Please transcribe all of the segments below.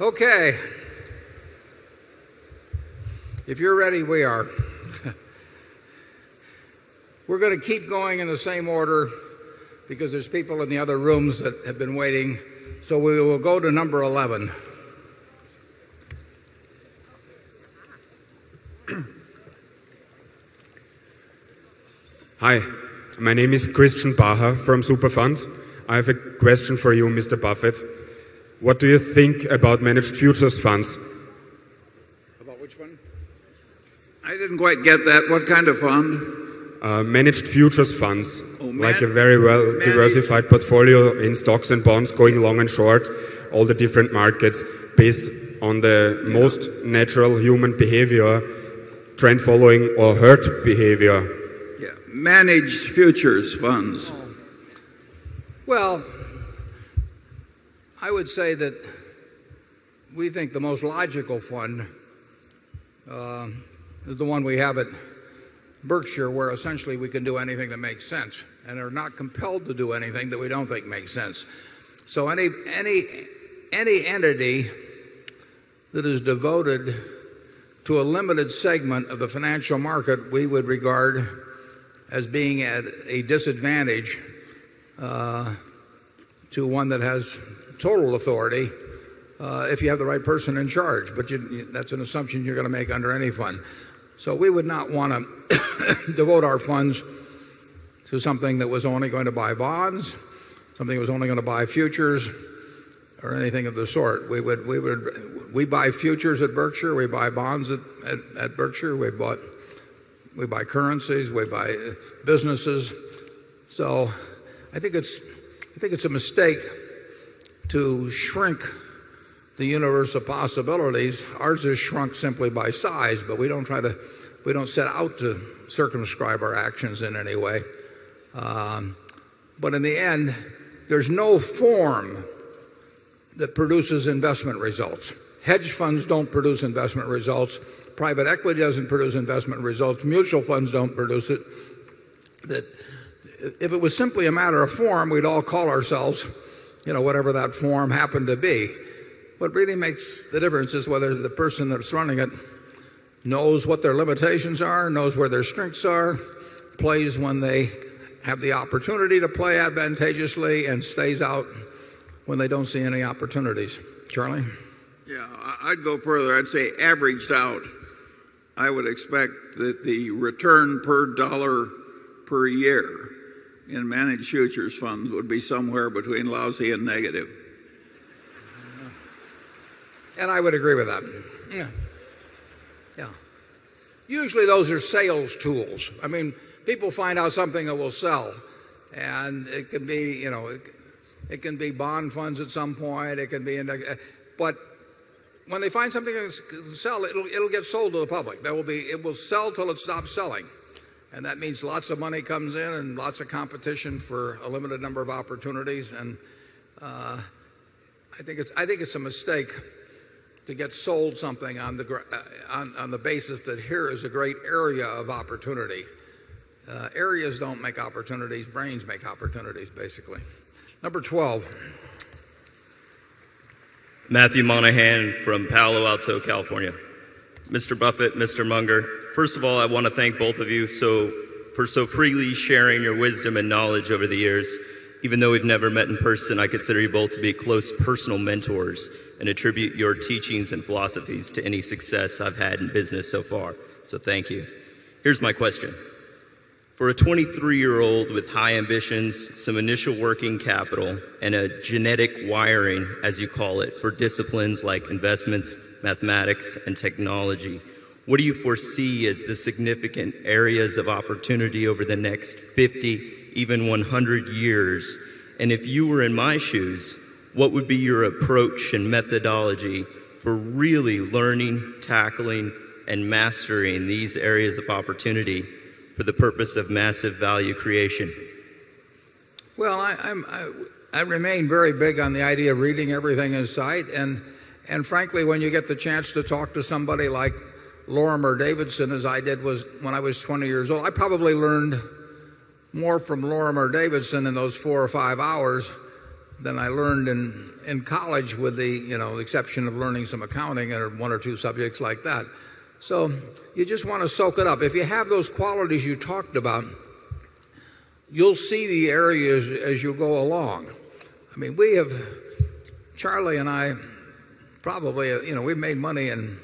Okay. If you're ready, we are. We're going to keep going in the same order because there's people in the other rooms that have been waiting. So we will go to number 11. Hi. My name is Christian Baja from Superfund. I have a question for you, Mr. Buffet. What do you think about managed futures funds? About which one? I didn't quite get that. What kind of fund? Managed futures funds. Oh my. Like a very well diversified portfolio in stocks and bonds going long and short. All the different markets based on the most natural human behavior, trend following or hurt behavior? Yes. Managed futures funds. Well, I would say that we think the most logical fund, is the one we have at Berkshire where essentially we can do anything that makes sense and are not compelled to do anything that we don't think makes sense. So any entity that is devoted to a limited segment of the financial market, we would regard as being at a disadvantage to one that has total authority if you have the right person in charge. But that's an assumption you're going to make under any fund. So we would not want to devote our funds to something that was only going to buy bonds, something that was only going to buy futures or anything of the sort. We buy futures at Berkshire. We buy bonds at Berkshire. We buy currencies. We buy businesses. So I think it's a mistake to shrink the universe of possibilities. Ours is shrunk simply by size but we don't try to we don't set out to circumscribe our actions in any way. But in the end, there's no form that produces investment results. Hedge funds don't produce investment results. Private equity doesn't produce investment results. Mutual funds don't produce it. If it was simply a matter of form, we'd all call ourselves whatever that form happened to be. What really makes the difference is whether the person that's running it knows what their limitations are, knows where their strengths are, plays when they have the opportunity to play advantageously and stays out when they don't see any opportunities. Charlie? Yeah. I'd go further. I'd say averaged out, I would expect that the return per dollar per year in managed futures funds would be somewhere between lousy and negative. And I would agree with that. Yes. Usually those are sales tools. I mean people find out something that will sell and it can be bond funds at some point it can be in but when they find something to sell it will get sold to the public that will be it will sell till it stops selling and that means lots of money comes in and lots of competition for a limited number of opportunities and I think it's a mistake to get sold something on the basis that here is a great area of opportunity. Areas don't make opportunities, brains make opportunities basically. Number 12. Matthew Monahan from Palo Alto, California. Mr. Buffet, Mr. Munger, first of all I want to thank both of you so for so freely sharing your wisdom and knowledge over the years. Even though we've never met in person I consider you both to be close personal mentors and attribute your teachings and philosophies to any success I've had in business so far. So thank you. Here's my question. For a 23 year old with high ambitions, some initial working capital, and a genetic wiring as you call it for disciplines like Investments, mathematics and technology. What do you foresee as the significant areas of opportunity over the next 50 even 100 years? And if you were in my shoes, what would be your approach and methodology for really learning, tackling and mastering these areas of opportunity for the purpose of massive value creation? Well, I I remain very big on the idea of reading everything in sight. And frankly, when you get the chance to talk to somebody like Lorimer Davidson as I did was when I was 20 years old. I probably learned more from Lorimer Davidson in those 4 or 5 hours than I learned in in college with the exception of learning some accounting or 1 or 2 subjects like that. So you just want to soak it up. If you have those qualities you talked about, you'll see the areas as you go along. I mean, we have Charlie and I probably we've made money in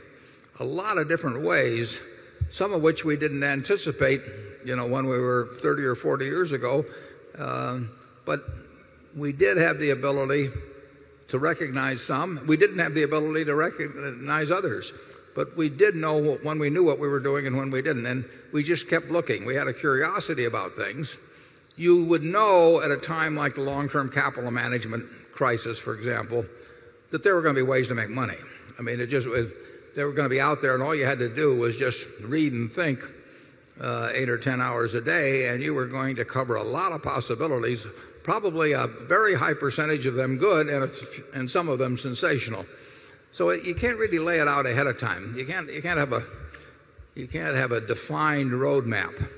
a lot of different ways, some of which we didn't anticipate when we were 30 or 40 years ago, but we did have the ability to recognize some. We didn't have the ability to recognize others but we did know when we knew what we were doing and when we didn't and we just kept looking. We had a curiosity about things. You would know at a time like the long term capital management crisis, for example, that there were going to be ways to make money. I mean, they were going to be out there and all you had to do was just read and think 8 or 10 hours a day and you were going sensational. So you can't really lay it out ahead of time. You can't have a defined roadmap,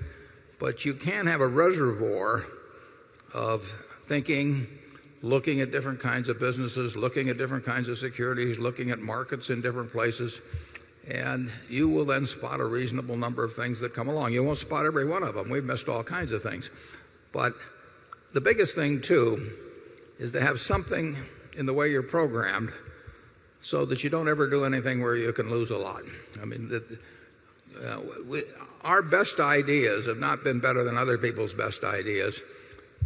but you can have a reservoir of thinking, looking at different kinds of businesses, looking at different kinds of securities, looking at markets in different places and you will then spot a reasonable number of things that come along. You won't spot every one of them. We've missed all kinds of things. But the biggest thing too is to have something in the way you're programmed so that you don't ever do anything where you can lose a lot. I mean, our best ideas have not been better than other people's best ideas,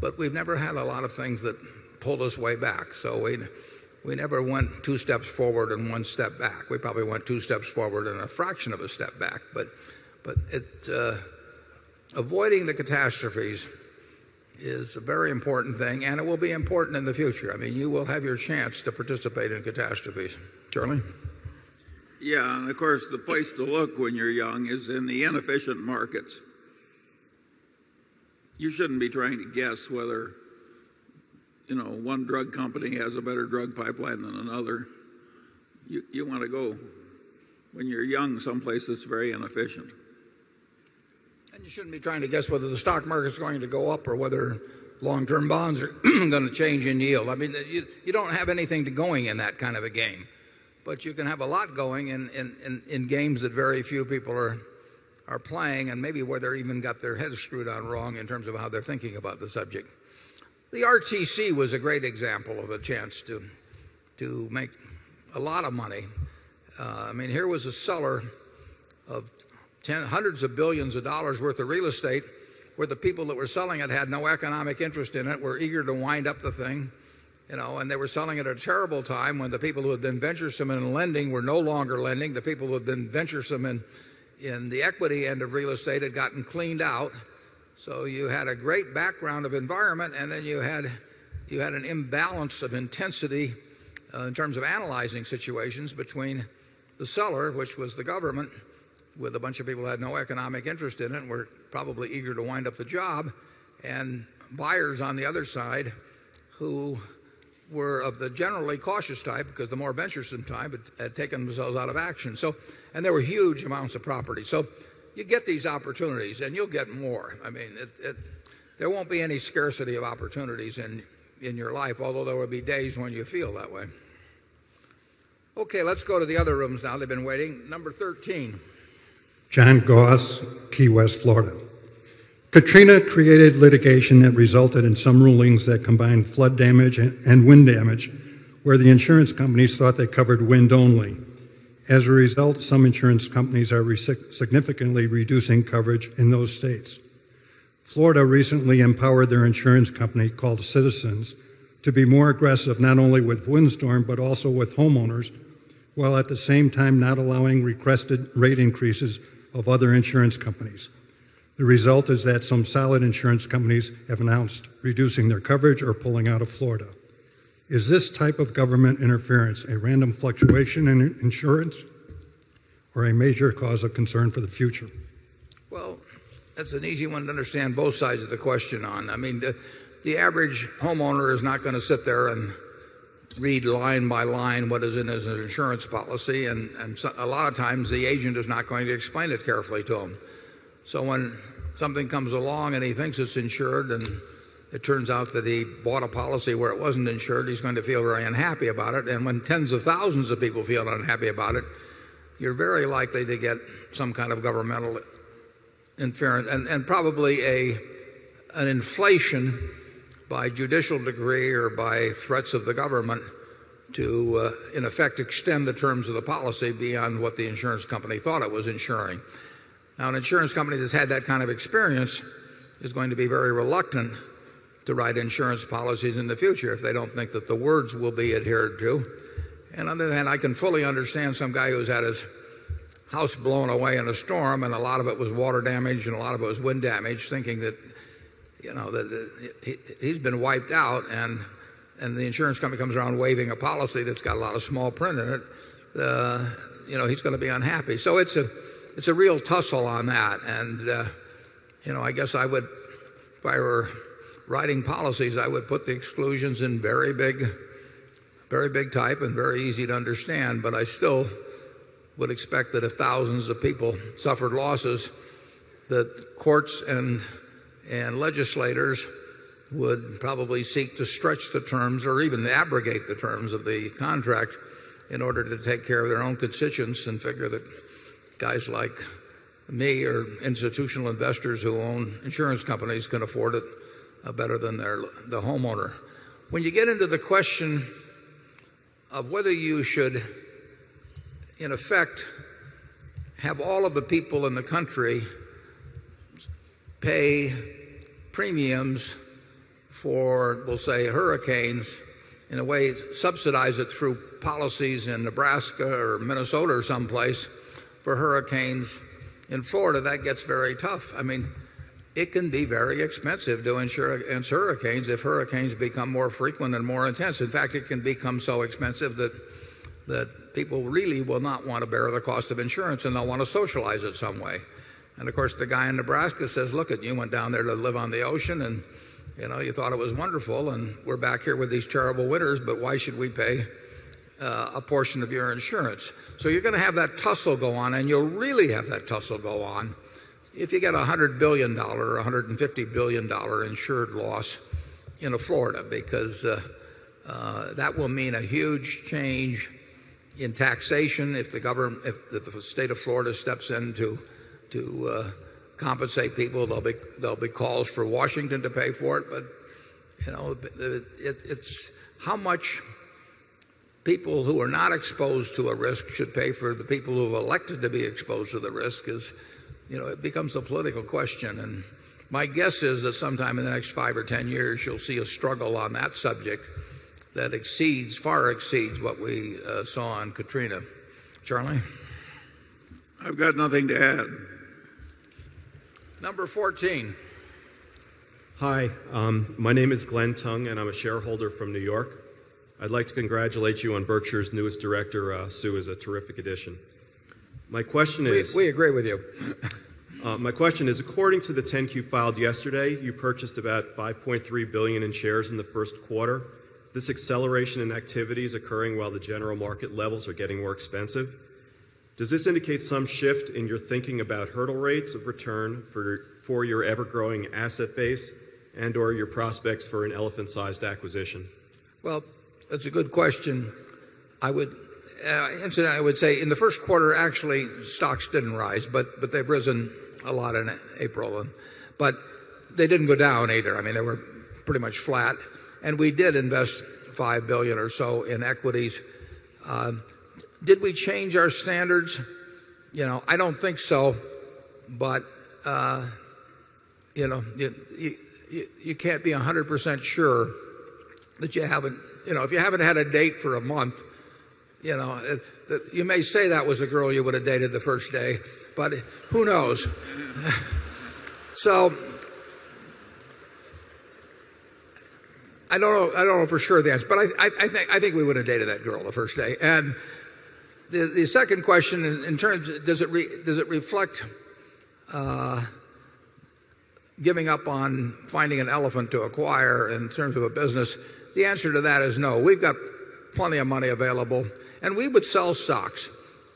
but we've never had a lot of things that pulled us way back. So we never went 2 steps forward and 1 step back. We probably went 2 steps forward and a fraction of a step back, but avoiding the catastrophes is a very important thing and it will be important in the future. I mean, you will have your chance to participate in catastrophes. Charlie? Yes. And of course, the place to look when you're young is in the inefficient markets. You shouldn't be trying to guess whether one drug company has a better drug pipeline than another. You want to go when you're young some places very inefficient. And you shouldn't be trying to guess whether the stock market is going to go up or whether long term bonds are going to change in yield. I mean, you don't have anything to going in that kind of a game. But you can have a lot going in games that very few people are playing and maybe where they even got their heads screwed on wrong in terms of how they're thinking about the subject. The RTC was a great example of a chance to make a lot of money. I mean here was a seller of 100 of 1,000,000,000 of dollars worth of real estate where the people that were selling it had no economic interest in it, were eager to wind up the thing and they were selling at a terrible time when the people who had been venturesome in lending were no longer lending. The people who had been venturesome in the equity end of real estate had gotten cleaned out. So you had a great background of environment and then you had an imbalance of intensity in terms of analyzing situations between the seller, which was the government with a bunch of people who had no economic interest in it and were probably eager to wind up the job and buyers on the other side who were of the generally cautious type because the more venturesome type had taken themselves out of action. So there were huge amounts of property. So you get these opportunities and you'll get more. I mean, there won't be any scarcity of opportunities in your life, although there will be days when you feel that way. Okay. Let's go to the other rooms now. They've been waiting. Number 13. John Goss, Key West, Florida. Katrina created litigation that resulted in some rulings that combined flood damage and wind damage where the insurance companies thought they covered wind only. As a result, some insurance companies are significantly reducing coverage in those states. Florida recently empowered their insurance company called Citizens to be more aggressive, not only with windstorm, but also with homeowners, while at the same time not allowing requested rate increases of other insurance companies. The result is that some solid insurance companies have announced reducing their coverage or pulling out of Florida. Is this type of government interference a random fluctuation in insurance or a major cause of concern for the future? Well, that's an easy one to understand both sides of the question on. I mean, the average homeowner is not going to sit there and read line by line what is in his insurance policy and a lot of times the agent is not going to explain it carefully to him. So when something comes along and he thinks it's insured and it turns out that he bought policy where it wasn't insured, he's going to feel very unhappy about it. And when tens of thousands of people feel unhappy about it, you're very likely to get some kind of governmental and probably an inflation by judicial degree or by threats of the government to, in effect, extend the terms of the policy beyond what the insurance company thought it was insuring. Now an insurance company that's had that kind of experience is going to be very reluctant to write insurance policies in the future if they don't think that the words will be adhered to. And other than that, I can fully understand some guy who's had his house blown away in a storm and a lot of it was water damage and a lot of it was wind damage thinking that he's been wiped out and the insurance company comes around waiving a policy that's got a lot of small print in it, he's going to be unhappy. So it's a real tussle on that and I guess I would if I were writing policies, I would put the exclusions in very big type and very easy to understand. But I still would expect that if thousands of people suffered losses, that courts and legislators would probably seek to stretch the terms or even abrogate the terms of the contract in order to take care of their own constituents and figure that guys like me or institutional investors who own insurance companies can afford it better than the homeowner. When you get into the question of whether you should, in effect, have all of the people in the country pay premiums for, we'll say, hurricanes in a way subsidized it through policies in Nebraska or Minnesota or someplace for hurricanes. In Florida, that gets very tough. I mean, it can be very expensive to ensure hurricanes if hurricanes become more frequent and more intense. In fact, it can become so expensive that people really will not want to bear the cost of insurance and they'll want to socialize it some way. And of course, the guy in Nebraska says, look, you went down there to live on the ocean and you know, you thought it was wonderful and we're back here with these terrible winters, but why should we pay a portion of your insurance? So you're going to have that tussle go on and you'll really have that tussle go on if you get a $100,000,000,000 or $150,000,000,000 insured loss in Florida because that will mean a huge change in taxation if the state of Florida steps in to compensate people, there'll be calls for Washington to pay for it. But, you know, it's how much people who are not exposed to a risk should pay for the people who have elected to be exposed to the risk is it becomes a political question. And my guess is that sometime in the next 5 or 10 years, you'll see a struggle on that subject that exceeds far exceeds what we saw on Katrina. Charlie? I've got nothing to add. Number 14. Hi. My name is Glen Tongue and I'm a shareholder from New York. I'd like to congratulate you on Berkshire's newest Director, Sue, is a terrific addition. My question is We agree with you. My question is according to the 10 Q filed yesterday, you purchased about $5,300,000,000 in shares in the Q1. This acceleration in activity is occurring while the general market levels are getting more expensive. Does this indicate some shift in your thinking about hurdle rates of return for your ever growing asset base and or your prospects for an elephant sized acquisition? Well, that's a good question. I would incidentally, I would say in the Q1 actually stocks didn't rise, but they've risen a lot in April, but they didn't go down either. I mean they were pretty much flat and we did invest $5,000,000,000 or so in equities. Did we change our standards? I don't think so. But you can't be 100% sure that you haven't if you haven't had a date for a month, you may say that was a girl you would have dated the 1st day, but who knows? So I don't know for sure the answer, but I think we would have dated that girl the 1st day. And the second question in terms of does it reflect giving up on finding an elephant to acquire in terms of a business? The answer to that is no. We've got plenty of money available and we would sell stocks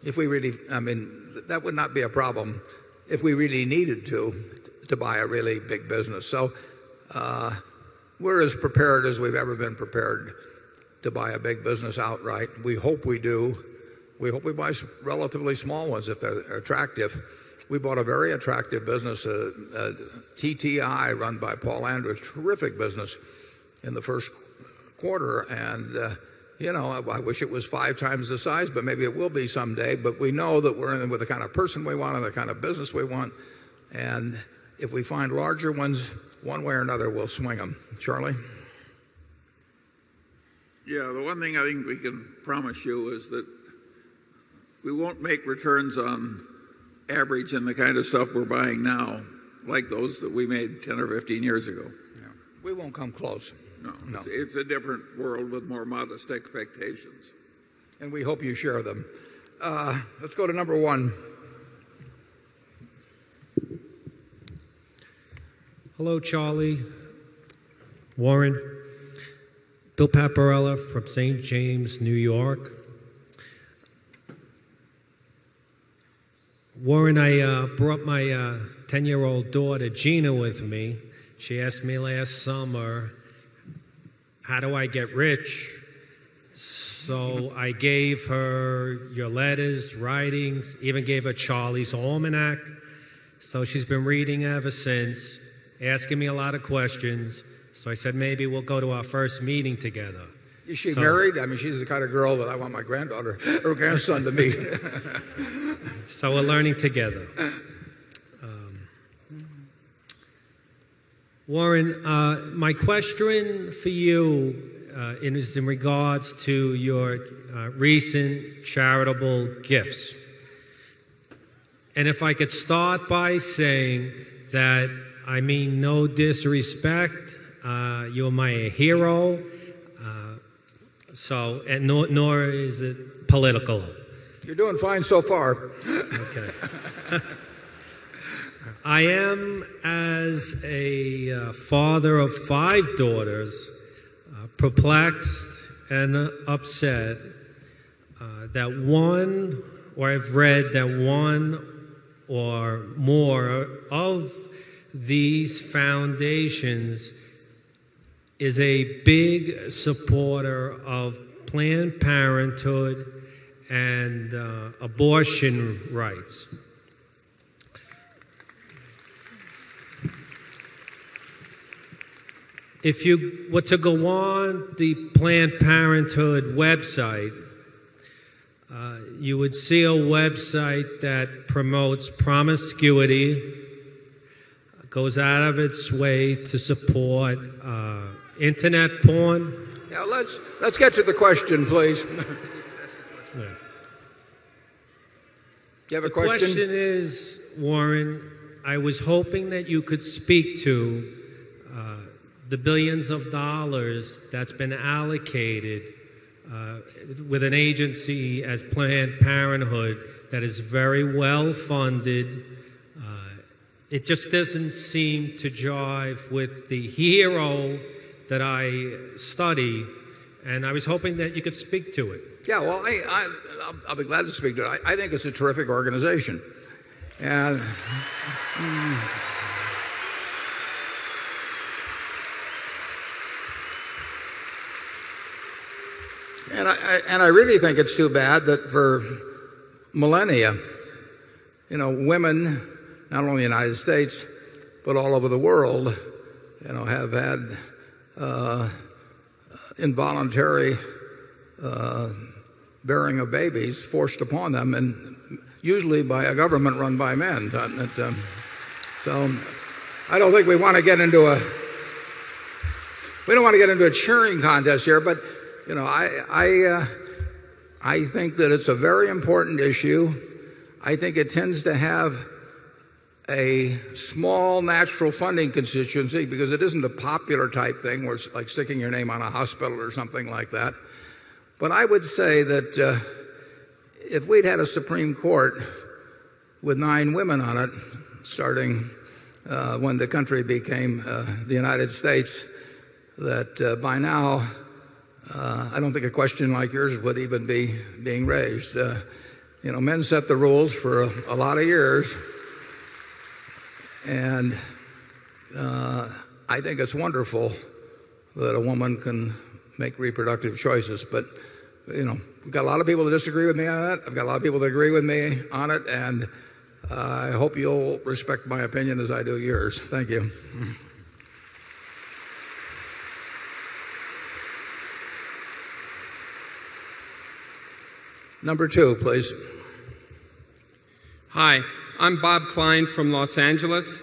if we really I mean that would not be a problem if we really needed to, to buy a really big business. So, we're as prepared as we've ever been prepared to buy a big business outright. We hope we do. We hope we buy relatively small ones if they're attractive. We bought a very attractive business, TTi run by Paul Andrews, terrific business in the Q1. And I wish it was 5 times the size, but maybe it will be someday. But we know that we're in with the kind of person we want and the kind of business we want. And if we find larger ones one way or another, we'll swing them. Charlie? Yes. The one thing I think we can promise you is that we won't make returns on average and the kind of stuff we're buying now like those that we made 10 or 15 years ago. We won't come close. No. It's a different world with more modest expectations. And we hope you share them. Let's go to number 1. Hello, Charlie, Warren, Bill Paparella from St. James, New York. Warren, I brought my 10 year old daughter, Gina, with me. She asked me last summer, how do I get rich? So I gave her your letters, writings, even gave her Charlie's Almanac. So she's been reading ever since, asking me a lot of questions. So I said, maybe we'll go to our first meeting together. Is she married? I mean, she's the kind of girl that I want my granddaughter or grandson to meet. So we're learning together. Warren, my question for you, is in regards to your recent charitable gifts. And if I could start by saying that I mean no disrespect. You're my hero. So and nor nor is it political. You're doing fine so far. Okay. I am as a father of 5 daughters, perplexed and upset, that one or I've read that one or more of these foundations is a big supporter of Planned Parenthood and, abortion rights. If you were to go on the Planned Parenthood website, you would see a website that promotes promiscuity, goes out of its way to support, Internet porn. Now let's let's get to the question, please. Do you have a question? The question is, Warren, I was hoping that you could speak to the 1,000,000,000 of dollars that's been allocated with an agency as Planned Parenthood that is very well funded. It just doesn't seem to jive with the hero that I study and I was hoping that you could speak to it. Yeah. Well, I'll be glad to speak to it. I think it's a terrific organization. And I really think it's too bad that for millennia, you know, women, not only in the United States but all over the world, you know, have had involuntary bearing of babies forced upon them and usually by a government run by men. So I don't think we want to get into a we don't want to get into a cheering contest here, but I I think that it's a very important issue. I think it tends to have a small natural funding constituency because it isn't a popular type thing where it's like sticking your name on a hospital or something like that. But I would say that, if we'd had a Supreme Court with 9 women on it starting, when the country became the United States that, by now, I don't think a question like yours would even be being raised. You know, men set the rules for a lot of years and, I think it's wonderful that a woman can make reproductive choices. But, you know, we've got a lot of people to disagree with me on that. I've got a lot of people to agree with me on it and I hope you'll respect my opinion as I do yours. Thank you. Number 2, please. Hi. I'm Bob Klein from Los Angeles.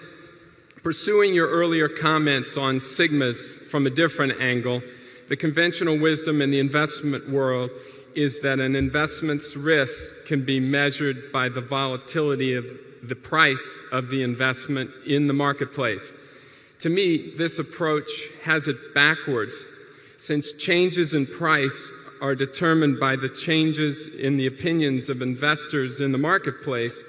Pursuing your earlier comments on Sigmas from a different angle, the conventional wisdom in the investment world is that an investment's risk can be measured by the volatility of the price of the investment in the marketplace. To me, this approach has it backwards since changes in price are determined by the changes in the opinions of investors in the marketplace,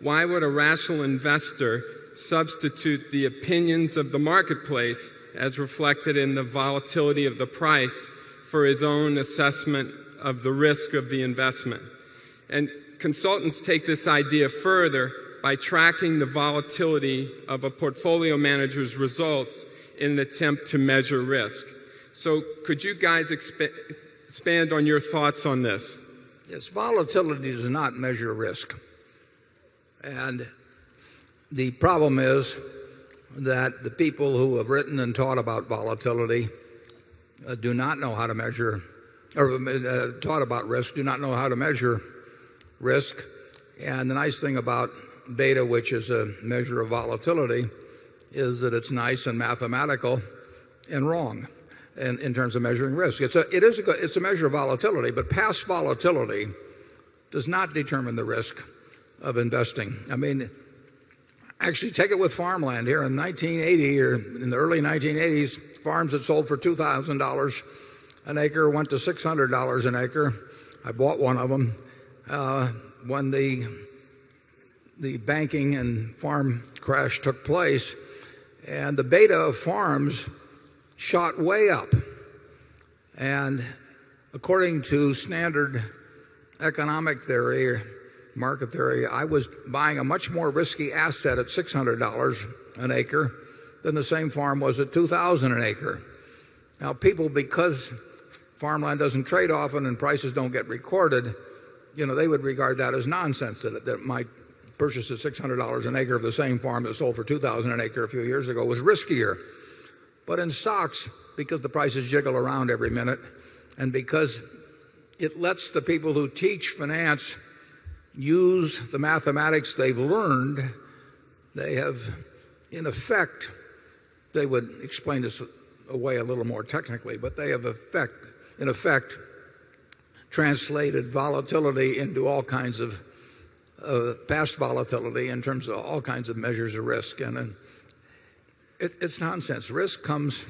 why would a rational investor substitute the opinions of the marketplace as reflected in the volatility of the price for his own assessment of the risk of the investment? And consultants take this idea further by tracking the volatility of a portfolio manager's results in an attempt to measure risk. So could you guys expand on your thoughts on this? Yes, volatility does not measure risk. And the problem is that the people who have written and taught about volatility do not know how to measure or taught about risk, do not know how to measure risk. And the nice thing about beta, which is a measure of volatility, is that it's nice and mathematical and wrong in terms of measuring risk. It's a measure of volatility but past volatility does not determine the risk of investing. I mean, actually take it with farmland here in 1980 or in the early 1980s, farms that sold for $2,000 an acre went to $600 an acre. I bought one of them, when the banking and farm crash took place and the beta of farms shot way up. And according to standard economic theory, market theory, I was buying a much more risky asset at $600 an acre than the same farm was at 2,000 an acre. Now people because farmland doesn't trade off and then prices don't get recorded, they would regard that as nonsense that my purchase of $600 an acre of the same farm that sold for 2,000 an acre a few years ago was riskier. But in stocks, because the prices jiggle around every minute and because it lets the people who teach finance use the mathematics they've learned, they have in effect, they would explain this away a little more technically but they have in effect translated volatility into all kinds of past volatility in terms of all kinds of measures of risk. It's nonsense. Risk comes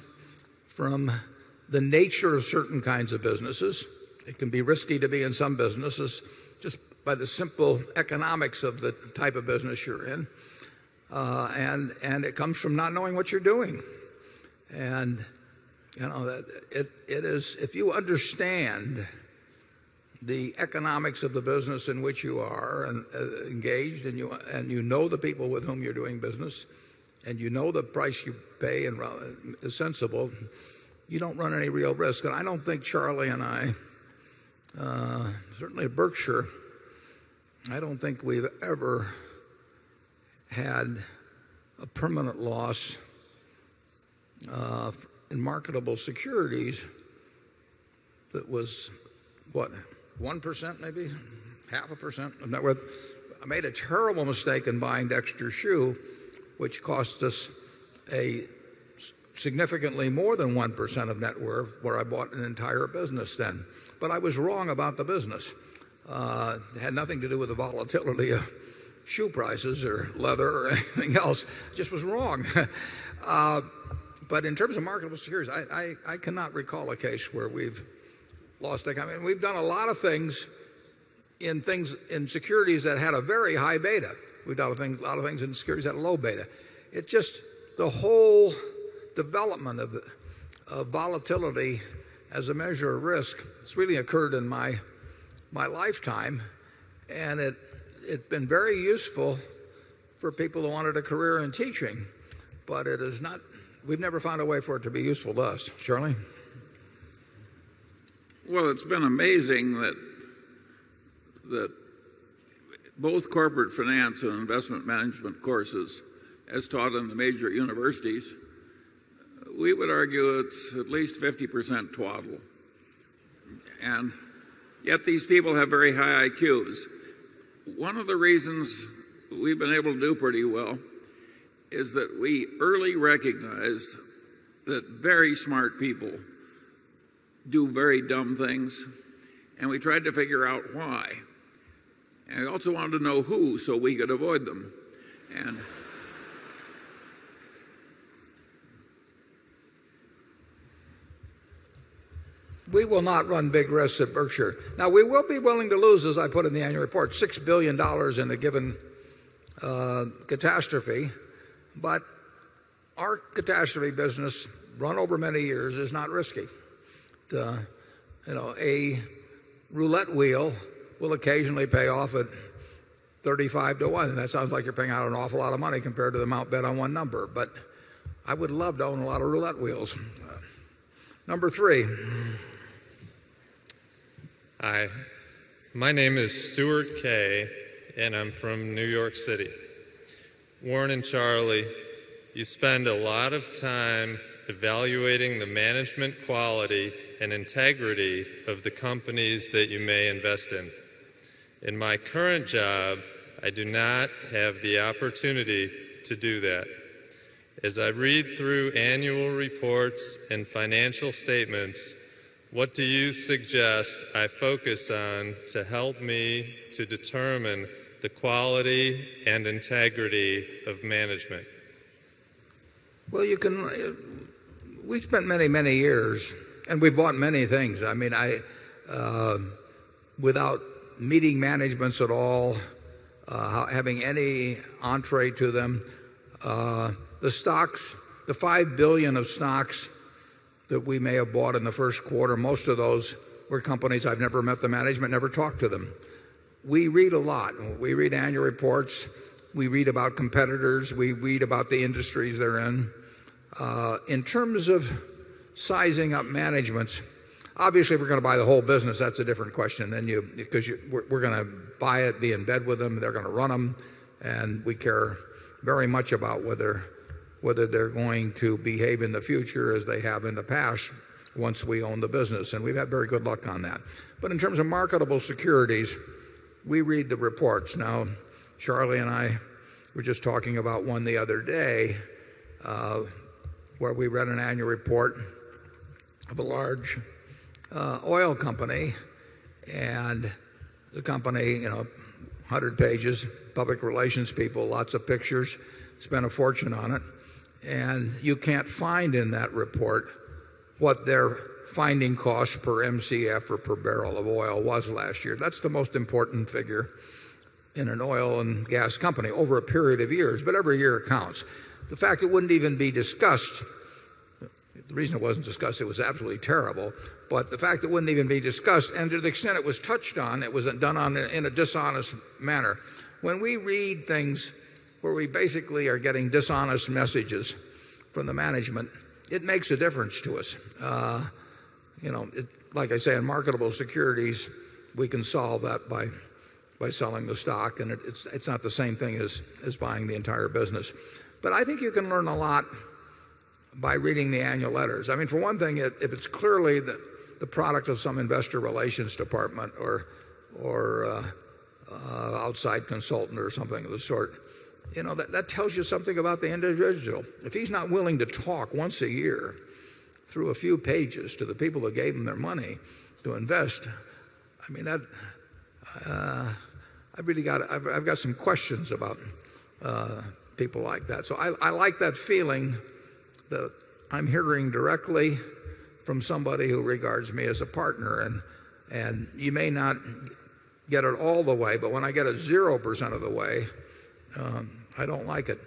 from the nature of certain kinds of businesses. It can be risky to be in some businesses just by the simple economics of the type of business you're in. And it comes from not knowing what you're doing. And if you understand the economics of the business in which you are engaged and you know the people with whom you're doing business and you know the price you pay and is sensible, you don't run any real risk. And I don't think Charlie and I, certainly at Berkshire, I don't think we've ever had a permanent loss in marketable securities that was 1% maybe, 0.5% of net worth. I made a terrible mistake in buying Dexter Shoe which cost us a significantly more than 1% of net worth where I bought an entire business then. But I was wrong about the business. It had nothing to do with the volatility of shoe prices or leather or anything else. It just was wrong. But in terms of marketable securities, I cannot recall a case where we've lost it. I mean, we've done a lot of things in securities that had a very high beta. We've done a lot of things in securities that had a low beta. It's just the whole development of volatility as a measure of risk. It's really occurred in my lifetime and it's been very useful for people who wanted a career in teaching but it is not we've never found a way for it to be useful to us. Charlie? Well, it's been amazing that both corporate finance and investment management courses as taught in the major universities, we would argue it's at least 50% twaddle. And yet these people have very high IQs. One of the reasons we've been able to do pretty well is that we early recognized that very smart people do very dumb things and we tried to figure out why. And we also wanted to know who so we could avoid them. And We will not run big risk at Berkshire. Now we will be willing to lose as I put in the annual report $6,000,000,000 in a given catastrophe but our catastrophe business run over many years is not risky. A roulette wheel will occasionally pay off at 35 to 1. That sounds like you're paying out an awful lot of money compared to the amount bet on one number. But I would love to own a lot of roulette wheels. Number 3. Hi. My name is Stuart Kaye and I'm from New York City. Warren and Charlie, you spend a lot of time evaluating the management quality and integrity of the companies that you may invest in. In my current job, I do not have the opportunity to do that. As I read through annual reports and financial statements, what do you suggest I focus on to help me to determine the quality and integrity of management? Well, you can we spent many, many years and we've bought many things. I mean, without meeting managements at all, having any entree to them, The stocks, the 5,000,000,000 of stocks that we may have bought in the Q1, most of those were companies I've never met the management, never talked to them. We read a lot. We read annual reports. We read about competitors. We read about the industries they're in. In terms of sizing up management, obviously if we're going to buy the whole business, that's a different question than you because we're going to buy it, be in bed with them, they're going to run them and we care very much about whether they're going to behave in the future as they have in the past once we own the business and we've had very good luck on that. But in terms of marketable securities, we read the reports. Now, Charlie and I were just talking about one the other day, where we read an annual report of a large oil company and the company, you know, 100 pages, public relations people, lots of pictures, spent a fortune on it and you can't find in that report what their finding cost per Mcf per barrel of oil was last year. That's the most important figure in an oil and gas company over a period of years, but every year it counts. The fact it wouldn't even be discussed, the reason it wasn't discussed, it was absolutely terrible. But the fact it wouldn't even be discussed and to the extent it was touched on, it wasn't done in a dishonest manner. When we read things where we basically are getting dishonest messages from the management, it makes a difference to us. Like I say, in marketable securities, we can solve that by selling the stock and it's not the same thing as buying the entire business. But I think you can learn a lot by reading the annual letters. I mean, for one thing, if it's clearly the product of some investor relations department or outside consultant or something of the sort, that tells you something about the individual. If he's not willing to talk once a year through a few pages to the people who gave him their money to invest, I mean, I've got some questions about people like that. So I like that feeling that I'm hearing directly from somebody who regards me as a partner and you may not get it all the way but when I get a 0% of the way, I don't like it.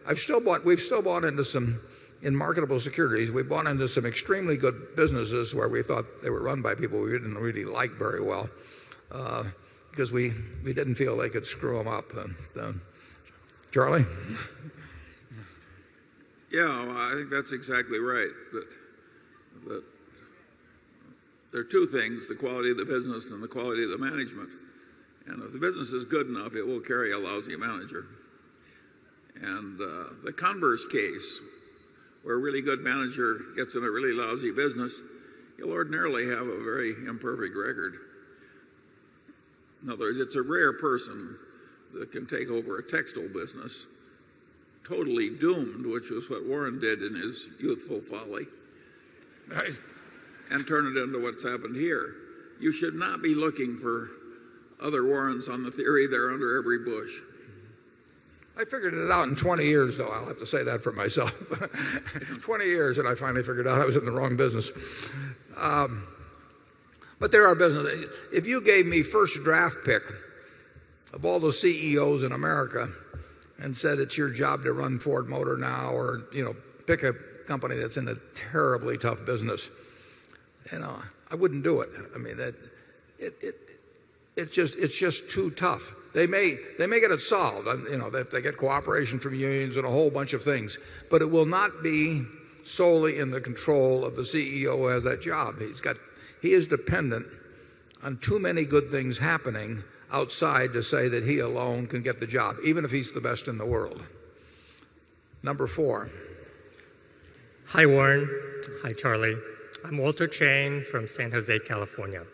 We've still bought into some in marketable securities, we bought into some extremely good businesses where we thought they were run by people we didn't really like very well because we didn't feel they could screw them up. Charlie? Yes. I think that's exactly right. There are 2 things, the quality of the business and the quality of the management. And if the business is good enough, it will carry a lousy manager. And the converse case where a really good manager gets in a really lousy business, you'll ordinarily have a very imperfect record. In other words, it's a rare person that can take over a textile business totally doomed which is what Warren did in his youthful folly and turn it into what's happened here. You should not be looking for other warrants on the theory there under every bush. I figured it out in 20 years though. I'll have to say that for myself. 20 years and I finally figured out I was in the wrong business. But there are business if you gave me first draft pick of all the CEOs in America and said it's your job to run Ford Motor now or pick a company that's in a terribly tough business, and I wouldn't do it. I mean, it's just too tough. They may get it solved. They get cooperation from unions and a whole bunch of things. But it will not be solely in the control of the CEO who has that job. He is dependent on too many good things happening outside to say that he alone can get the job even if he's the best in the world. Number 4. Hi Warren. Hi Charlie. I'm Walter Chang from San Jose, California.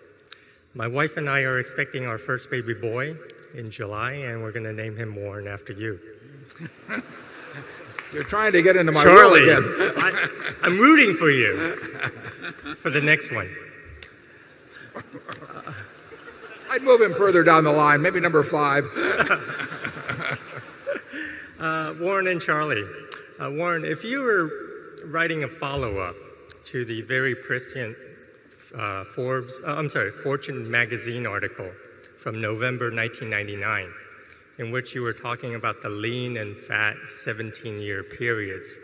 My wife and I are expecting our first baby boy in July and we're going to name him Warren after you. You're trying to get into my world again. I'm rooting for you for the next one. I'd move him further down the line, maybe number 5. Warren and Charlie. Warren, if you were writing a follow-up to the very prescient Forbes I'm sorry, Fortune Magazine article from November 1999 in which you were talking about the lean and fat 17 year periods.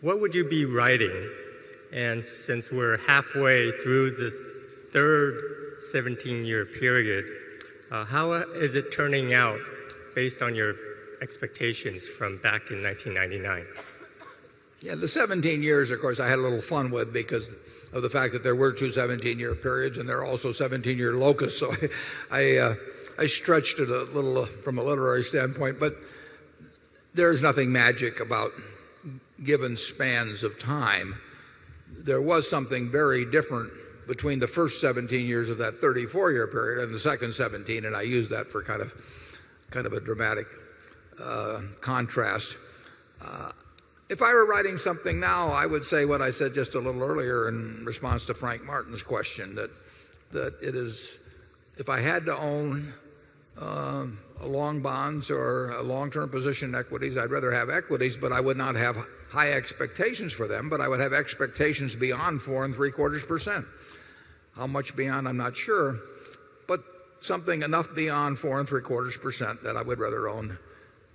What would you be writing? And since we're halfway through this 3rd 17 year period, how is it turning out based on your expectations from back in 1999? Yes. The 17 years, of course, I had a little fun with because of the fact that there were 2 17 year periods and there are also 17 year locusts. So I stretched it a little from a literary standpoint, but there's nothing magic about given spans of time. There was something very different between the 1st 17 years of that 34 year period and the second 'seventeen and I use that for kind of a dramatic contrast. If I were writing something now, I would say what I said just a little earlier in response to Frank Martin's question that it is if I had to own, long bonds or long term position equities, I'd rather have equities, but I would not have high expectations for them but I would have expectations beyond 4.75%. How much beyond, I'm not sure. But something enough beyond 4 3 quarters percent that I would rather own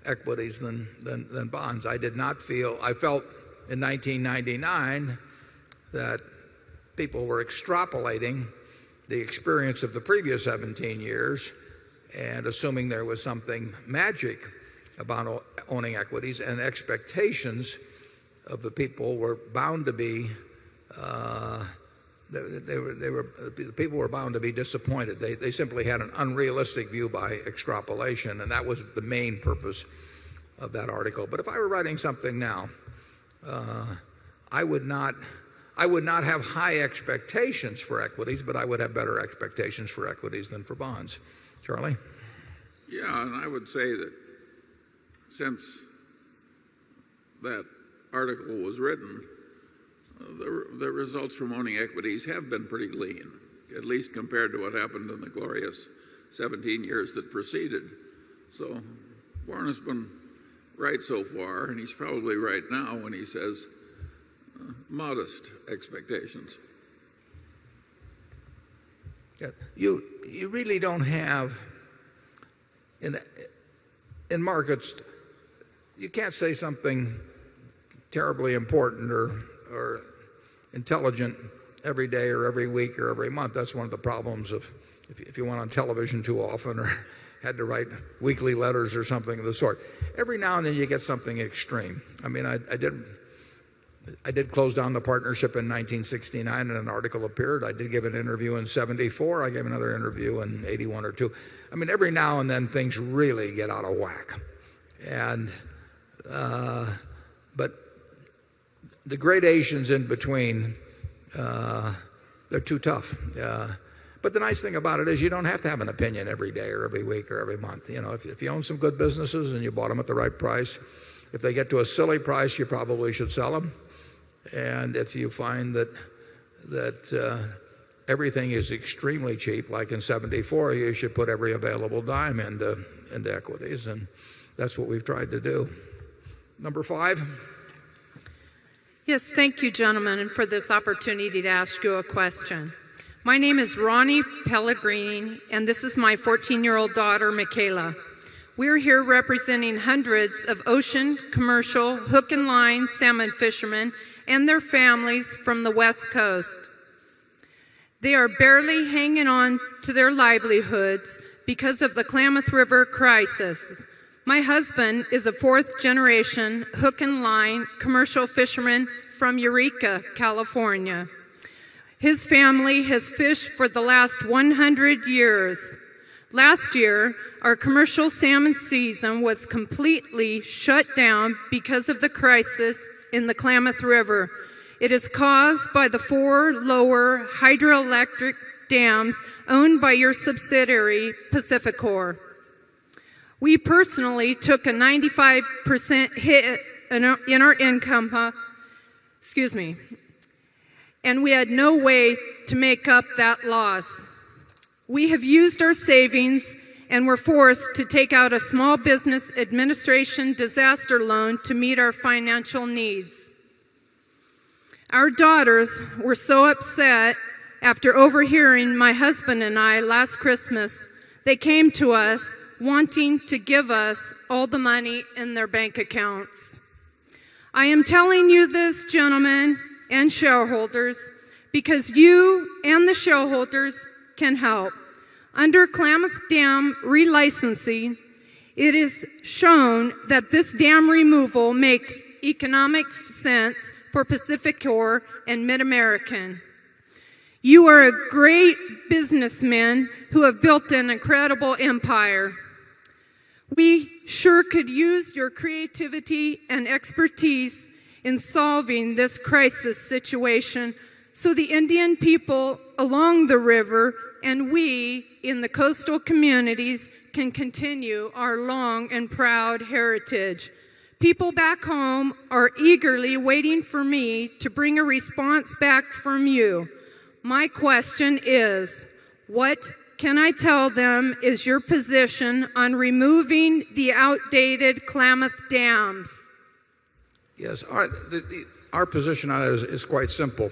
equities than bonds. I did not feel I felt in 1999 that people were extrapolating the experience of the previous 17 years and assuming there was something magic about owning equities and expectations of the people were bound to be the people were bound to be disappointed. They simply had an unrealistic view by extrapolation and that was the main purpose of that article. But if I were writing something now, I would not have high expectations for equities, but I would have better expectations for equities than for bonds. Charlie? Yes. And I would say that since that article was written, the results from owning equities have been pretty lean at least compared to what happened in the glorious 17 years that preceded. So Warren has been right so far and he's probably right now when he says modest expectations. You really don't have in markets, you can't say something terribly important or intelligent every day or every week or every month. That's one of the problems of if you went on television too often or had to write weekly letters or something of the sort. Every now and then you get something extreme. I mean, I did close down the partnership in 1969 and an 'seventy four. I gave another interview in 'eighty one or 'two. I mean every now and then things really get out of whack and but the gradations in between, they're too tough. But the nice thing about it is you don't have to have an opinion every day or every week or every month. If you own some good businesses and you bought them at the right price, if they get to a silly price, you probably should sell them. And if you find that everything is extremely cheap like in 74, you should put every available dime into equities and that's what we've tried to do. Number 5? Yes. Thank you, gentlemen, and for this opportunity to ask you a question. My name is Ronnie Pellegreen and this is my 14 year old daughter, Mikaela. We are here representing 100 of ocean commercial hook and line salmon fishermen and their families from the West Coast. They are barely hanging on to their livelihoods because of the Klamath River crisis. My husband is a 4th generation hook and line commercial fisherman from Eureka, California. His family has fished for the last 100 years. Last year, our commercial salmon season was completely shut down because of the crisis in the Klamath River. It is caused by the 4 lower hydroelectric dams owned by your subsidiary, Pacific Corp. We personally took a 95% hit in our income, excuse me, and we had no way to make up that loss. We have used our savings and were forced to take out a Small Business Administration disaster loan to meet our financial needs. Our daughters were so upset after overhearing my husband and I last Christmas. They came to us wanting to give us all the money in their bank accounts. I am telling you this, gentlemen, and shareholders, because you and the shareholders can help. Under Klamath Dam relicensing, it is shown that this dam removal makes economic sense for Pacific Ore and Mid American. You are a great businessman who have built an incredible empire. We sure could use your creativity and expertise in solving this crisis situation so the Indian people along the river and we in the coastal communities can continue our long and proud heritage. People back home are eagerly waiting for me to bring a response back from you. My question is, what can I tell them is your position on removing the outdated Klamath dams? Yes. Our position on it is quite simple.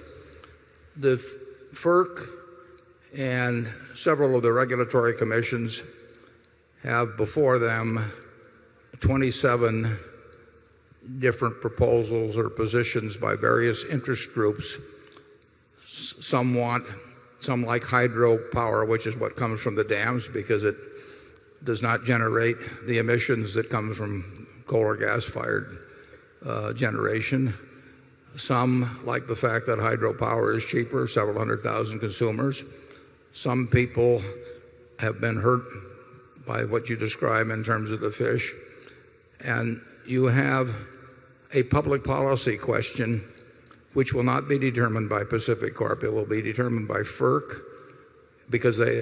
The FERC and several of the regulatory commissions have before them 27 different proposals or positions by various interest groups. Some like hydro power, which is what comes from the dams because it does not generate the emissions that come from coal or gas fired generation. Some like the fact that hydropower is cheaper, several 100000 consumers. Some people have been hurt by what you describe in terms of the fish and you have a public policy question which will not be determined by Pacific Corp. It will be determined by FERC because they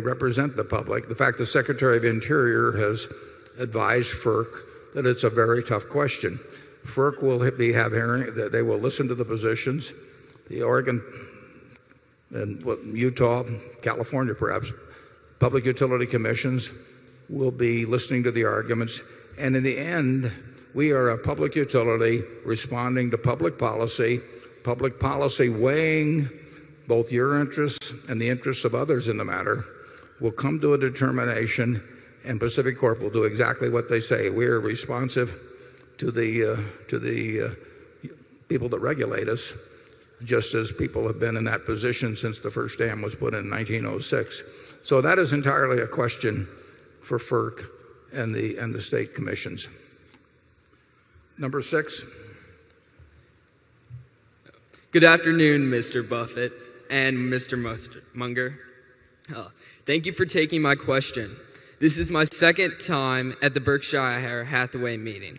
represent the public. The fact the Secretary of Interior has advised FERC that it's a very tough question. FERC will be have hearing they will listen to the positions. The Oregon and what Utah, California perhaps, public utility commissions will be listening to the arguments and in the end, we are a public utility responding to public policy, public policy weighing both your interests and the interests of others in the matter. We'll come to a determination and Pacific Corp will do exactly what they say. We are responsive to the people that regulate us just as people have been in that position since the first dam was put in 1906. So that is entirely a question for FERC and the and the state commissions. Number 6. Good afternoon, Mr. Buffet and mister Musker Munger. Thank you for taking my question. This is my second time at the Berkshire Hathaway meeting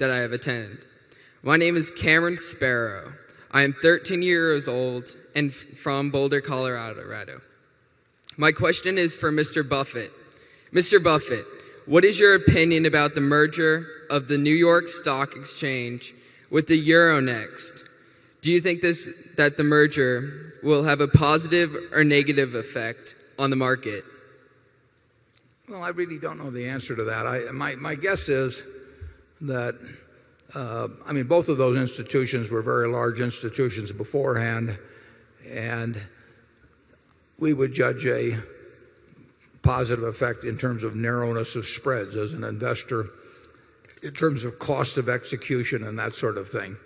that I have attended. My name is Cameron Sparrow. I am 13 years old and from Boulder, Colorado, Colorado. My question is for Mr. Buffet. Mr. Buffet, what is your opinion about the merger of the New York Stock Exchange with the Euronext? Do you think this that the merger will have a positive or negative effect on the market? Well, I really don't know the answer to that. My guess is that, I mean both of those institutions were very large institutions beforehand and we would judge a positive effect in terms of narrowness of spreads as an investor in terms of cost of execution and that sort of thing.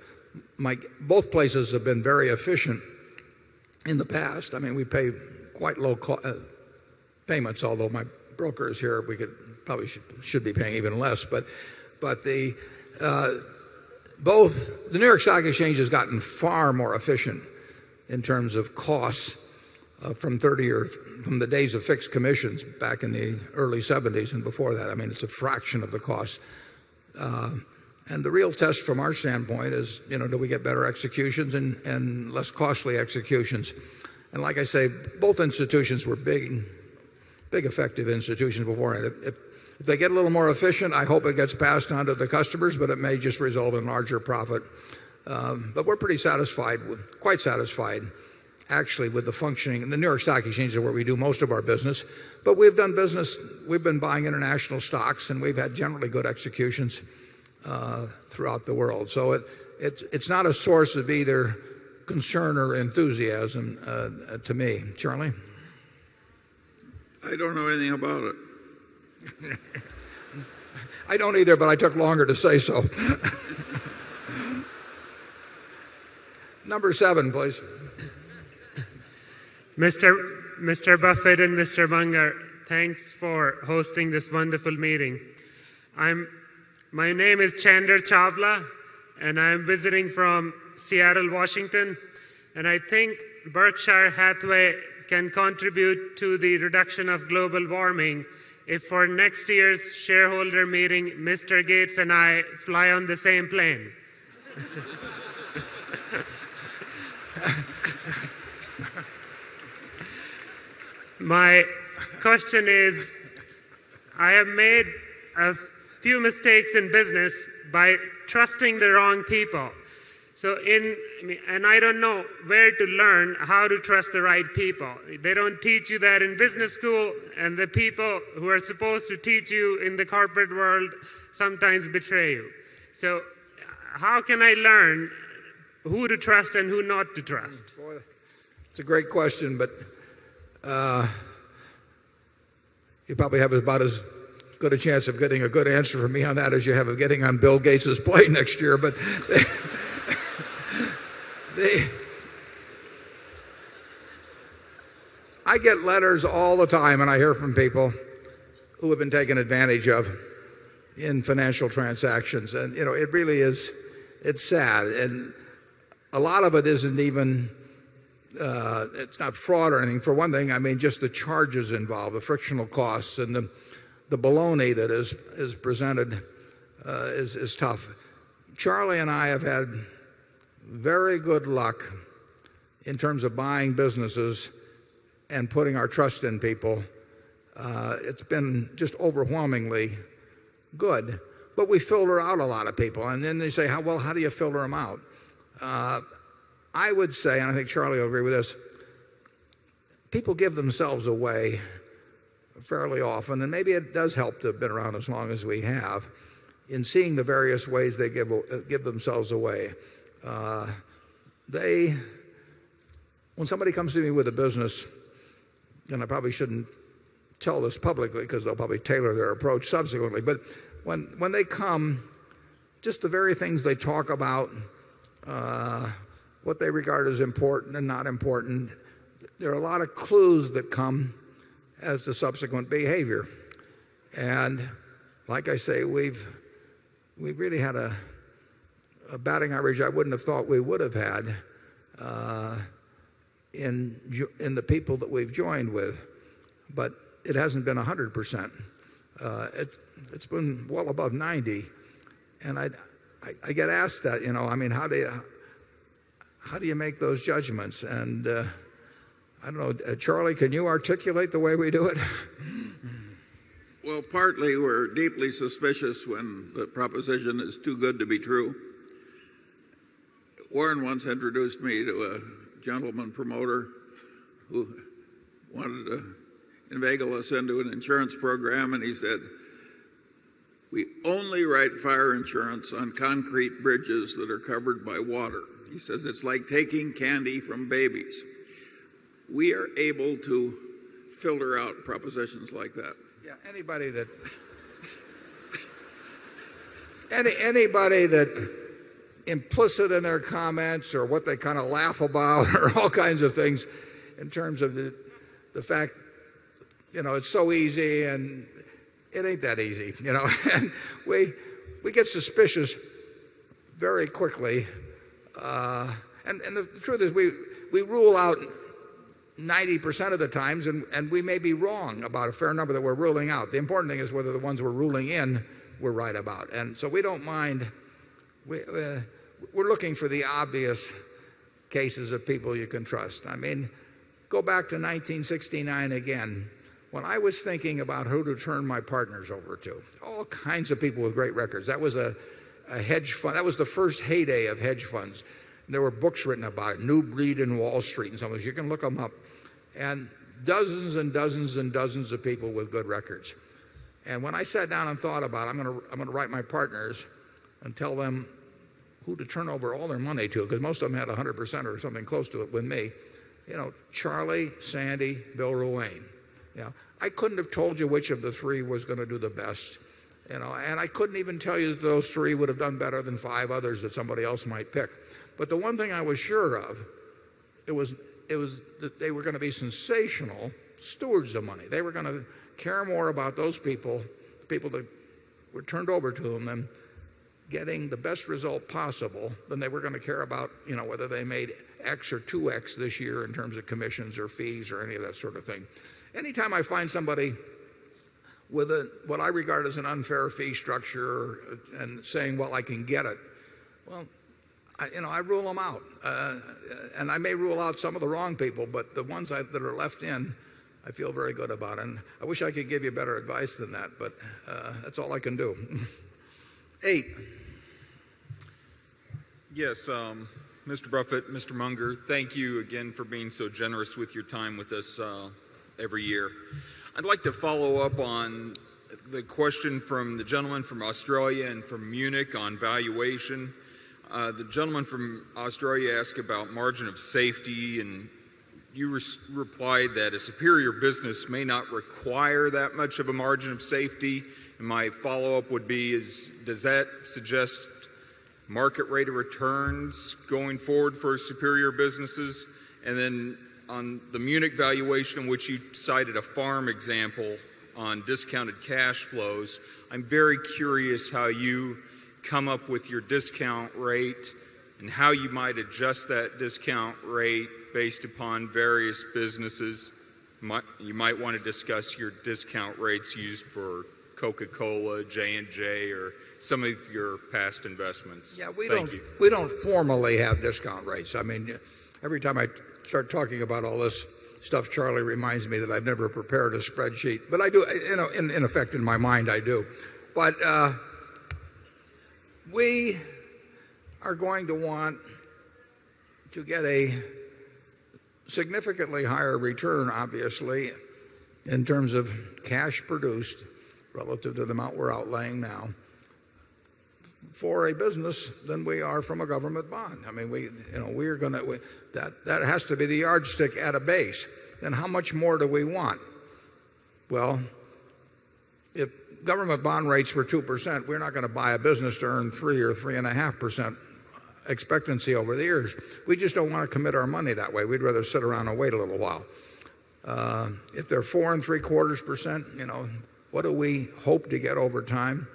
Mike, both places have been very efficient in the past. I mean, we pay quite low payments although my broker is here, we could probably should be paying even less. But both the New York Stock Exchange has gotten far more efficient in terms of costs from 30 years from the days of fixed commissions back in the early '70s and before that. I mean, it's a fraction of the cost. And the real test from our standpoint is do we get better executions and less costly executions. And like I say, both institutions were big, big effective institutions before. If they get a little more efficient, I hope it gets passed on to the customers, but it may just result in larger profit. But we're pretty satisfied, quite satisfied actually with the functioning and the New York Stock Exchange is where we do most of our business. But we've done business, we've been buying international stocks and we've had generally good executions throughout the world. So it's not a source of either concern or enthusiasm to me. Charlie? I don't know anything about it. I don't either but I took longer to say so. Number 7 please. Mr. Buffet and Mr. Bunker, thanks for hosting this wonderful meeting. My name is Chandra Chawla and I'm visiting from Seattle, Washington and I think Berkshire Hathaway can contribute to the reduction of global warming if for next year's shareholder meeting, Mr. Gates and I fly on the same plane. My question is I have made a few mistakes in business by trusting the wrong people. So in and I don't know where to learn how to trust the right people. They don't teach you that in business school and the people who are supposed to teach you in the corporate world sometimes betray you. So how can I learn who to trust and who not to trust? Boy, it's a great question but you probably have about as good a chance of getting a good answer from me on that as you have of getting on Bill Gates' play next year. But I get letters all the time and I hear from people who have been taken advantage of in financial transactions. And it really is it's sad. And a lot of it isn't even, it's not fraud or anything. For one thing, I mean just the charges involved, the frictional costs and the baloney that is presented is tough. Charlie and I have had very good luck in terms of buying businesses and putting our trust in people. It's been just overwhelmingly good but we filter out a lot of people. And then they say, well, how do you filter them out? I would say and I think Charlie will agree with this. People give themselves away fairly often and maybe it does help to have been around as long as we have in seeing the various ways they give themselves away. When somebody comes to me with a business then I probably shouldn't tell this publicly because they'll probably tailor their approach subsequently. But when they come, just the very things they talk about, what they regard as important and not important, there are a lot of clues that come as the subsequent behavior. And like I say, we've really had a batting average I wouldn't have thought we would have had in the people that we've joined with but it hasn't been 100%. It's been well above 90. Percent. And I get asked that, I mean, how do you make those judgments? And I don't know, Charlie, can you articulate the way we do it? Well, partly we're deeply suspicious when the proposition is too good to be true. Warren once introduced me to a gentleman promoter who wanted to inveigle us into an insurance program and he said, We only write fire insurance on concrete bridges that are covered by water. He says it's like taking candy from babies. We are able to filter out propositions like that. Yes. Anybody that implicit in their comments or what they kind of laugh about or all kinds of things in terms of the fact it's so easy and it ain't that easy. We get suspicious very quickly. And the truth is we rule out 90% of the times and we may be wrong about a fair number that we're ruling out. The important thing is whether the ones we're ruling in we're right about. And so we don't mind we're looking for the obvious cases of people you can trust. I mean, go back to 1969 again, when I was thinking about who to turn my partners over to, all kinds of people with great records. That was a hedge fund. That was the first heyday of hedge funds. There were books written about it, New Breed and Wall Street and so on. You can look them up. And dozens and dozens and dozens of people with good records. And when I sat down and thought about I'm going to write my partners and tell them who to turn over all their money to because most of them had 100% or something close to it with me. Charlie, Sandy, Bill, Raulain. I couldn't have told you which of the 3 was going to do the best. And I couldn't even tell you those 3 would have done better than 5 others that somebody else might pick. But the one thing I was sure of, it was that they were going to be sensational stewards of money. They were going to care more about those people, the people that were turned over to them and getting the best result possible than they were going to care about whether they made X or 2X this year in terms of commissions or fees or any of that sort of thing. Anytime I find somebody with what I regard as an unfair fee structure and saying what I can get it, well, I rule them out. I may rule out some of the wrong people but the ones that are left in, I feel very good about. And I wish I could give you better advice than that but that's all I can do. 8. Yes. Mr. Bruffett, Mr. Munger, thank you again for being so generous with your time with us every year. I'd like to follow-up on the question from the gentleman from Australia and from Munich on valuation. The gentleman from Australia asked about margin of safety and you replied that a superior business may not require that much of a margin of safety. And my follow-up would be is does that suggest market rate of returns going forward for superior businesses? And then on the Munich valuation in which you cited a farm example on discounted cash flows, I'm very curious how you come up with your discount rate and how you might adjust that discount rate based upon various businesses. You might want to discuss your discount rates used for Coca Cola, J and J or some of your past investments? Yes. We don't formally have discount rates. I mean every time I start talking about all this stuff, Charlie reminds me that I've never prepared a spreadsheet. But I do in effect in my mind, I do. But we are going to want to get a significantly higher return obviously in terms of cash produced relative to the amount we're outlaying now for a business than we are from a government bond. I mean, we're going to that has to be the yardstick at a base. Then how much more do we want? Well, if government bond rates were 2%, we're not going to buy a business to earn 3% or 3.5% expectancy over the years. We just don't want to commit our money way. We'd rather sit around and wait a little while. If they're 4.75%, what do we hope to get over time?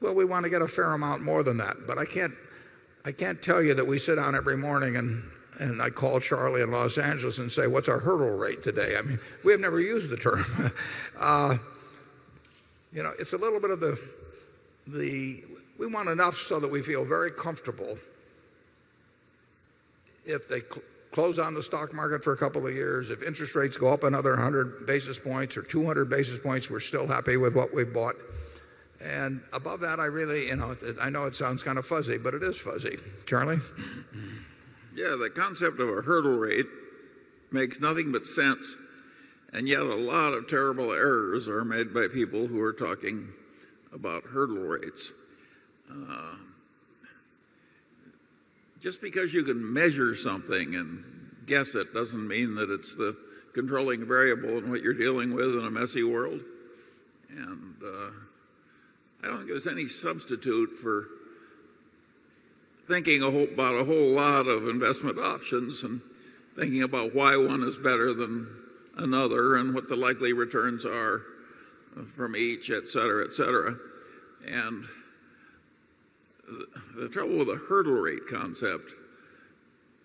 Well, we want to get a fair amount more than that. But I can't tell you that we sit down every morning and I call Charlie in Los Angeles and say, what's our hurdle rate today? I mean, we've never used the term. It's a little bit of the we want enough so that we feel very comfortable if they close on the stock market for a couple of years, if interest rates go up another 100 basis points or 200 basis points, we're still happy with what we bought. And above that, I really I know it sounds kind of fuzzy but it is fuzzy. Charlie? Yes. The concept of a hurdle rate makes nothing but sense and yet a lot of terrible errors are made by people who are talking about hurdle rates. Just because you can measure something and guess it doesn't mean that it's the controlling variable and what you're dealing with in a messy world. And I don't think there's any substitute for thinking about a whole lot of investment options and thinking about why one is better than another and what the likely returns are from each etcetera, etcetera. And the trouble with the hurdle rate concept,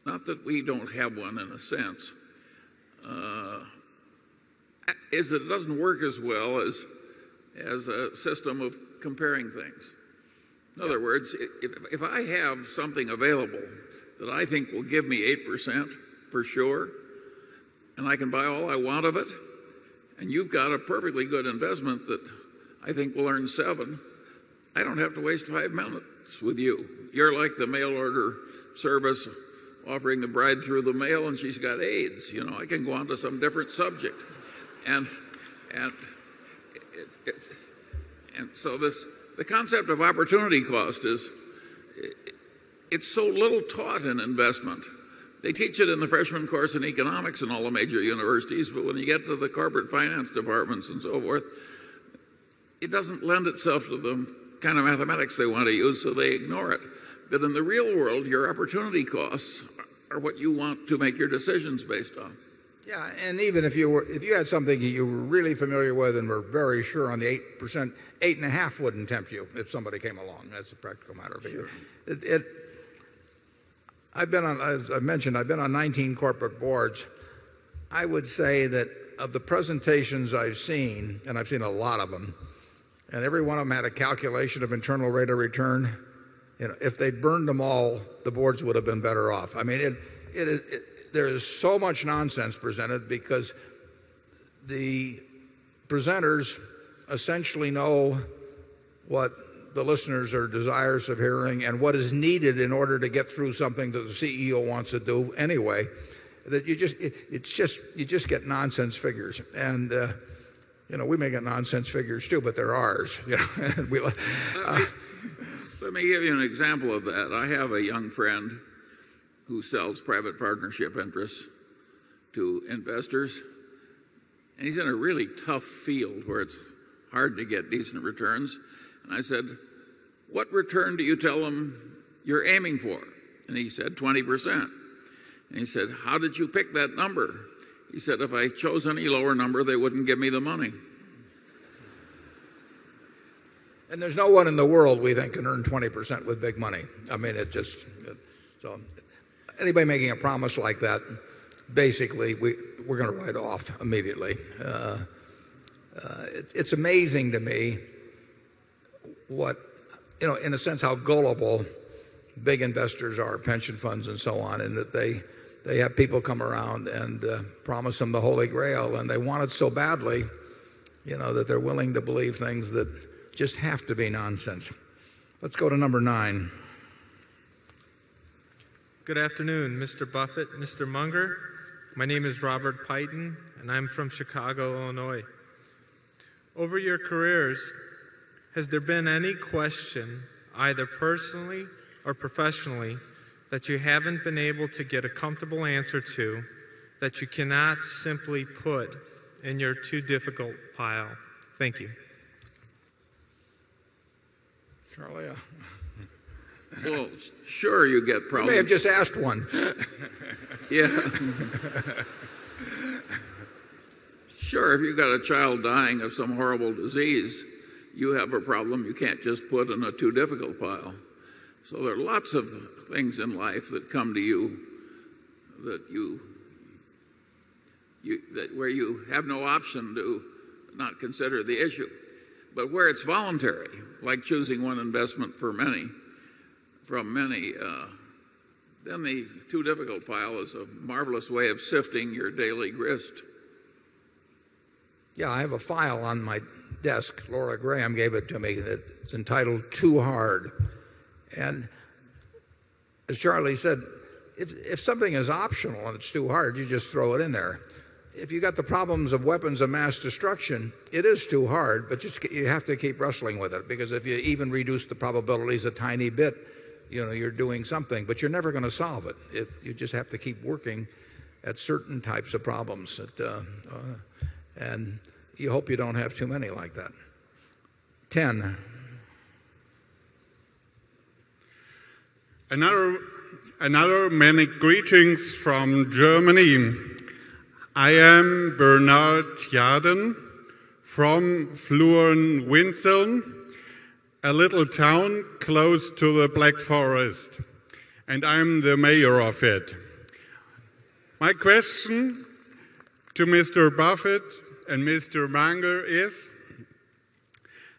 not that we don't have 1 in a sense, is that it doesn't work as well as a system of comparing things. In other words, if I have something available that I think will give me 8% for sure and I can buy all I want of it and you've got a perfectly good investment that I think will earn 7. I don't have to waste 5 minutes with you. You're like the mail order service offering the bride through the mail and she's got aids. I can go on to some different subject. And so this the concept of opportunity cost is it's so little taught in investment. They teach it in the freshman course in economics in all the major universities. But when you get to the corporate finance departments and so forth, it doesn't lend itself to them kind of mathematics they want to use so they ignore it. But in the real world, your opportunity costs are what you want to make your decisions based on. Yes. And even if you had something that you're really familiar with and we're very sure on the 8%, 8.5% wouldn't tempt you if somebody came along as a practical matter of being. As I mentioned, I've been on 19 corporate boards. I would say that of the presentations I've seen and I've seen a lot of them and every one of them had a calculation of internal rate of return, if they burned them all, the boards would have been better off. I mean, there is so much nonsense presented because the presenters essentially know what the listeners are desirous of hearing and what is needed in order to get through something that the CEO wants to do anyway that you just get nonsense figures. And we may get nonsense figures too but they're ours. Let me give you an example of that. I have a young friend who sells private partnership interests to investors. He's in a really tough field where it's hard to get decent returns. And I said, What return do you tell them you're aiming for? And he said 20%. And he said, how did you pick that number? He said, if I chose any lower number, they wouldn't give me the money. And there's no one in the world we think can earn 20% with big money. I mean it just so anybody making a promise like that, basically, we're going to write off immediately. It's amazing to me what in a sense how gullible big investors are pension funds and so on and that they have people come around and promise them the holy grail and they wanted so badly that they're willing to believe things that just have to be nonsense. Let's go to number 9. Good afternoon, Mr. Buffet, Mr. Munger. My name is Robert Peyton and I'm from Chicago, Illinois. Over your careers, has there been any question either personally or professionally that you haven't been able to get a comfortable answer to that you cannot simply put in your too difficult pile? Thank you. Charlie? Well, sure you get problems. May I just ask one? Sure. If you got a child dying of some horrible disease, you have a problem you can't just put in a too difficult pile. So there are lots of things in life that come to you that you where you have no option to not consider the issue. But where it's voluntary like choosing one investment for many from many, then the too difficult pile is a marvelous way of sifting your daily grist. Yes. I have a file on my desk. Laura Graham gave it to me. It's entitled Too Hard. And as Charlie said, if something is optional and it's too hard, you just throw it in there. If you got the problems of weapons of mass destruction, it is too hard but just you have to keep wrestling with it because if you even reduce the probabilities a tiny bit, you're doing something, but you're never going to solve it. You just have to keep working at certain types of problems and you hope you don't have too many like that. 10. Another many greetings from Germany. I am Bernard Jarden from Fluhren Winselm, a little town close to the Black Forest, and I'm the mayor of it. My question to Mr. Buffett and Mr. Manger is,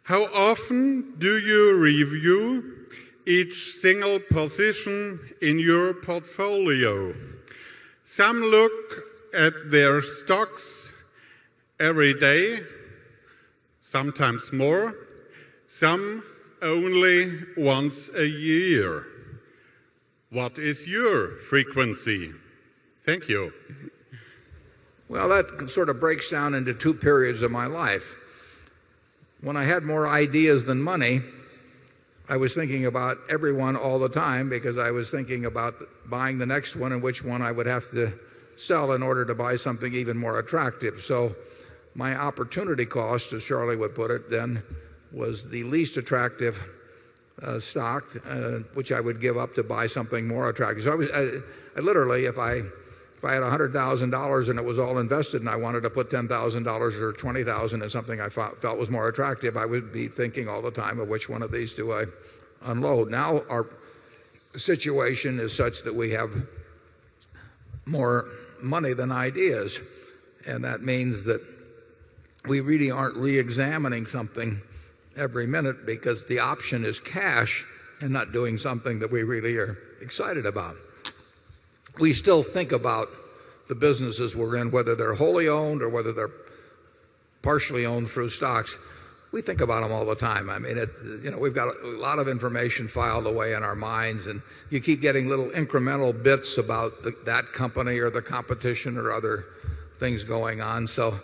how often do you review each single position in your portfolio? Some look at their stocks every day, sometimes more, some only once a year. What is your frequency? Thank you. Well, that sort of breaks down into 2 periods of my life. When I had more ideas than money, I was thinking about everyone all the time because I was thinking about buying the next one and which one I would have to sell in order to buy something even more attractive. So my opportunity cost as Charlie would put it then was the least attractive stock which I would give up to buy something more attractive. So I literally if I had $100,000 and it was all invested and I wanted to put 10,000 or 20,000 as something I felt was more attractive, I would be thinking all the time of which one of these do I unload. Now our situation is such that we have more money than ideas and that means that we really aren't reexamining something every minute because the option is cash and not doing something that we really are excited about. We still think about the businesses we're in, whether they're wholly owned or whether they're partially owned through stocks. Think about them all the time. I mean, we've got a lot of information filed away in our minds and you keep getting little incremental bits about that company or the competition or other things going on. So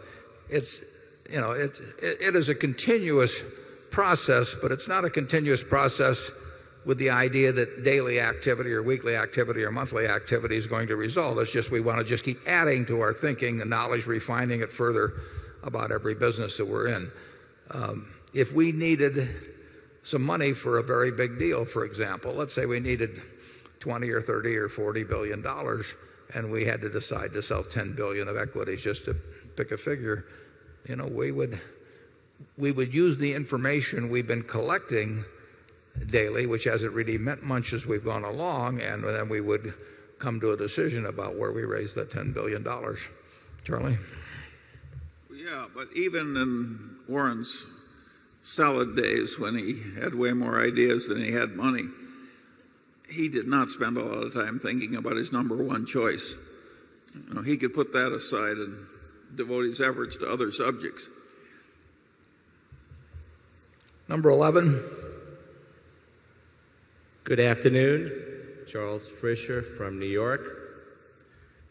it is a continuous process, but it's not a continuous process with the idea that daily activity or weekly activity or monthly activity is going to resolve. It's just we want to just keep adding to our thinking, the knowledge refining it further about every business that we're in. If we needed some money for a very big deal, for example, let's say we needed $20,000,000,000 or $30,000,000,000 or $40,000,000,000 and we had to decide to sell $10,000,000,000 of equities just to pick a figure, we would use the information we've been collecting daily which hasn't really meant much as we've gone along and then we would come to a decision about where we raise the $10,000,000,000 Charlie? Yes. But even in Warren's solid days when he had way more ideas than he had money, he did not spend a lot of time thinking about his number one choice. He could put that aside and devote his efforts to other subjects. Number 11. Good afternoon. Charles Frischer from New York.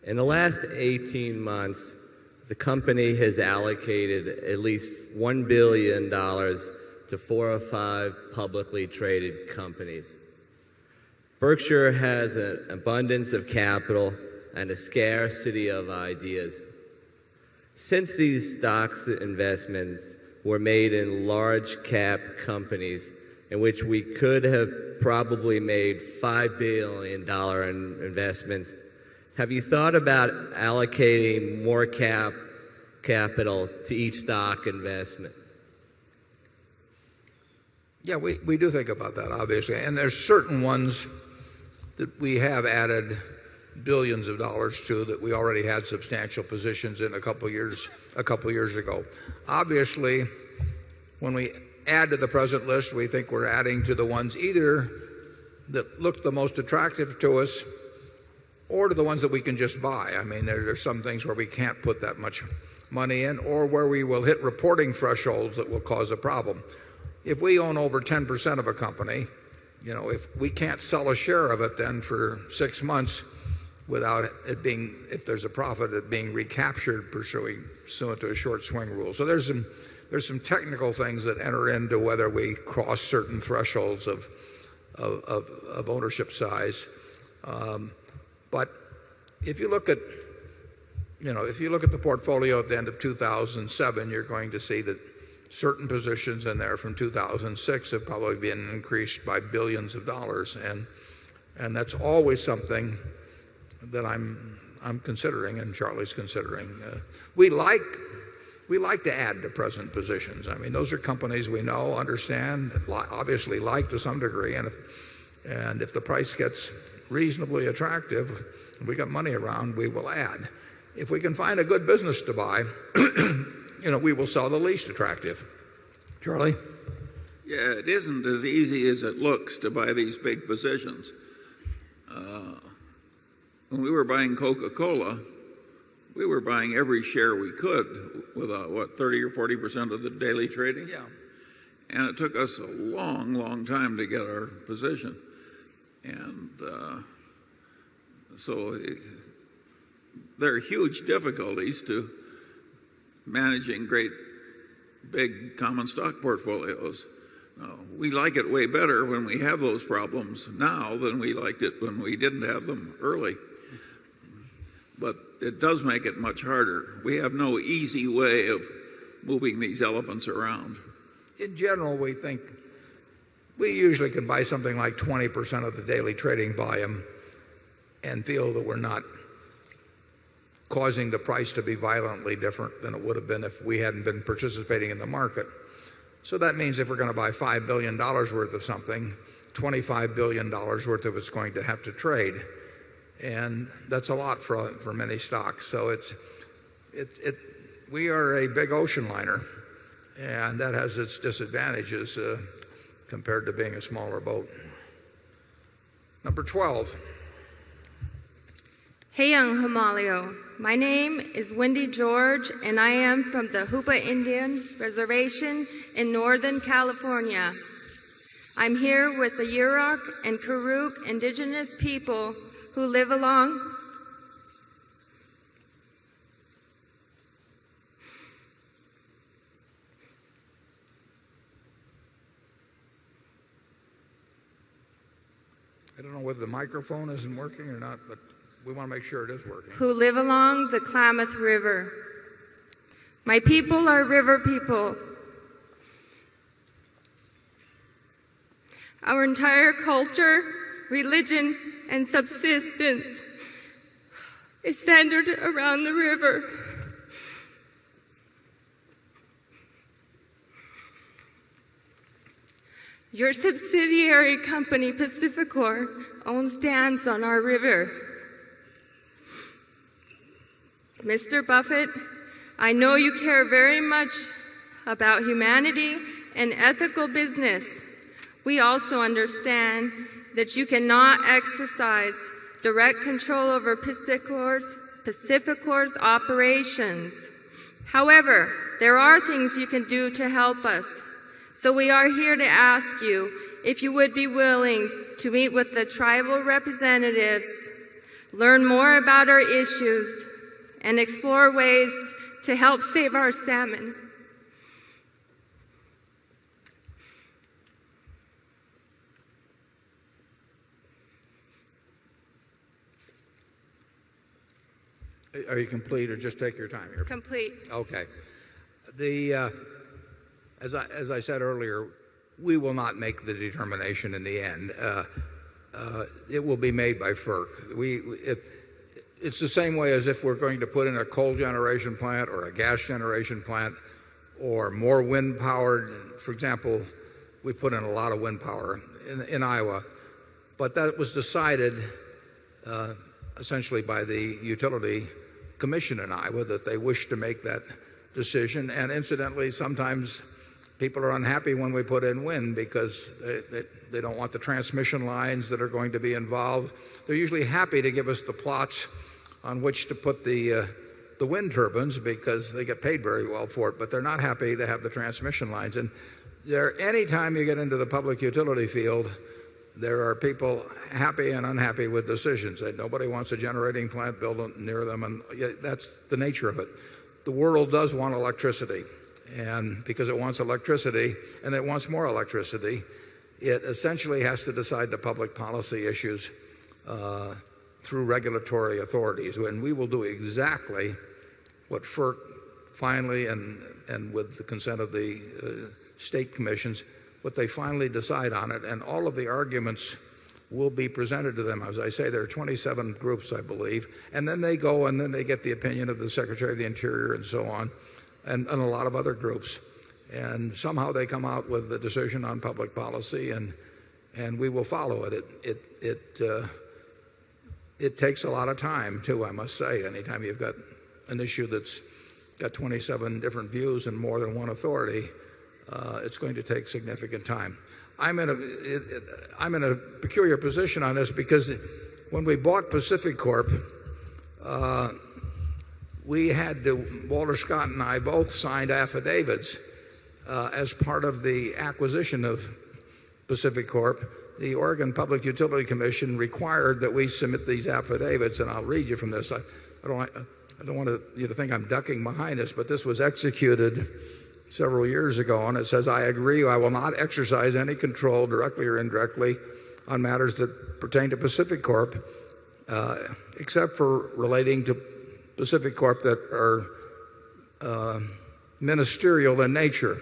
In the last 18 months, the company has allocated at least $1,000,000,000 to 4 or 5 publicly traded companies. Berkshire has an abundance of capital and a scarcity of ideas. Since these stocks investments were made in large cap companies in which we could have probably made $5,000,000,000 in investments. Have you thought about allocating more capital to each stock investment? Yes, we do think about that obviously and there are certain ones that we have added 1,000,000,000 of dollars to that we already had substantial positions in a couple of years ago. Obviously, when we add to the present list, we think we're adding to the ones either that look the most attractive to us or to the ones that we can just buy. I mean, there are some things where we can't put that much money in or where we will hit reporting thresholds that will cause a problem. If we own over 10% of a company, if we can't sell a share of it then for 6 months without it being if there's a profit of being recaptured pursuing to a short swing rule. So there's some technical things that enter into whether we cross certain thresholds of ownership size. But if you look at the portfolio at the end of 2007, you're going to see that certain positions in there from 2,006 have probably been increased by 1,000,000,000 of dollars and that's always something that I'm considering and Charlie is considering. We like to add the present positions. I mean those are companies we know, understand, obviously like to some degree and if the price gets reasonably attractive and we got money around, we will add. If we can find a good business to buy, we will sell the least attractive. Charlie? Yes. It isn't as easy as it looks to buy these big positions. When we were buying Coca Cola, we were buying every share we could with what 30% or 40% of the daily trading. Yes. And it took us a long, long time to get our position. And so there are huge difficulties to managing great big common stock portfolios. We like it way better when we have those problems now than we liked it when we didn't have them early. But it does make it much harder. We have no easy way of moving these elephants around. In general, we think we usually can buy something like 20% of the daily trading volume and feel that we're not causing the price to be violently different than it would have been if we hadn't been participating in the market. So that means if we're going to buy $5,000,000,000 worth of something, dollars 25,000,000,000 worth of it's going to have to trade. And that's a lot for many stocks. So it's we are a big ocean liner and that has its disadvantages compared to being a smaller boat. Number 12. My name is Wendy George and I am from the Hoopa Indian Reservation in Northern California. I'm here with the Yurok and Karuk indigenous people who live along I don't know whether the microphone isn't working or not, but we want to make sure it is working. Who live along the Klamath River. My people are river people. Our entire culture, religion and subsistence is centered around the river. Your subsidiary company Pacificor owns dams on our river. Mr. Buffet, I know you care very much about humanity and ethical business. We also understand that you cannot exercise direct control over Pacificor's Pacificor's operations. However, there are things you can do to help us. So we are here to ask you if you would be willing to meet with the tribal representatives, learn more about our issues and explore ways to help save our salmon. Are you complete or just take your time here? Complete. Okay. As I said earlier, we will not make the determination in the end. It will be made by FERC. It's the same way as if we're going to put in a coal generation plant or a gas generation plant or more wind powered. For example, we put in a lot of wind power in Iowa but that was decided essentially by the utility commission in Iowa that they wish to make that decision. And incidentally, sometimes people are unhappy when we put in wind because they don't want the transmission lines that are going to be involved. They're usually happy to give us the plots on which to put the wind turbines because they get paid very well for it but they're not happy to have the transmission lines. And there anytime you get into the public utility field, there are people happy and unhappy with decisions. Nobody wants a generating plant built near them and that's the nature of it. The world does want electricity and because it wants electricity and it wants more electricity, it essentially has to decide the public policy issues through regulatory authorities. When we will do exactly what FERC finally and with the consent of the state commissions, but they finally decide on it and all of the arguments will be presented to them. As I say, there are 27 groups, I believe. And then they go and then they get the opinion of the secretary of the interior and so on and a lot of other groups. And somehow, they come out with a decision on public policy and we will follow it. It takes a lot of time too, I must say. Anytime you've got an issue that's got 27 different views and more than one authority, it's going to take significant time. I'm in a peculiar position on this because when we bought Pacific Corp, we had the Walter Scott and I both signed affidavits as part of the acquisition of Pacific Corp. The Oregon Public Utility Commission required that we submit these affidavits and I'll read you from this. I don't want you to think I'm ducking behind us but this was executed several years ago and it says, I agree, I will not exercise any control directly or indirectly on matters that pertain to Pacific Corp except for relating to Pacific Corp that are ministerial in nature.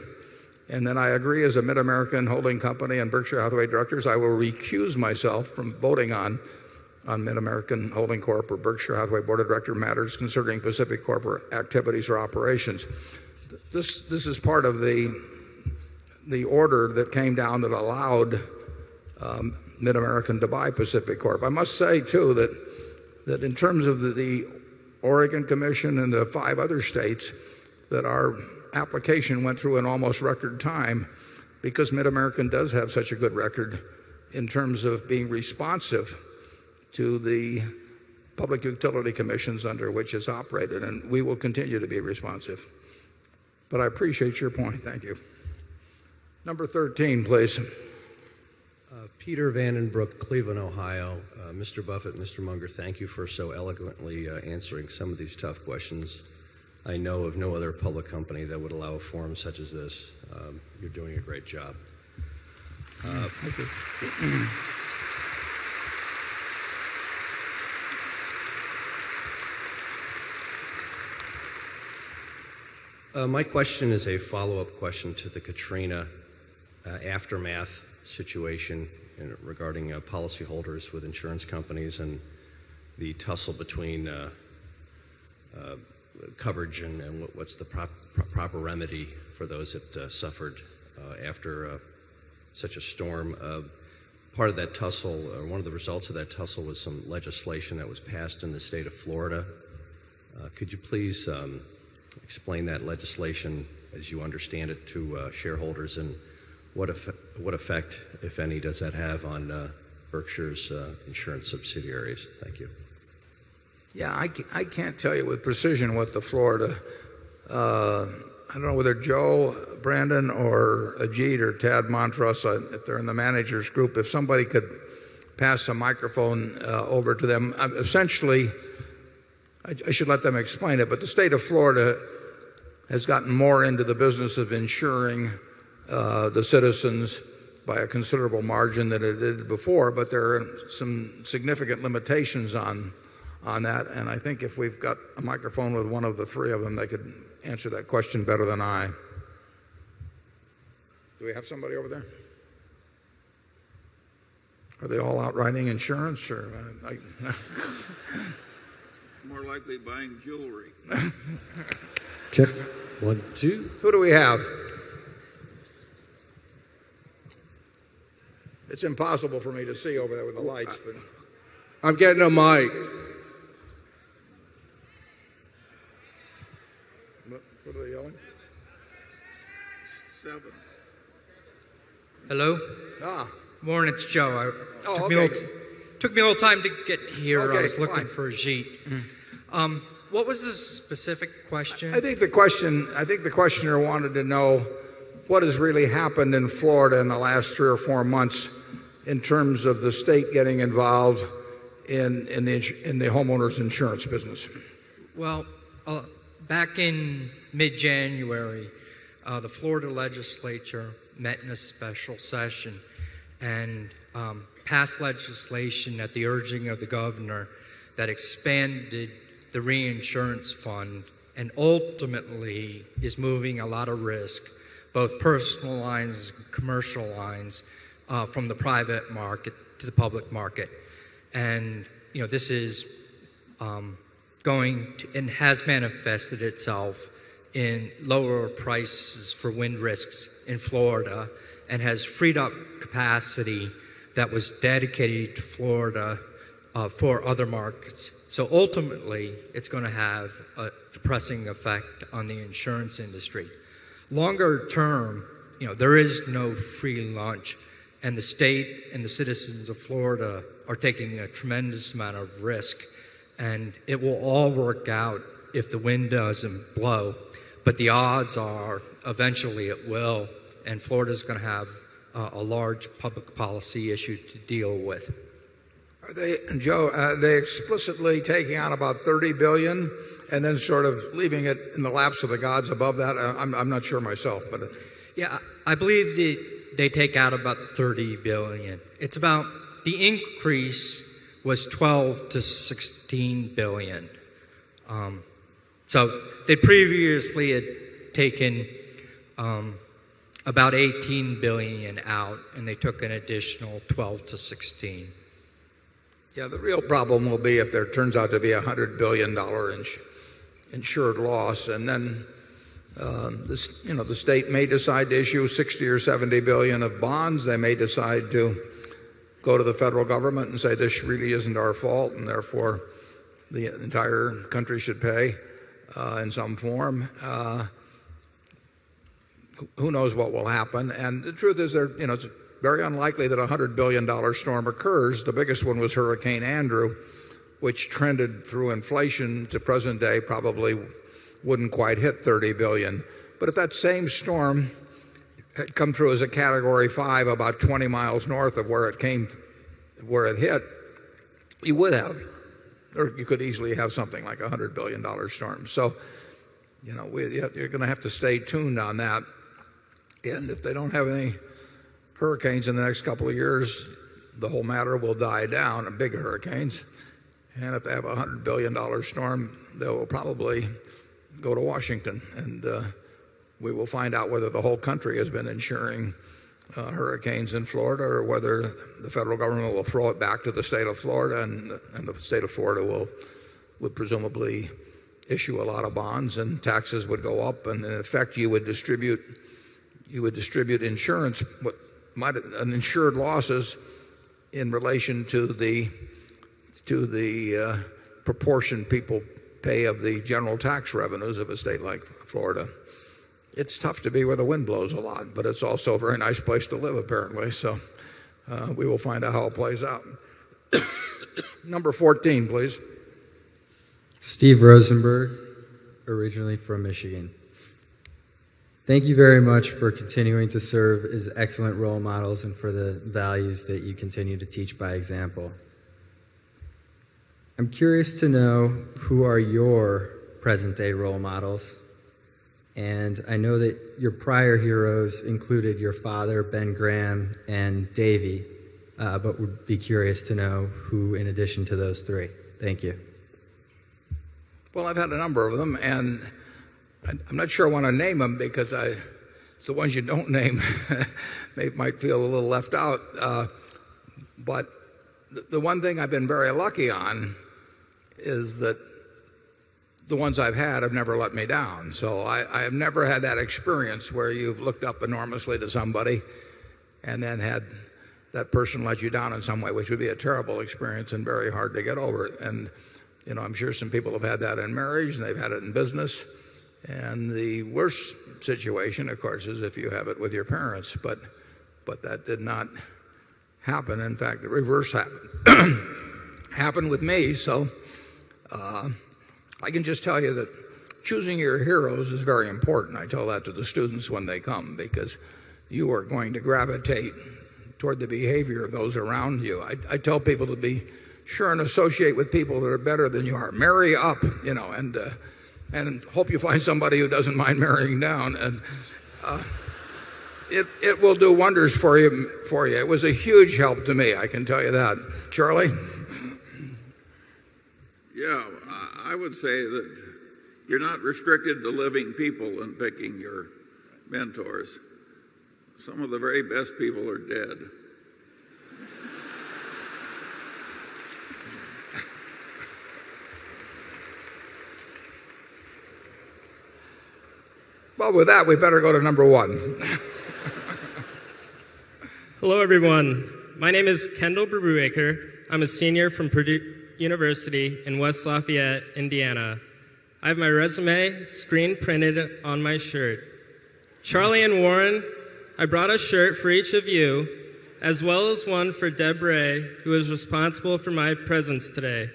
And then I agree as a Mid American holding company and Berkshire Hathaway directors, I will recuse myself from voting on on Mid American holding corporate Berkshire Hathaway board of director matters concerning Pacific corporate activities or operations. This is part of the order that came down that allowed Mid America to buy Pacific Corp. I must say too that in terms of the Oregon commission and the 5 other states that our application went through an almost record time because Mid American does have such a good record in terms of being responsive to the public utility commissions under which it's operated and we will continue to be responsive. But I appreciate your point. Thank you. Number 13, please. Peter Vandenbrooke, Cleveland, Ohio. Mr. Buffet, Mr. Munger, thank you for so eloquently answering some of these tough questions. I know of no other public company that would allow a forum such as this. You're doing a great job. My question is a follow-up question to the Katrina aftermath situation regarding policyholders with insurance companies and the tussle between coverage and what's the proper remedy for those that suffered after such a storm. Part of that tussle or one of the results of that tussle was some legislation that was passed in the State of Florida. Could you please explain that legislation as you understand it to shareholders? And what effect, if any, does that have on Berkshire's insurance subsidiaries? Thank you. Yeah. I can't tell you with precision with the Florida. Don't know whether Joe, Brandon or Ajit or Tad Montross, if they're in the managers group, if somebody could pass the citizens by a considerable margin than it did before but there are some significant limitations on that. And I think if we've got a microphone with 1 of the 3 of them, they could answer that question better than I. Do we have somebody over there? Are they all out writing insurance or More likely buying jewelry. Who do we have? It's impossible for me to see over there with the lights but I'm getting a mic. Hello? Morning. It's Joe. Took me a little time to get here. I was looking for a g. What was the specific question? I think the question I think the questioner wanted to know what has really happened in Florida in the last 3 or 4 months in terms of the state getting involved in the homeowners insurance business. Well, back in mid January, the Florida legislature met in a special session and passed legislation at the urging of the Governor that expanded the reinsurance fund and ultimately is moving a lot of risk both personal lines, commercial lines from the private market to the public market. And this is going and has manifested itself in lower prices for wind risks in Florida and has freed up capacity that was dedicated to Florida for other markets. So ultimately it's going to have a depressing effect on the insurance industry. Longer term, there is no free launch and the state and the citizens of Florida are taking a tremendous amount of risk and it will all work out if the wind doesn't blow. But the odds are eventually it will and Florida is going to have a large public policy issue to deal with. Joe, are they explicitly taking out about $30,000,000,000 and then sort of leaving it in the laps of the gods above that? I'm not sure myself. Yes. I believe they take out about $30,000,000,000 It's about the increase was $12,000,000,000 to $16,000,000,000 So they previously had taken about 18,000,000,000 out and they took an additional $12,000,000,000 to $16,000,000,000 Yes, the real problem will be if there turns out to be $100,000,000,000 insured loss and then, the state may decide to issue $60,000,000,000 or $70,000,000,000 of bonds. They may decide to go to the federal government and say this really isn't our fault and therefore the entire country should pay in some form. Who knows what will happen and the truth is it's very unlikely that a $100,000,000,000 storm occurs. The biggest one was Hurricane Andrew which trended through inflation to present day, probably wouldn't quite hit 30,000,000,000 but if that same storm come through as a category 5 about 20 miles north of where it came where it hit, you would have or you could easily have something like $100,000,000,000 storm. So you're going to have to stay tuned on that And if they don't have any hurricanes in the next couple of years, the whole matter will die down, big hurricanes. And if they have a $100,000,000,000 storm, they will probably go to Washington and we will find out whether the whole country has been ensuring hurricanes in Florida or whether the federal government will throw it back to the State of Florida and the State of Florida would presumably issue a lot of bonds and taxes would go up and in effect you would distribute insurance might uninsured losses in relation to the proportion people pay of the general tax revenues of a state like Florida. It's tough to be where the wind blows a lot, but it's also a very nice place to live apparently. So we will find out how it plays out. Number 14, please. Steve Rosenberg, originally from Michigan. Thank you very much for continuing to serve as excellent role models and for the values that you continue to teach by example. I'm curious to know who are your present day role models. And I know that your prior heroes included your father, Ben Graham and Davey, but would be curious to know who in addition to those 3. Thank you. Well, I've had a number of them and I'm not sure I want to name them because I it's the ones you don't name. They might feel a little left out. But the one thing I've been very lucky on is that the ones I've had have never let me down. So I have never had that experience where you've looked up enormously to somebody and then had that person let you down in some way which would be a terrible experience and very hard to get over it. And I'm sure some people have had that in marriage and they've had it in business and the worst situation of course is if you have it with your parents. But that did not happen. In fact, the reverse happened with me. So, I can just tell you that choosing your heroes is very important. I tell that to the students when they come because you are going to gravitate toward the behavior of those around you. I tell people to be sure and associate with people that are better than you are. Marry up, you know, and and hope you find somebody who doesn't mind marrying down. And it will do wonders for you. It was a huge help to me. I can tell you that. Charlie? Yeah. I would say that you're not restricted to living people and picking your mentors. Some of the very best people are dead. Well, with that, we better go to number 1. Hello, everyone. My name is Kendall Berbrueacre. I'm a senior from Purdue University in West Lafayette, Indiana. I have my resume screen printed on my shirt. Charlie and Warren, I brought a shirt for each of you as well as one for Deb Ray, who is responsible for my presence today.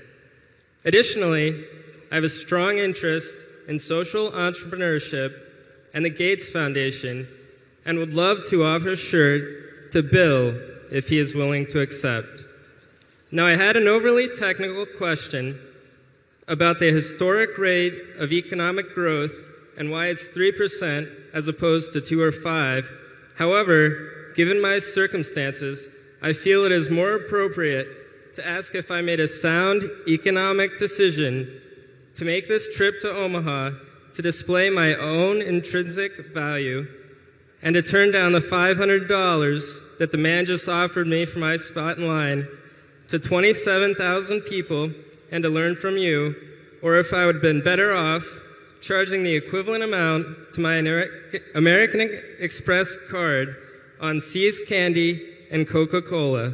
Additionally, I have a strong interest in social entrepreneurship and the Gates Foundation and would love to offer a shirt to Bill if he is willing to accept. Now I had an overly technical question about the historic rate of economic growth and why it's 3% as opposed to 2 or 5. However, given my circumstances, I feel it is more appropriate to ask if I made a sound economic decision to make this trip to Omaha to display my own intrinsic value and to turn down the $500 that the man just offered me for my spot in line to 27,000 people and to learn from you or if I would have been better off charging the equivalent amount to my American Express card on See's Candy and Coca Cola.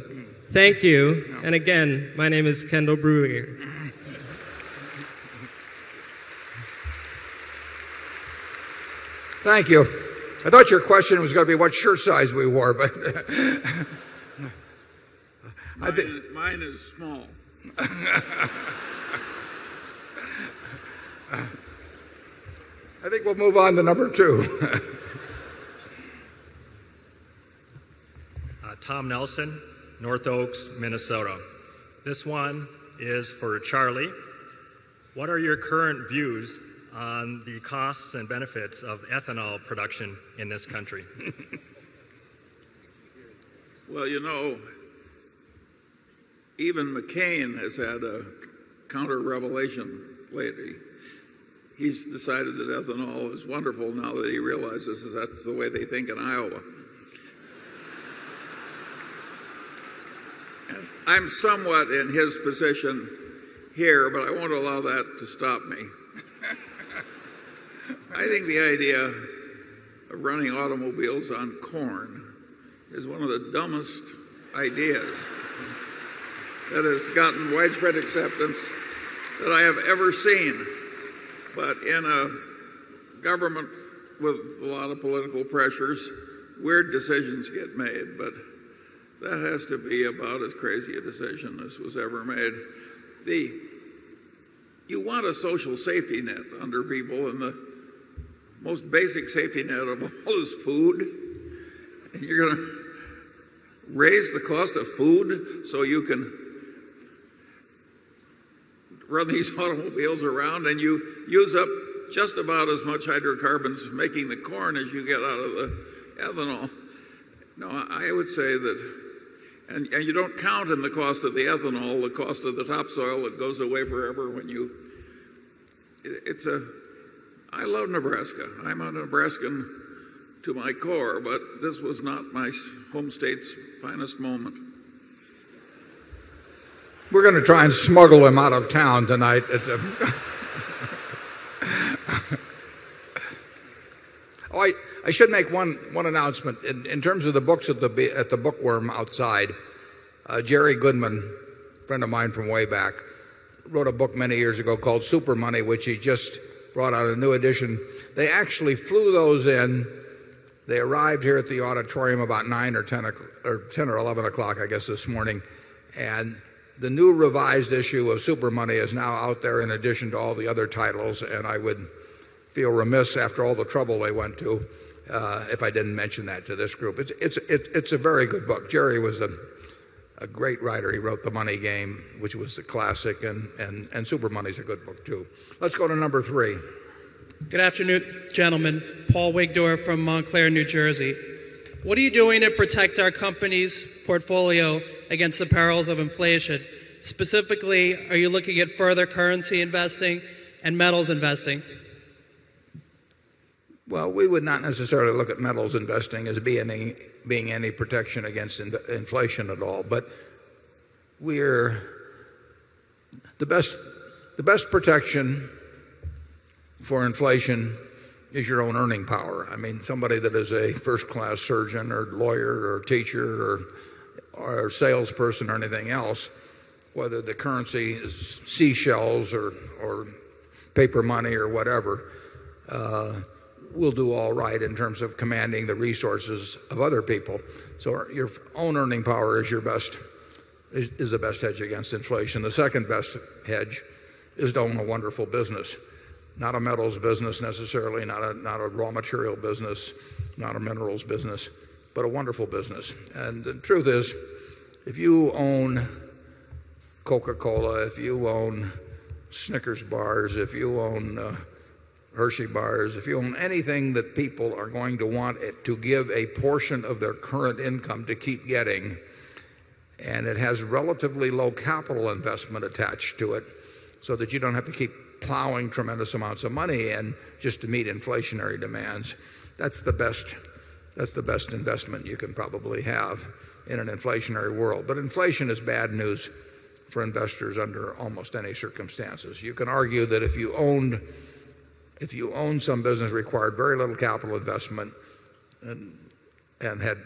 Thank you. And again, my name is Kendall Bruyere. Thank you. I thought your question was going to be what shirt size we wore, but Mine is small. I think we'll move on to number 2. Tom Nelson, North Oaks, Minnesota. This one is for Charlie. What are your current views on the costs and benefits of ethanol production in this country? Well, you know, even McCain has had a counter revelation lately. He's decided that ethanol is wonderful now that he realizes that that's the way they think in Iowa. I'm somewhat in his position here but I won't allow that to stop me. I think the idea of running automobiles on corn is one of the dumbest ideas that has gotten widespread acceptance that I have ever seen. But in a government with a lot of political pressures, weird decisions get made but that has to be about as crazy a decision as was ever made. You want a social safety net under people and the most basic safety net of all is food. You're going to raise the cost of food so you can run these automobiles around and you use up just about as much hydrocarbons making the corn as you get out of the ethanol. Now, I would say that and you don't count in the cost of the ethanol, the cost of the topsoil that goes away forever when you it's I love Nebraska. I'm a Nebraskan to my core but this was not my home state's finest moment. We're going to try and smuggle him out of town tonight. I should make one announcement. In terms of the books at the bookworm outside, Jerry Goodman, a friend of mine from way back, wrote a book many years ago called Super Money which he just brought out a new edition. They actually flew those in. They arrived here at the auditorium about 9 or 10 or 11 o'clock I guess this morning. And the new revised issue of Super Money is now out there in addition to all the other titles and I would feel remiss after all the trouble they went to if I didn't mention that to this group. It's a very good book. Jerry was a great writer. He wrote The Money Game which was a classic and Super Money is a good book too. Let's go to number 3. Good afternoon, gentlemen. Paul Wigdorff from Montclair, New Jersey. What are you doing to protect our company's portfolio against the perils of inflation? Specifically, are you looking at further currency investing and metals investing? Well, we would not necessarily look at metals investing as being any protection against inflation at all. But the best protection for inflation is your own earning power. I mean, somebody that is a first class surgeon or lawyer or teacher or salesperson or anything else, whether the currency is seashells or paper money or whatever, we'll do all right in terms of commanding the resources of other people. So your own earning power is your best is the best hedge against inflation. The 2nd best hedge is to own a wonderful business, not a metals business necessarily, not a raw material business, not a minerals business but a wonderful business. And the truth is, if you own Coca Cola, if you own Snickers bars, if you own Hershey bars, if you own anything that people are going to want it to give a portion of their current income to keep getting and it has relatively low capital investment attached to it so that you don't have to keep plowing tremendous amounts of money and just to meet inflationary demands, that's the best investment you can probably have in an inflationary world. But inflation is bad news for investors under almost any circumstances. You can argue that if you owned some business required very little capital investment and had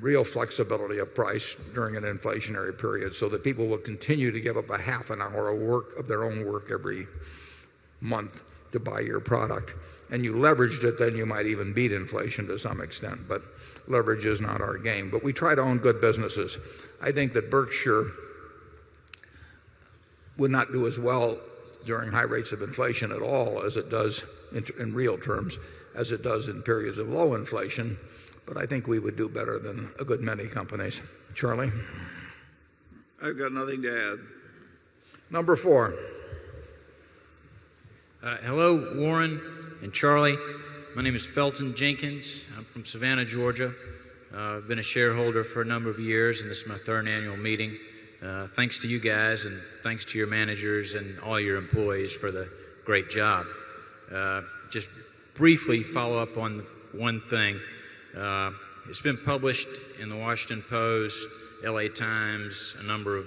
real flexibility of price during an inflationary period so that people will continue to give up a half an hour of work of their own work every month to buy your product and you leveraged it, then you might even beat inflation to some extent but leverage is not our game. But we try to own good businesses. I think that Berkshire would not do as well during high rates of inflation at all as it does in real terms as it does in periods of low inflation. But I think we would do better than a good many companies. Charlie? I've got nothing to add. Number 4. Hello Warren and Charlie. My name is Felton Jenkins. I'm from Savannah, Georgia. I've been a shareholder for a number of years and this is my 3rd annual meeting. Thanks to you guys and thanks to your managers and all your employees for the great job. Just briefly follow-up on one thing. It's been published in the Washington Post, LA Times, a number of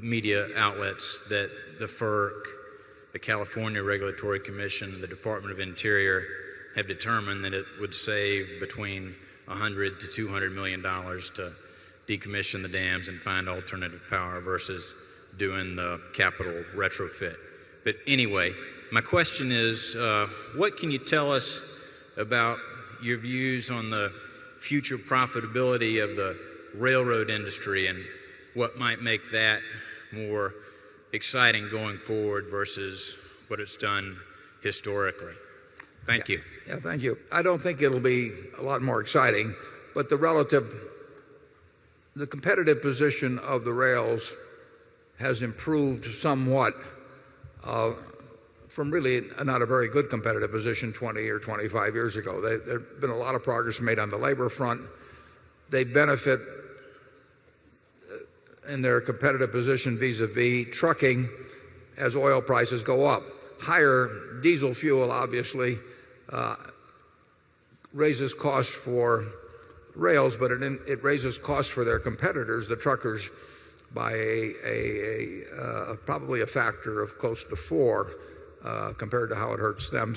media outlets that the FERC, the California Regulatory Commission, the Department of Interior had determined that it would save between $100,000,000 to $200,000,000 to decommission the dams and find alternative power versus doing the capital retrofit. But anyway, my question is, what can you tell us about your views on the future profitability of the railroad industry and what might make that more exciting going forward versus what it's done historically? Thank you. Yes, thank you. I don't think it'll be a lot more exciting but the relative the competitive position of the rails has improved somewhat from really not a very good competitive position 20 or 25 years ago. There have been a lot of progress made on the labor front. They benefit in their competitive position visavis trucking as oil prices go up. Higher diesel fuel obviously raises costs for rails but it raises costs for their competitors, the truckers, by probably a factor of close to 4 compared to how it hurts them.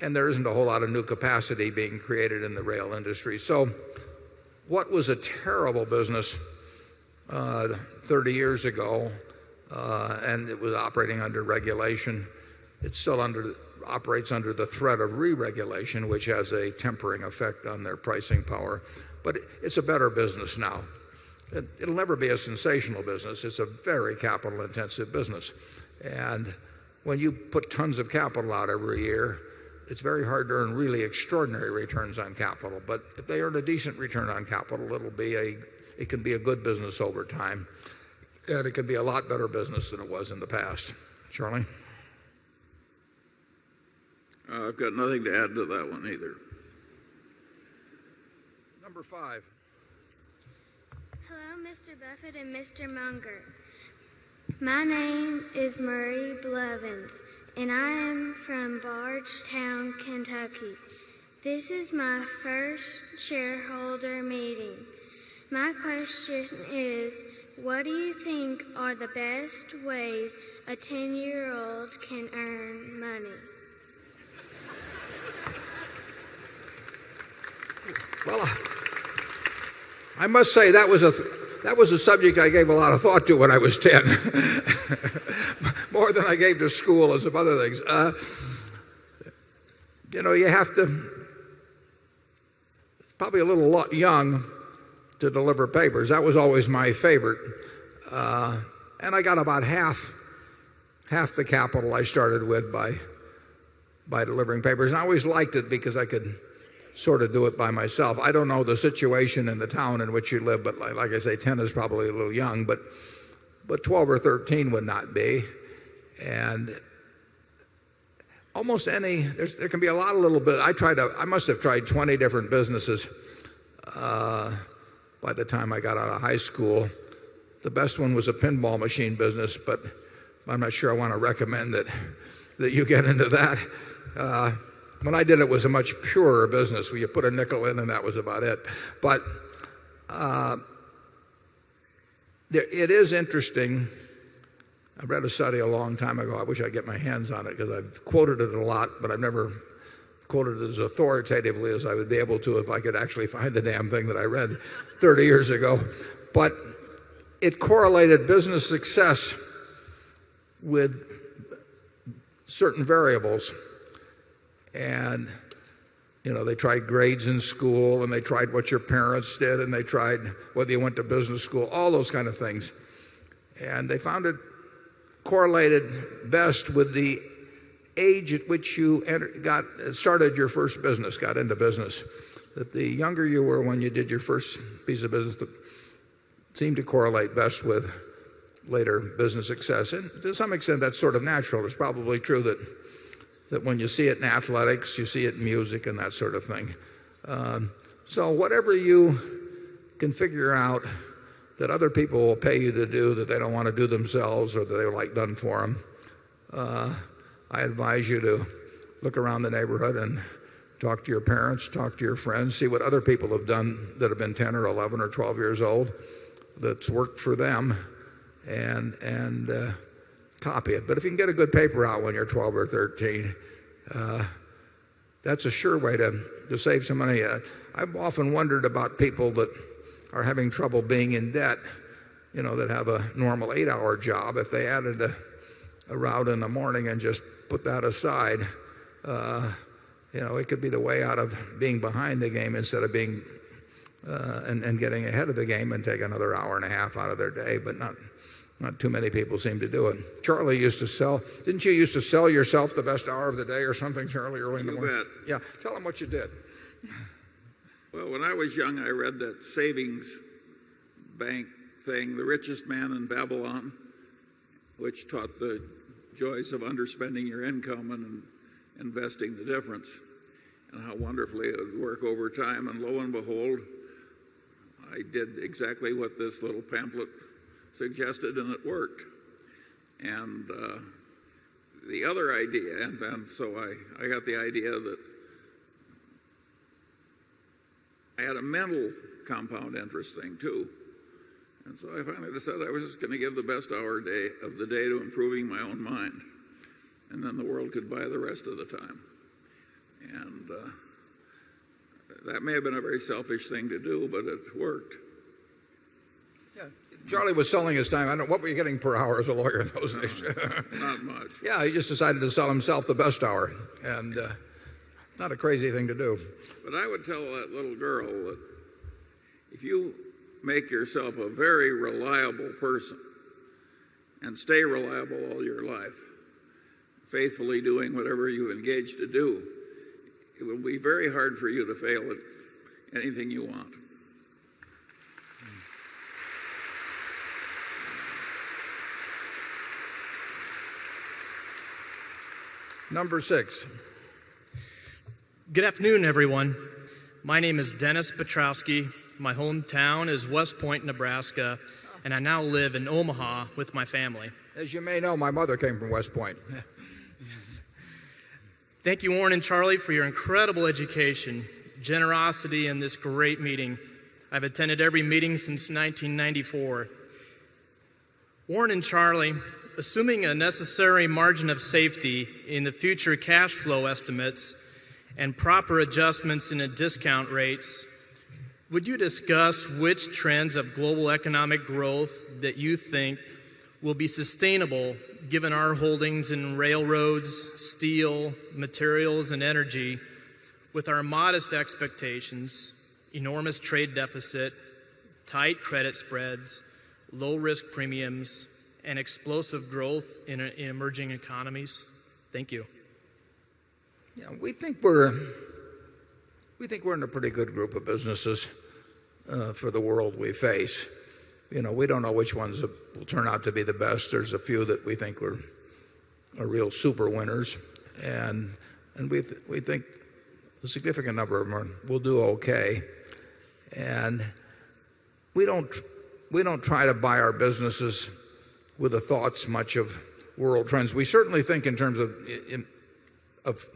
And there isn't a whole lot of new capacity being created in the rail industry. So what was a terrible business 30 years ago and it was operating under regulation, It still operates under the threat of reregulation which has a tempering effect on their pricing power. But it's a better business now. It'll never be a sensational business. It's a very capital intensive business. And when you put tons of capital out every year, it's very hard to earn really extraordinary returns on capital. But if they earn a decent return on capital, it will be a it can be a good business over time And it could be a lot better business than it was in the past. Charlie? I've got nothing to add to that one either. Number 5. Hello, Mr. Buffet and Mr. Munger. My name is Murray Blevins and I am from Bardstown, Kentucky. This is my first shareholder meeting. My question is what do you think are the best ways a 10 year old can earn money? Well, I must say a subject I gave a lot of thought to when I was 10. More than I gave to school and some other things. You have to probably a little young to deliver papers. That was always my favorite. And I got about half half the capital I started with by by delivering papers. And I always liked it because I could sort of do it by myself. I don't know the situation in the town in which you live but like I say, 10 is probably a little young but 12 or 13 would not be. And almost any there can be a lot of little bit. I tried to I must have tried 20 different businesses by the time I got out of high school. The best one was a pinball machine business but I'm not sure I want to recommend that you get into that. When I did, it was a much purer business where you put a nickel in and that was about it. But it is interesting. I read a study a long time ago. I wish I'd get my hands on it because I've quoted it a lot but I've never quoted it as authoritatively as I would be able to if I could actually find the damn thing that I read 30 years ago. But it correlated business success with certain variables. And, you know, they tried grades in school and they tried what your parents did and they tried whether you went to business school, all those kind of things. And they found it correlated best with the age at which you entered got started your first business, got into business. That the younger you were when you did your first piece of business, it seemed to correlate best with later business success. And to some extent that's sort of natural. It's probably true that when you see it in athletics, you see it in music and that sort of thing. So whatever you can figure out that other people will pay you to do that they don't want to do themselves or that they like done for them, I advise you to look around the neighborhood and talk to your parents, talk to your friends, see what other people have done that have been 10 or 11 or 12 years old that's worked for them and copy it. But if you can get a good paper out when you're 12 or 13, that's a sure way to save some money. I've often wondered about people that are having trouble being in debt that have a normal 8 hour job. If they added a route in the morning and just put that aside, it could be the way out of being behind the game instead of being and getting ahead of the game and take another hour and a half out of their day but not too many people seem to do it. Charlie used to sell. Didn't you use to sell yourself the best hour of the day or something, Charlie? I bet. Yeah. Tell them what you did. Well, when I was young, I read that savings bank thing, the richest man in Babylon which taught the joys of underspending your income and investing the difference and how wonderfully it worked overtime. And lo and behold, I did exactly what this little pamphlet suggested and it worked. And the other idea and so I got the idea that I had a mental compound interesting too. And So I finally decided I was just going to give the best hour of the day to improving my own mind and then the world could buy the rest of the time. And that may have been a very selfish thing to do but it worked. Yes. Charlie was selling his time. I don't know what we're getting per hour as a lawyer in those days. Not much. Yes. He just decided to sell himself the best hour and not a crazy thing to do. But I would tell that little girl that if you make yourself a very reliable person and stay reliable all your life, faithfully doing whatever you engage to do, it will be very hard for you to fail at anything you want. Number 6. Good afternoon everyone. My name is Dennis Petrowski. My hometown is West Point, Nebraska and I now live in Omaha with my family. As you may know my mother came from West Point. Thank you Warren and Charlie for your incredible education, generosity and this great meeting. I've attended every meeting since 1994. Warren and Charlie, assuming a necessary margin of safety in the future cash flow estimates and proper adjustments in the discount rates, would you discuss which trends of global economic growth that you think will be sustainable given our holdings in railroads, steel, materials and energy with our modest expectations, enormous trade deficit, tight credit spreads, low risk premiums and explosive growth in emerging economies? Thank you. We think we're in a pretty good group of businesses for the world we face. We don't know which ones will turn out to be the best. There's a few that we think are real super winners and we think a significant number of them will do okay. And we don't try to buy our businesses with the thoughts much of world trends. We certainly think in terms of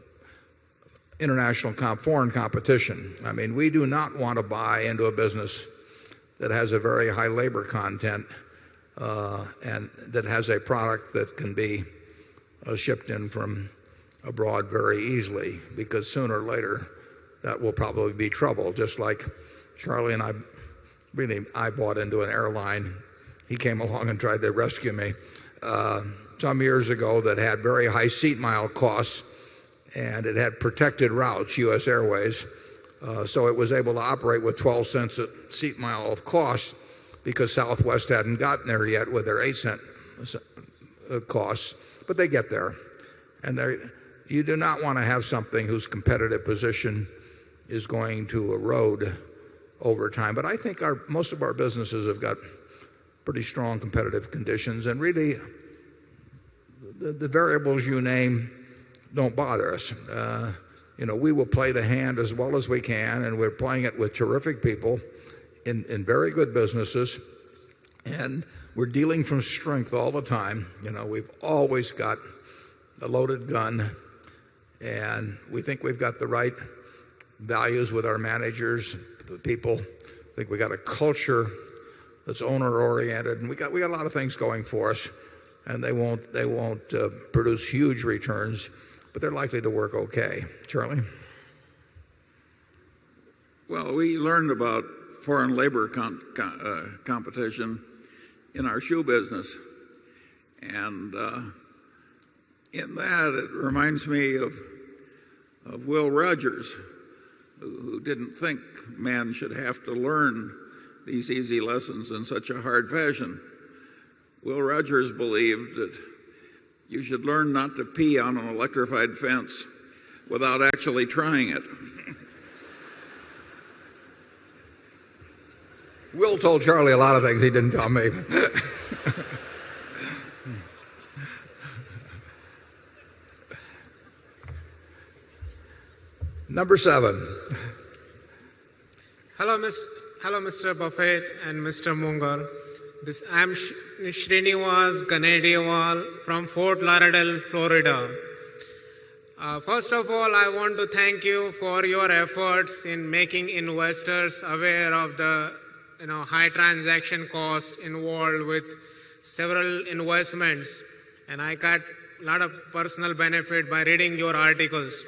international foreign competition. I mean, we do not want to buy into a business that has a very high labor content, and that has a product that can be shipped in from abroad very easily because sooner or later that will probably be trouble just like Charlie and I bought into an airline. He came along and tried to rescue me some years ago that had very high seat mile costs and it had protected routes, US Airways. So it was able to operate with $0.12 a seat mile of cost because Southwest hadn't gotten there yet with their $0.08 costs, but they get there. And you do not want to have something whose competitive position is going to erode over time. But I think most of our businesses have got pretty strong competitive conditions and really the variables you name don't bother us. We will play the hand as well as we can and we're playing it with terrific people in very good businesses and we're dealing from strength all the time. You know, we've always got a loaded gun and we think we've got the right values with our managers, the people. I think we got a culture that's owner oriented and we got a lot of things going for us and they won't produce huge returns but they're likely to work okay. Charlie? Well, we learned about foreign labor competition in our shoe business. And in that, it reminds me of Will Rogers who didn't think man should have to learn these easy lessons in such a hard fashion. Will Rogers believed that you should learn not to pee on an electrified fence without actually trying it. Will told Charlie a lot of things he didn't tell me. Number 7. Hello, Mr. Buffet and Mr. Mungal. This I'm Shrinivas Canadian Wall from Fort Lauderdale, Florida. First of all I want to thank you for your efforts in making investors aware of the high transaction cost involved with several investments and I got a lot of personal benefit by reading your articles.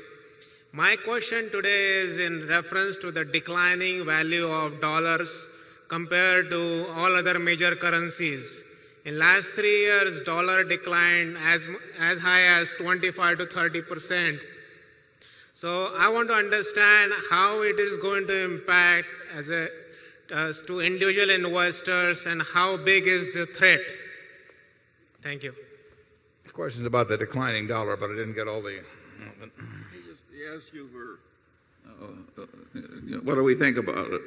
My question today is in reference to the declining value of dollars compared to all other major currencies. In last 3 years, dollar declined as high as 25% to 30%. So I want to understand how it is going to impact as a to individual investors and how big is the threat? Thank you. Question is about the declining dollar but I didn't get all the what do we think about it?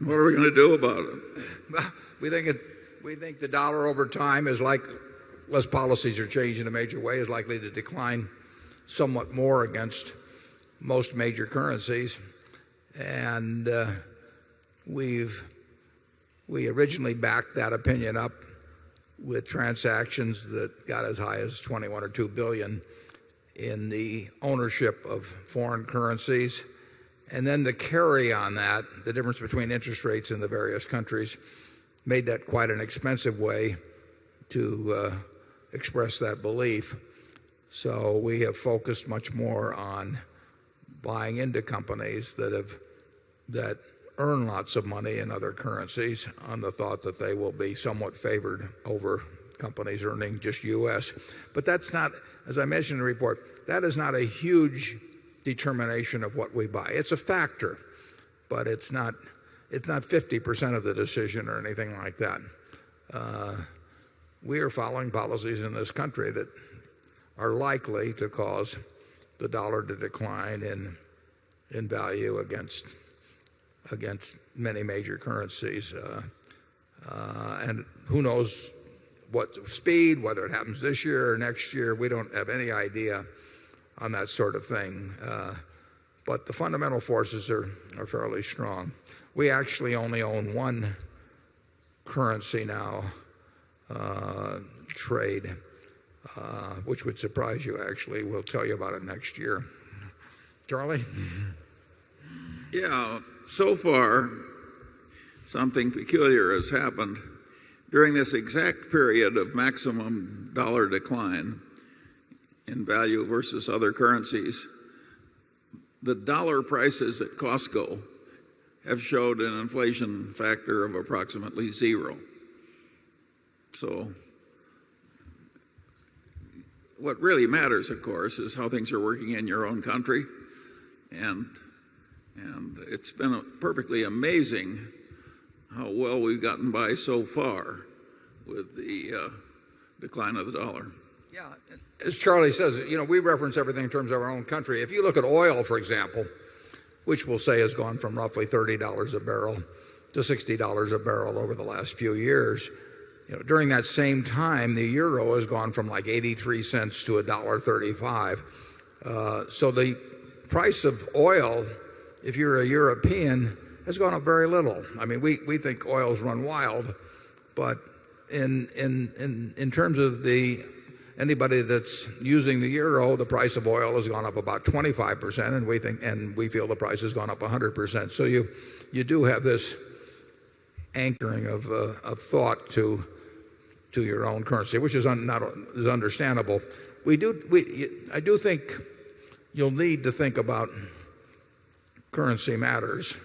What are we going to do about it? We think the dollar over time is like less policies are changing in a major way is likely to decline somewhat more against most major currencies and we originally backed that opinion up with transactions that got as high as $21,000,000,000 or $2,000,000,000 in the ownership of foreign currencies and then the carry on that, the difference between interest rates in the various countries made that quite an expensive way to express that belief. So we have focused much more on buying into companies that have that earn lots of money in other currencies on the thought that they will be somewhat favored over companies earning just US. But that's not, as I mentioned in the report, that is not a huge determination of what we buy. It's a factor, but it's not 50% of the decision or anything like that. We are following policies in this country that are likely to cause the dollar to decline in value against many major currencies. And who knows what speed, whether it happens this year or next year, we don't have any idea on that sort of thing. But the fundamental forces are fairly strong. We actually only own one currency now, trade, which would surprise you actually. We'll tell you about it next year. Charlie? Yes. So far, something peculiar has happened. During this exact period of maximum dollar decline in value versus other currencies, The dollar prices at Costco have showed an inflation factor of approximately 0. So what really matters of course is how things are working in your own country. And it's been perfectly amazing how well we've gotten by so far with the decline of the dollar. Yes. As Charlie says, we reference everything in terms of our own country. If you look at oil for example, which we'll say has gone from roughly $30 a barrel to $60 a barrel over the last few years, during that same time the euro has gone from $0.83 to $1.35 So the price of oil, if you're a European, has gone up very little. I mean, we think oil has run wild but in terms of the anybody that's using the euro, the price of oil has gone up about 25% and we think and we feel the price has gone up 100%. So you do have this anchoring of thought to your own currency which is understandable. I do think you'll need to think about currency matters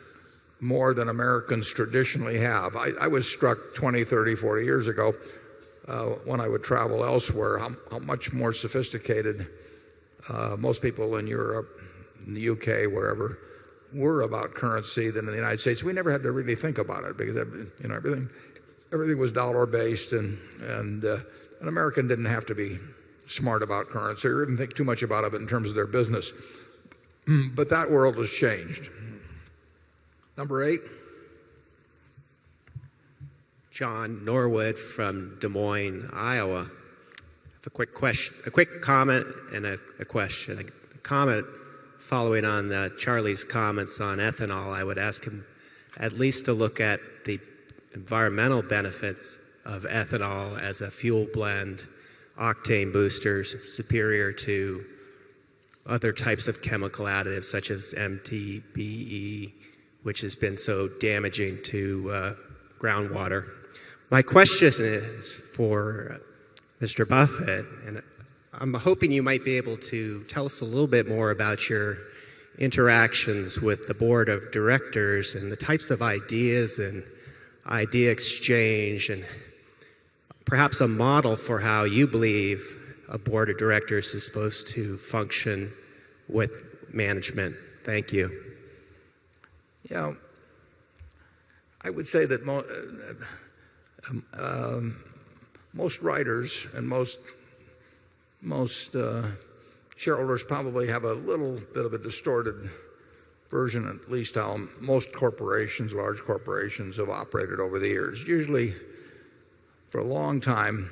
more than Americans traditionally have. I was struck 20, 30, 40 years ago when I would travel elsewhere how much more sophisticated most people in Europe, in the UK, wherever were about currency than in the United States. We never had to really think about it because everything was dollar based and an American didn't have to be smart about currency or even think too much about it in terms of their business. But that world has changed. Number 8? John Norwood from Des Moines, Iowa. A quick question a quick comment and a question. A comment following on, Charlie's comments on ethanol, I would ask him at least to look at the environmental benefits of ethanol as a fuel blend, octane boosters superior to other types of chemical additives such as MTBE which has been so damaging to, groundwater. My question is for mister Buffet and I'm hoping you might be able to tell us a little bit more about your interactions with the board of directors and the types of ideas and idea exchange and perhaps a model for how you believe a board of directors is supposed to function with management? Thank you. Yeah. I would say that most writers and most shareholders probably have a little bit of a distorted version at least. Most corporations, large corporations have operated over the years. Usually for a long time,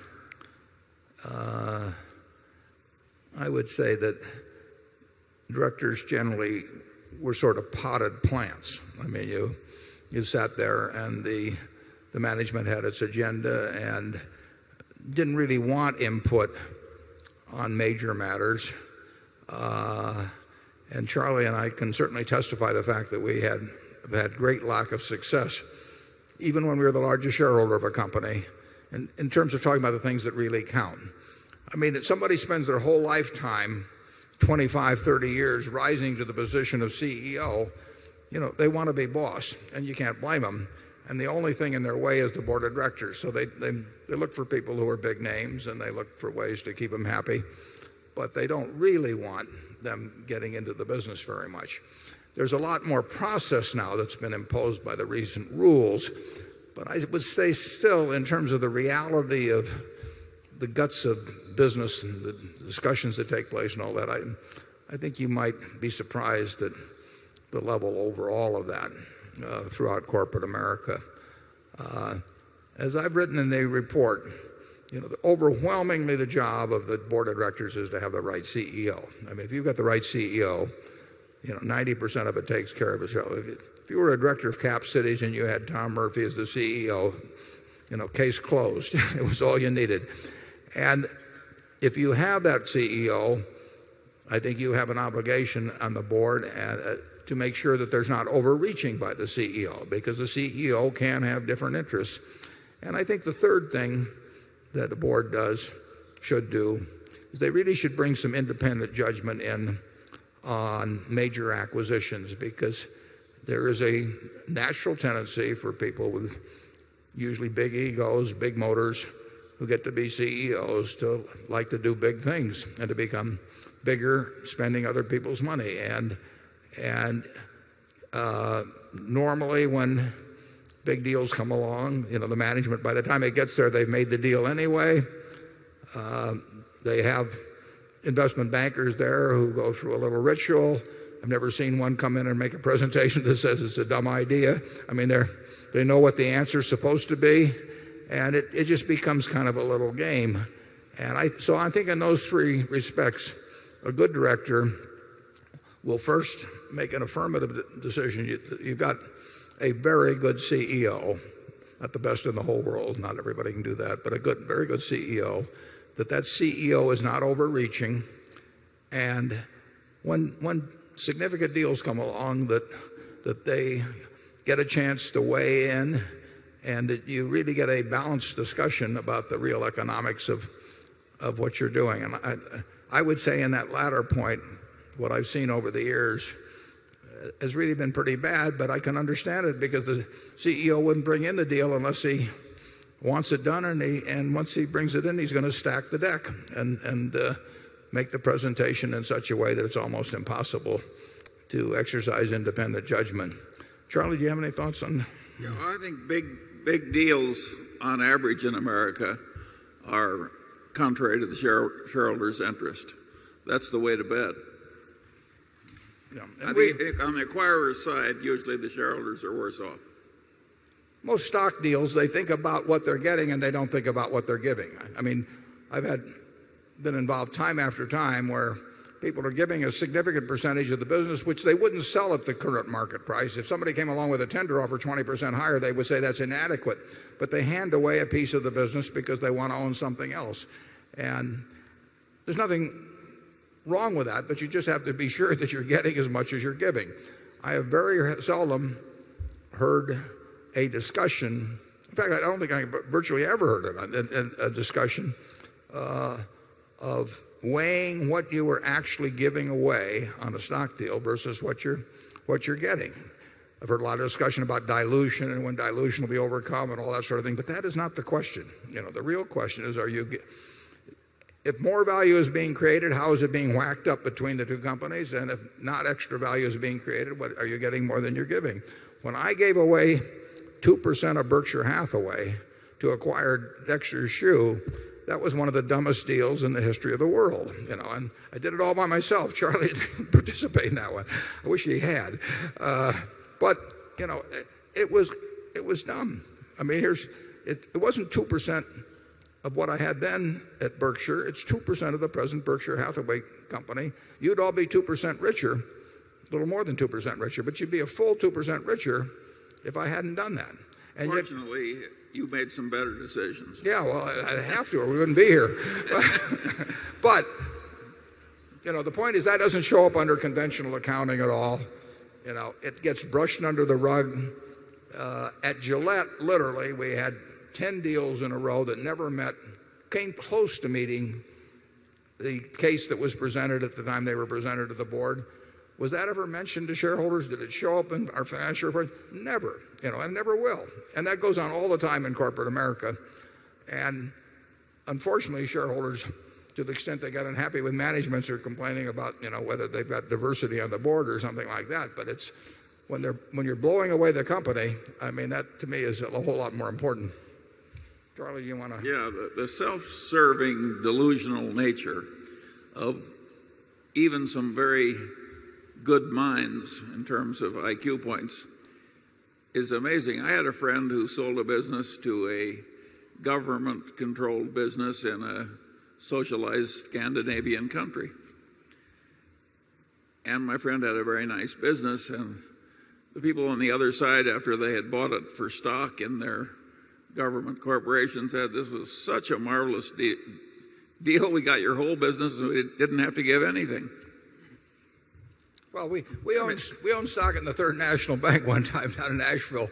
I would say that directors generally were sort of potted plants. I mean, you sat there and the management had its agenda and didn't really want input on major matters. And Charlie and I can certainly testify the fact that we had that great lack of success even when we are the largest shareholder of a company in terms of talking about the things that really count. I mean if somebody spends their whole lifetime, 25, 30 years rising to the position of CEO, they want to be boss and you can't blame them. And the only thing in their way is the Board of Directors. So they look for people who are big names and they look for ways to keep them happy, but they don't really want them getting into the business very much. There's a lot more process now that's been imposed by the recent rules. But I would say still in terms of the reality of the guts of business and the discussions that take place and all that, I think you might be surprised that the level overall of that throughout corporate America. As I've written in the report, overwhelmingly the job of the Board of Directors is to have the right CEO. I mean, if you've got the right CEO, 90% of it takes care of itself. If you were a director of cap cities and you had Tom Murphy as the CEO, case closed. It was all you needed. And if you have that CEO, I think you have an obligation on the board to make sure that there's not overreaching by the CEO because the CEO can have different interests. And I think the third thing that the board does should do is they really should bring some independent judgment in on major acquisitions because there is a national tendency for people with usually big egos, big motors who get to be CEOs to like to do big things and to become bigger spending other people's money. And normally, when big deals come along, the management by the time it gets there, they've made the deal anyway. They have investment bankers there who go through a little ritual. I've never seen one come in and make a presentation that says it's a dumb idea. I mean they're they know what the answer is supposed to be and it it just becomes kind of a little game. And I so I think in those three respects, a good director will first make an affirmative decision. You've got a very good CEO, not the best in the whole world, not everybody can do that, but a very good CEO that that CEO is not overreaching. And when significant deals come along that they get a chance to weigh in and that you really get a balanced discussion about the real economics of what you're doing. And I would say in that latter point, what I've seen over the years has really been pretty bad but I can understand it because the CEO wouldn't bring in the deal unless he wants it done. And once he brings it in, he's going to stack the deck and make the presentation in such a way that it's almost impossible to exercise independent judgment. Charlie, do you have any thoughts on that? No. I think big deals on average in America are contrary to the shareholders' interest. That's the way to bet. On the acquirer side, usually the shareholders are worse off. Most stock deals, they think about what they're getting and they don't think about what they're giving. I mean, I've had been involved time after time where people are giving a significant percentage of the business which they wouldn't sell at the current market price. If somebody came along with a tender offer 20% higher, they would say that's inadequate. But they hand away a piece of the business because they want to own something else. And there's nothing wrong with that but you just have to be sure that you're getting as much as you're giving. I have very seldom heard a discussion. In fact, I don't think I virtually ever heard a discussion of weighing what you were actually giving away on a stock deal versus what you're getting. I've heard a lot of discussion about dilution and when dilution will be overcome and all that sort of thing, but that is not the question. The real question is are you if more value is being created, how is it being whacked up between the 2 companies? And if not extra value is being created, what are you getting more than you're giving? When I gave away 2% of Berkshire Hathaway to acquire Dexter's shoe, that was one of the dumbest deals in the history of the world. And I did it all by myself. Charlie participate in that one. I wish he had. But it was dumb. I mean, it wasn't 2% of what I had then at Berkshire. It's 2% of the present Berkshire Hathaway company. You'd all be 2% richer, little more than 2% richer but you'd be a full 2% richer if I hadn't done that. Fortunately, you made some better decisions. Yes. Well, I have to or we wouldn't be here. But the point is that doesn't show up under conventional accounting at all. It gets brushed under the rug. At Gillette, literally, we had 10 deals in a row that never met, came close to meeting the case that was presented at the time they were presented to the board. Was that ever mentioned to shareholders? Did it show up in our financial report? Never. It never will. And that goes on all the time in Corporate America. And unfortunately, shareholders, to the extent they got unhappy with managements are complaining about whether they've got diversity on the board or something like that. But it's when they're when you're blowing away the company, I mean that to me is a whole lot more important. Charlie, do you want to Yes. The self serving delusional nature of even some very good minds in terms of IQ points is amazing. I had a friend who sold a business to a government controlled business in a socialized Scandinavian country. And my friend had a very nice business and the people on the other side after they had bought it for stock in their government corporation said this was such a marvelous deal. We got your whole business and we didn't have to give anything. Well, we own stock in the Third National Bank one time out in Nashville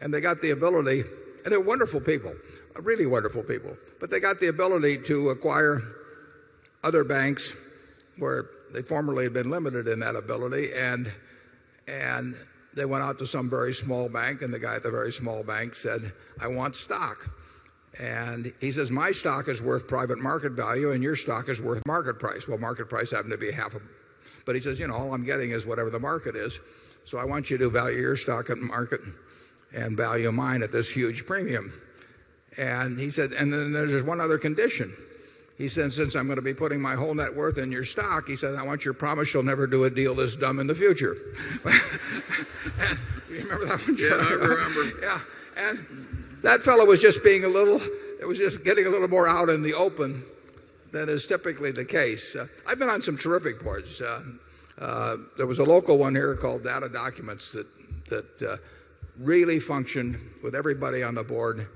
and they got the ability and they're wonderful people, really wonderful people but they got the ability to acquire other banks where they formerly have been limited in that ability and they went out to some very small bank and the guy at the very small bank said, I want stock. And he says, my stock is worth private market value and your stock is worth market price. Well, market price happened to be half of but he says, all I'm getting is whatever the market is. So I want you to value your stock at the market and value mine at this huge premium. And he said, and then there's just one other condition. He said, since I'm going to be putting my whole net worth in your stock, he said, I want your promise you'll never do a deal this dumb in the future. Do you remember that one? Yeah, I remember. Yeah. And that fellow was just being a little it was just getting a little more out in the open than is typically the case. I've been on some terrific parts. There was a local one here called data documents that really functioned with everybody on the Board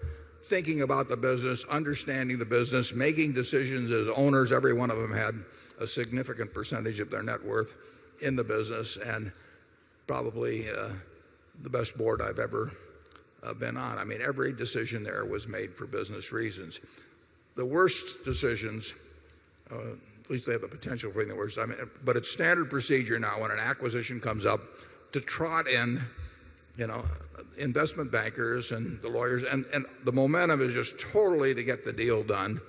thinking about the business, understanding the business, making decisions as owners, every one of them had a significant percentage of their net worth in the business and probably the best board I've ever been on. I mean every decision there was made for business reasons. The worst decisions, at least they have a potential for any worse, but it's standard procedure now when an acquisition comes up to trot in investment bankers and the lawyers and the momentum is just totally to get the deal done.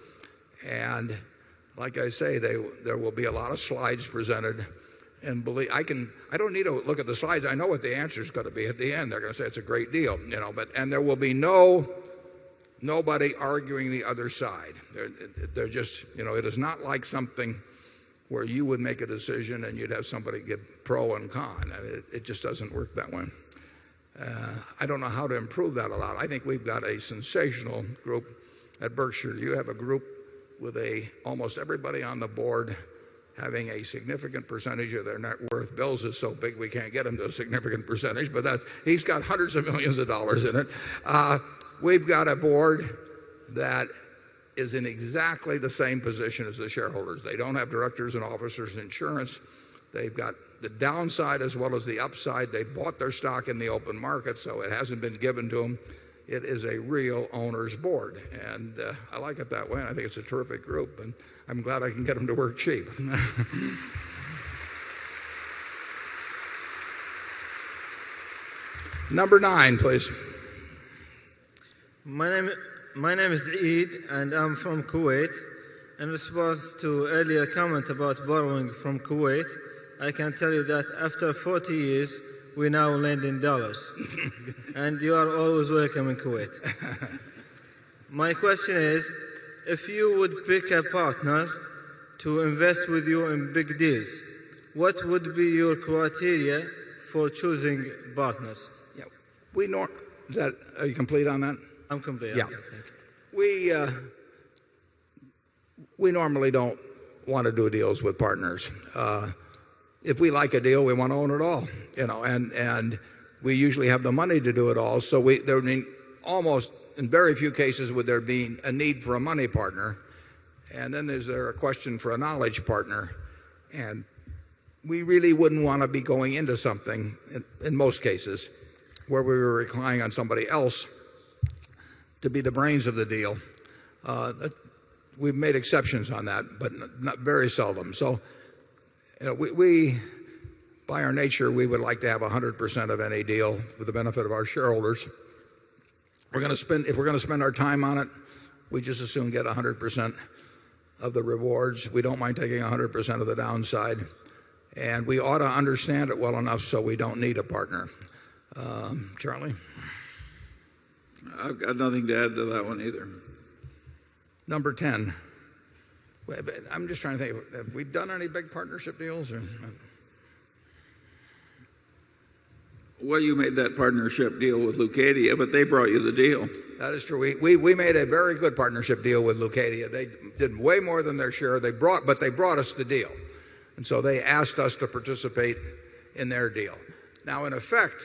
And like I say, there will be a lot of slides presented and I don't need to look at the slides. I know what the answer is going to be at the end. They're going to say it's a great deal. But and there will be nobody arguing the other side. They're just it is not like something where you would make a decision and you'd have somebody get pro and con. It just doesn't work that way. I don't know how to improve that a lot. I think we've got a sensational group at Berkshire. You have a group with almost everybody on the board having a significant percentage of their net worth bills is so big we can't get them to a significant percentage but that's he's got 100 of 1,000,000 of dollars in it. We've got a board that is in exactly the same position as the shareholders. They don't have directors and officers insurance. They've got the downside as well as the upside. They bought their stock in the open market, so it hasn't been given to them. It is a real owner's board. And I like it that way. I think it's a terrific group and I'm glad I can get them to work cheap. Number 9 please. My name is Eid and I'm from Kuwait. And as far as to earlier comment about borrowing from Kuwait, I can tell you that after 40 years we now lend in dollars. And you are always welcome in Kuwait. My question is if you would pick a partner to invest with you in big deals, what would be your criteria for choosing partners? We is that are you complete on that? I'm complete. Yeah. Okay. Thank you. We normally don't want to do deals with partners. If we like a deal, we want to own it all and we usually have the money to do it all. So there would be almost in very few cases where there being a need for a money partner. And then is there a question for a knowledge partner. And we really wouldn't want to be going into something in most cases where we were relying on somebody else to be the brains of the deal, we've made exceptions on that but not very seldom. So we by our nature, we would like to have 100% of any deal for the benefit of our shareholders. If we're going to spend our time on it, we just assume get 100% of the rewards. We don't mind taking 100% of the downside and we ought to understand it well enough so we don't need a partner. Charlie? I've got nothing to add to that one either. Number 10. I'm just trying to think, have we done any big partnership deals or? Well, you made that partnership deal with Lucadia, but they brought you the deal. That is true. We made a very good partnership deal with Lucadia. They did way more than their share. They brought but they brought us the deal. And so they asked us to participate in their deal. Now in effect,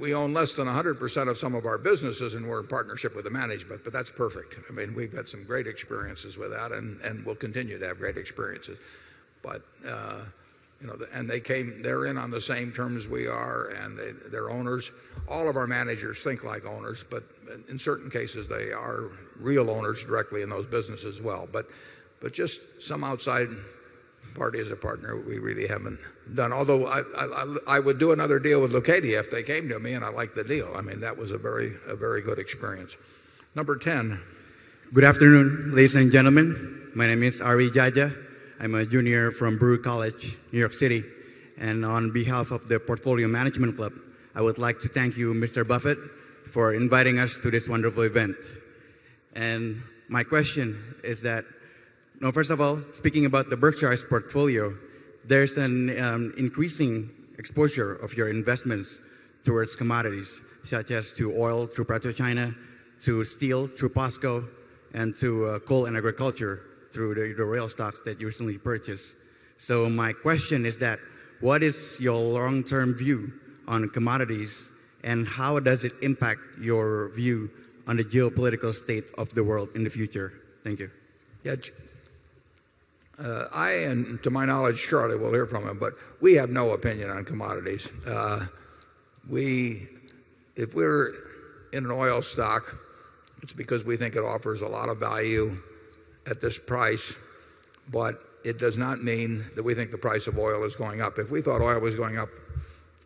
we own less than 100% of some of our businesses and we're in partnership with the management, but that's perfect. I mean, we've got some great experiences with that and we'll continue to have great experiences. But and they came they're in on the same terms as we are and they're owners. All of our managers think like owners but in certain cases they are real owners directly in those businesses as well. But just some outside party is a partner we really haven't done. Although I would do another deal with LUKADI if they came to me and I liked the deal. I mean that was a very good experience. Number 10. Good afternoon, ladies and gentlemen. My name is Ari Yajah. I'm a junior from Bruich College, New York City. And on behalf of the Portfolio Management Club, I would like to thank you, Mr. Buffet, for inviting us to this wonderful event. And my question is that, first of all, speaking about the Berkshire's portfolio, there's an increasing exposure of your investments towards commodities such as to oil through Prato China, to steel through POSCO and to coal and agriculture through the rail stocks that you recently purchased. So my question is that what is your long term view on commodities? And how does it impact your view on the geopolitical state of the world in the future? Thank you. I and to my knowledge, shortly we'll hear from him, but we have no opinion on commodities. If we're in an oil stock, it's because we think it offers a lot of value at this price but it does not mean that we think the price of oil is going up. If we thought oil was going up,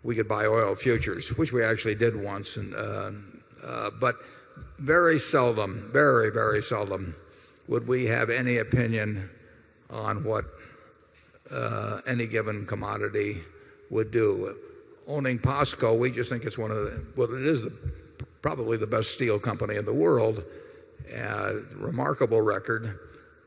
we could buy oil futures, which we actually did once. But very seldom, very, very seldom would we have any opinion on what, any given commodity would do. Owning POSCO, we just think it's one of the well, it is probably the best steel company in the world, remarkable record.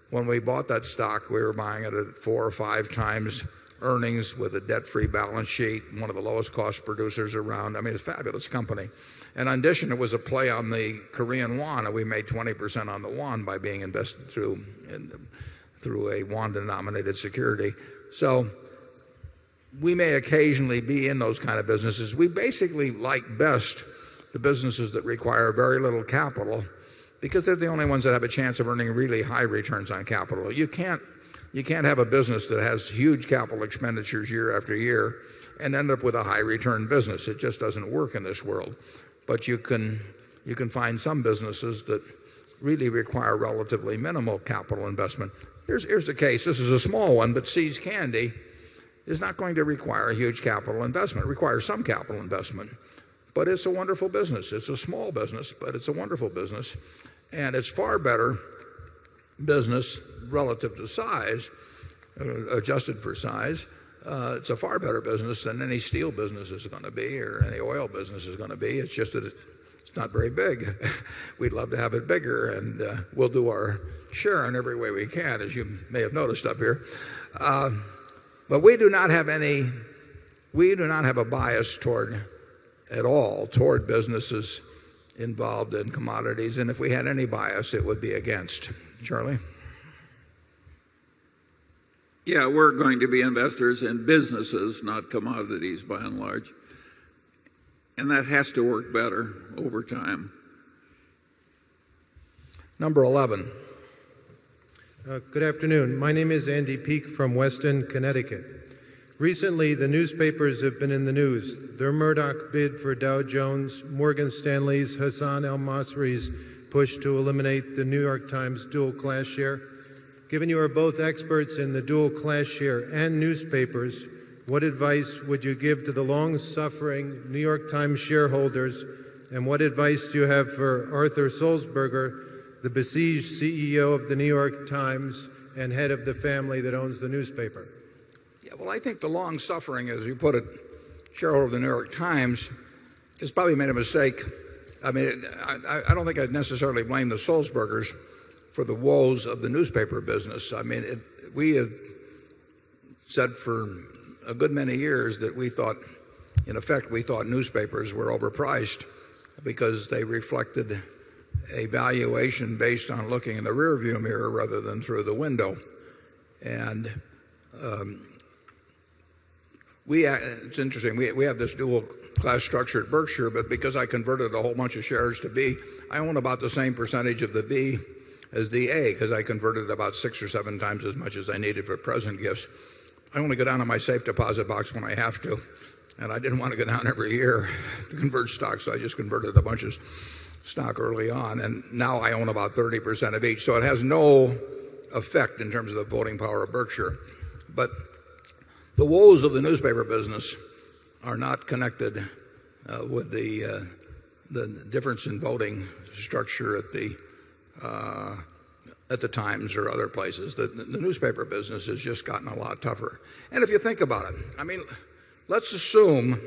When we bought that stock, we were buying it at 4 or 5 times earnings with a debt free balance sheet and one of the lowest cost producers around. I mean, it's a fabulous company. And on Dishon, it was a play on the Korean won and we made 20% on the won by being invested through a won denominated security. So we may occasionally be in those kind of businesses. We basically like best the businesses that require very little capital because they're the only ones that have a chance of earning really high returns on capital. You can't have a business that has huge capital expenditures year after year and end up with a high return business. It just doesn't work in this world. But you can find some businesses that really require relatively minimal capital investment. Here's the case. This is a small one, but See's Candy is not going to require a huge capital investment. It requires some capital investment, but it's a far better business relative to size, adjusted for size. It's a far better business than any steel business is going to be or any oil business is going to be. It's just that it's not very big. We'd love to have it bigger and we'll do our share in every way we can as you may have noticed up here. But we do not have any we do not have a bias toward at all toward businesses involved in commodities. And if we had any bias, it would be against. Charlie? Yes. We're going to be investors in businesses, not commodities by and large. And that has to work better over time. Number 11. Good afternoon. My name is Andy Peek from Weston, Connecticut. Recently, the newspapers have been in the news. Their Murdoch bid for Dow Jones, Morgan Stanley's Hassan El Masri's push to eliminate the New York Times dual class share. Given you are both experts in the dual class share and newspapers, what advice would you give to the long suffering New York Times shareholders and what advice do you have for Arthur Sulzberger, the besieged CEO of the New York Times and head of the family that owns the newspaper? Well, I think the long suffering, as you put it, shareholder of the New York Times, has probably made a mistake. I mean, I don't think I'd necessarily blame the Sulzburgers for the woes of the newspaper business. I mean, we have said for a good many years that we thought, in effect, we thought newspapers were overpriced because they reflected a valuation based on looking in the rearview mirror rather than through the window. And it's interesting, we have this dual class structured Berkshire, but because I converted a whole bunch of shares to B, I own about the same percentage of the B as the A because I converted about 6 or 7 times as much as I needed for present gifts. I I want to get down to my safe deposit box when I have to and I didn't want to get down every year to convert stock. So I just converted a bunch of stock early on and now I own about 30% of each. So it has no effect in terms of the voting power of Berkshire. But the woes of the newspaper business are not connected with the difference in voting structure at The Times or other places, the newspaper business has just gotten a lot tougher. And if you think about it, I mean, let's assume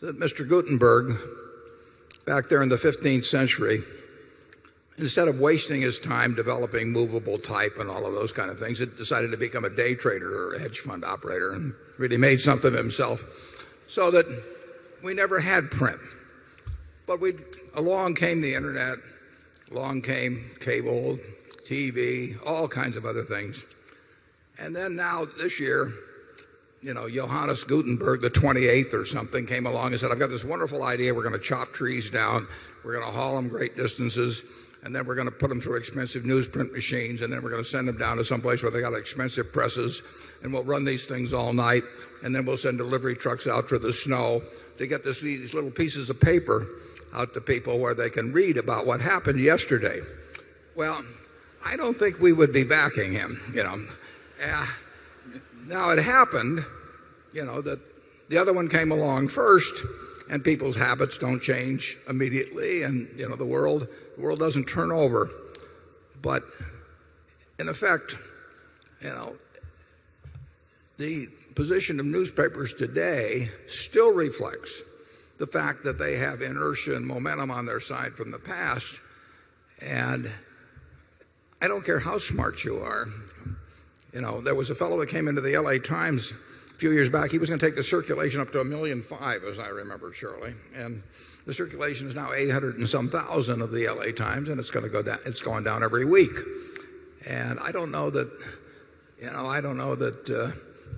that Mr. Gutenberg back there in the 15th century, instead of wasting his time developing movable type and all of those kinds of things, he decided to become a day trader or a hedge fund operator and really made something himself so that we never had print. But we along came the internet, along came cable, TV, all kinds of other things. And then now this year, Johannes Gutenberg 28 or something came along and said, I've got this wonderful idea. We're going to chop trees down. We're going to haul them great distances and then we're going to put them through expensive newsprint machines and then we're going to send them down to some place where they got expensive presses and we'll run these things all night and then we'll send delivery trucks out through the snow to get these little pieces of paper out to people where they can read about what happened yesterday. Well, I don't think we would be backing him. Now it happened that the other one came along first and people's habits don't change immediately and you know, the world doesn't turn over. But in effect, the position of newspapers today still reflects the fact that they have inertia and momentum on their side from the past and I don't care how smart you are. There was a fellow that came into the LA Times a few years back. He was going to take the circulation up to 1,500,000 as I remember it shortly. And the circulation is now 800 and some 1000 of the LA Times and it's going to go down it's going down every week. And I don't know that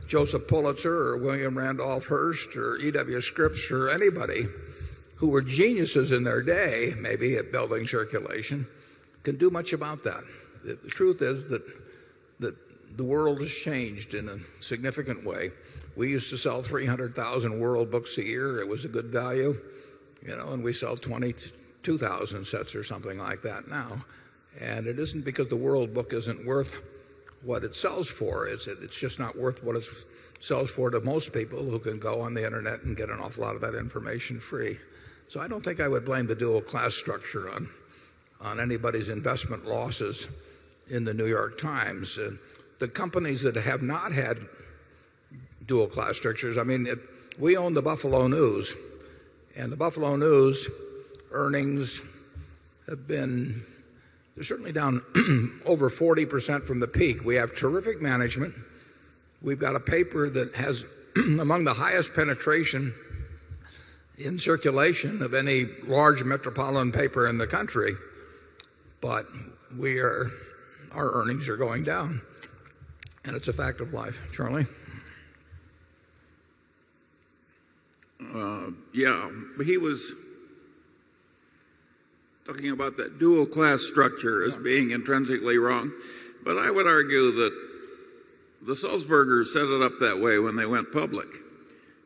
Joseph Pulitzer or William Randolph Hearst or E. W. Scripps or anybody who were geniuses in their day maybe at building circulation can do much about that. The truth is that the world has changed in a significant way. We used to sell 300,000 world books a year. It was a good value and we sell 22,000 sets or something like that now. And it isn't because the world book isn't worth what it sells for, is it? It's just not worth what it sells for to most people who can go on the internet and get an awful lot of that information free. So I don't think I would blame the dual class structure on anybody's investment losses in the New York Times. The companies that have not had dual class structures, I mean, we own the Buffalo News and the Buffalo News earnings have been they're certainly down over 40% from the peak. We have terrific management. We've got a paper that has among the highest penetration in circulation of any large metropolitan paper in the country but we are our earnings are going down and it's a fact of life. Charlie? Yes. He was talking about that dual class structure as being intrinsically wrong. But I would argue that the Sulzberger set it up that way when they went public.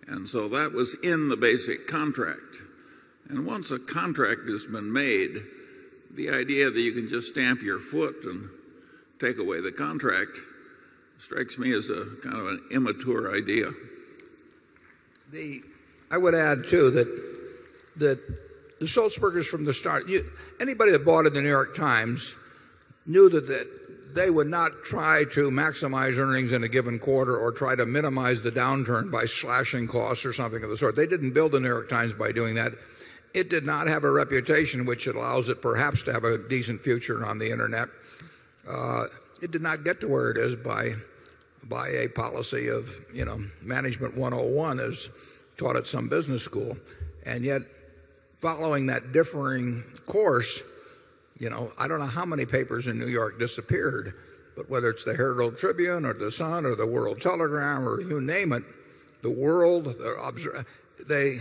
And so that was in the basic contract. And once a contract has been made, the idea that you can just stamp your foot and take away the contract strikes me as kind of an immature idea. I would add too that the Salzburgers from the start, anybody that bought at the New York Times knew that they would not try to maximize earnings in a given quarter or try to reputation which allows It did not have a reputation which allows it perhaps to have a decent future on the internet. It did not get to where it is by a policy of Management 101 is taught at some business school. And yet following that differing course, I don't know how many papers in New York disappeared, but whether it's the Herald Tribune or the Sun or the World Telegram or you name it, the world, they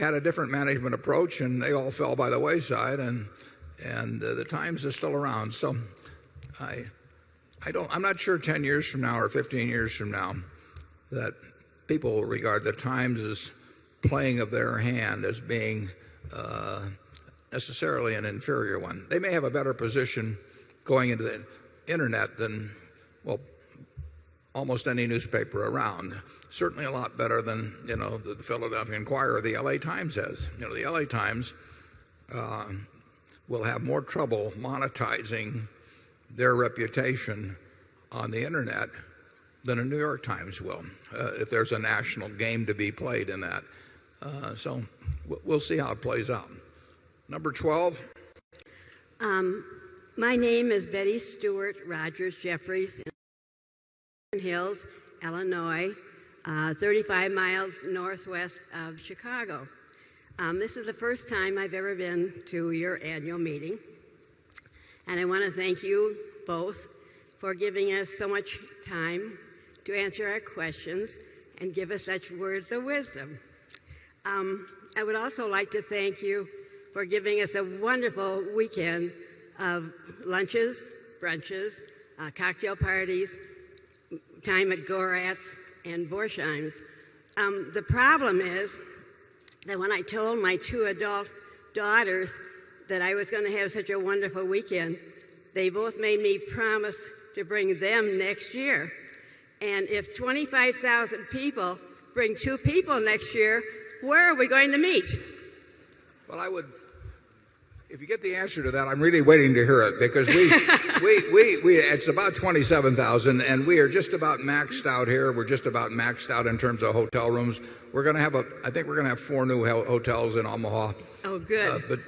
had a different management approach and they all fell by the wayside and the times are still around. So I'm not sure 10 years from now or 15 years from now that people will regard the times as playing of their hand as being necessarily an inferior one. They may have a better position going into the Internet than almost any newspaper around. Certainly a lot better than the Philadelphia Inquirer or the LA Times says. The LA Times will have more trouble monetizing their reputation on the internet than the New York Times will, if there's a national game to be played in that. So we'll see how it plays out. Number 12? My name is Betty Stewart Rogers Jeffries in Hills, Illinois, 35 miles northwest of Chicago. This is the first time I've ever been to your annual meeting. And I want to thank you both for giving us so much time to answer our questions and give us such words of wisdom. I would also like to thank you for giving us a wonderful weekend of lunches, brunches, cocktail parties, time at Goraz and Borsheim's. The problem is that when I told my 2 adult daughters that I was going to have such a wonderful weekend, they both made me promise to bring them next year. And if 25,000 people bring 2 people next year, where are we going to meet? Well, I would if you get the answer to that, I'm really waiting to hear it because we it's about 27,000 and we are just about maxed out here. We're just about maxed out in terms of hotel rooms. I think we're going to have 4 new hotels in Omaha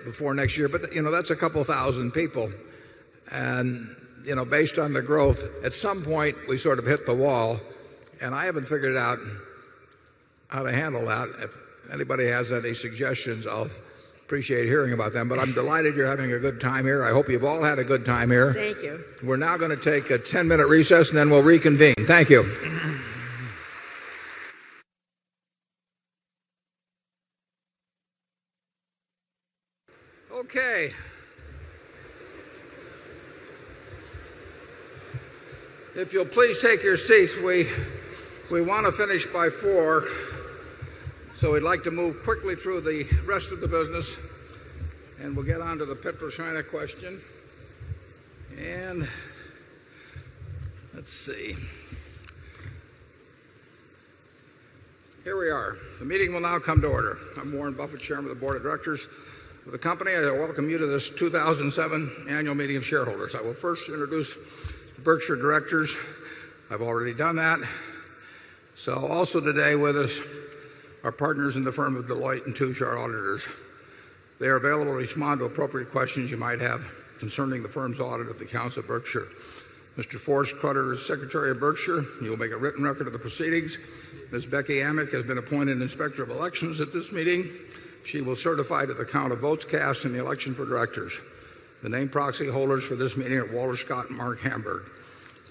before next year. But that's a couple of 1,000 people. And based on the growth, at some point, we sort of hit the wall and I haven't figured out how to handle that. If anybody has any suggestions, I'll appreciate hearing about them. But I'm delighted you're having a good time here. I hope you've all had a good time here. Thank you. We're now going to take a 10 minute recess and then we'll reconvene. Thank you. Okay. And Here we are. The meeting will now come to order. I'm Warren Buffett, Chairman of the Board of Directors of the company. I welcome you to this 2,007 Annual Meeting of Shareholders. I will first introduce Berkshire directors. I've already done that. So also today with us are partners in the firm of Deloitte and Toujar auditors. They are available to respond to appropriate questions you might have concerning the firm's audit of the accounts of Berkshire. Mr. Forrest Carter is Secretary of Berkshire. You will make a written record of the proceedings. Ms. Becky Amick has been appointed Inspector of Elections at this meeting. She will certify that the count of votes cast in the election for directors. The named proxy holders for this meeting are Walter Scott and Mark Hamburg.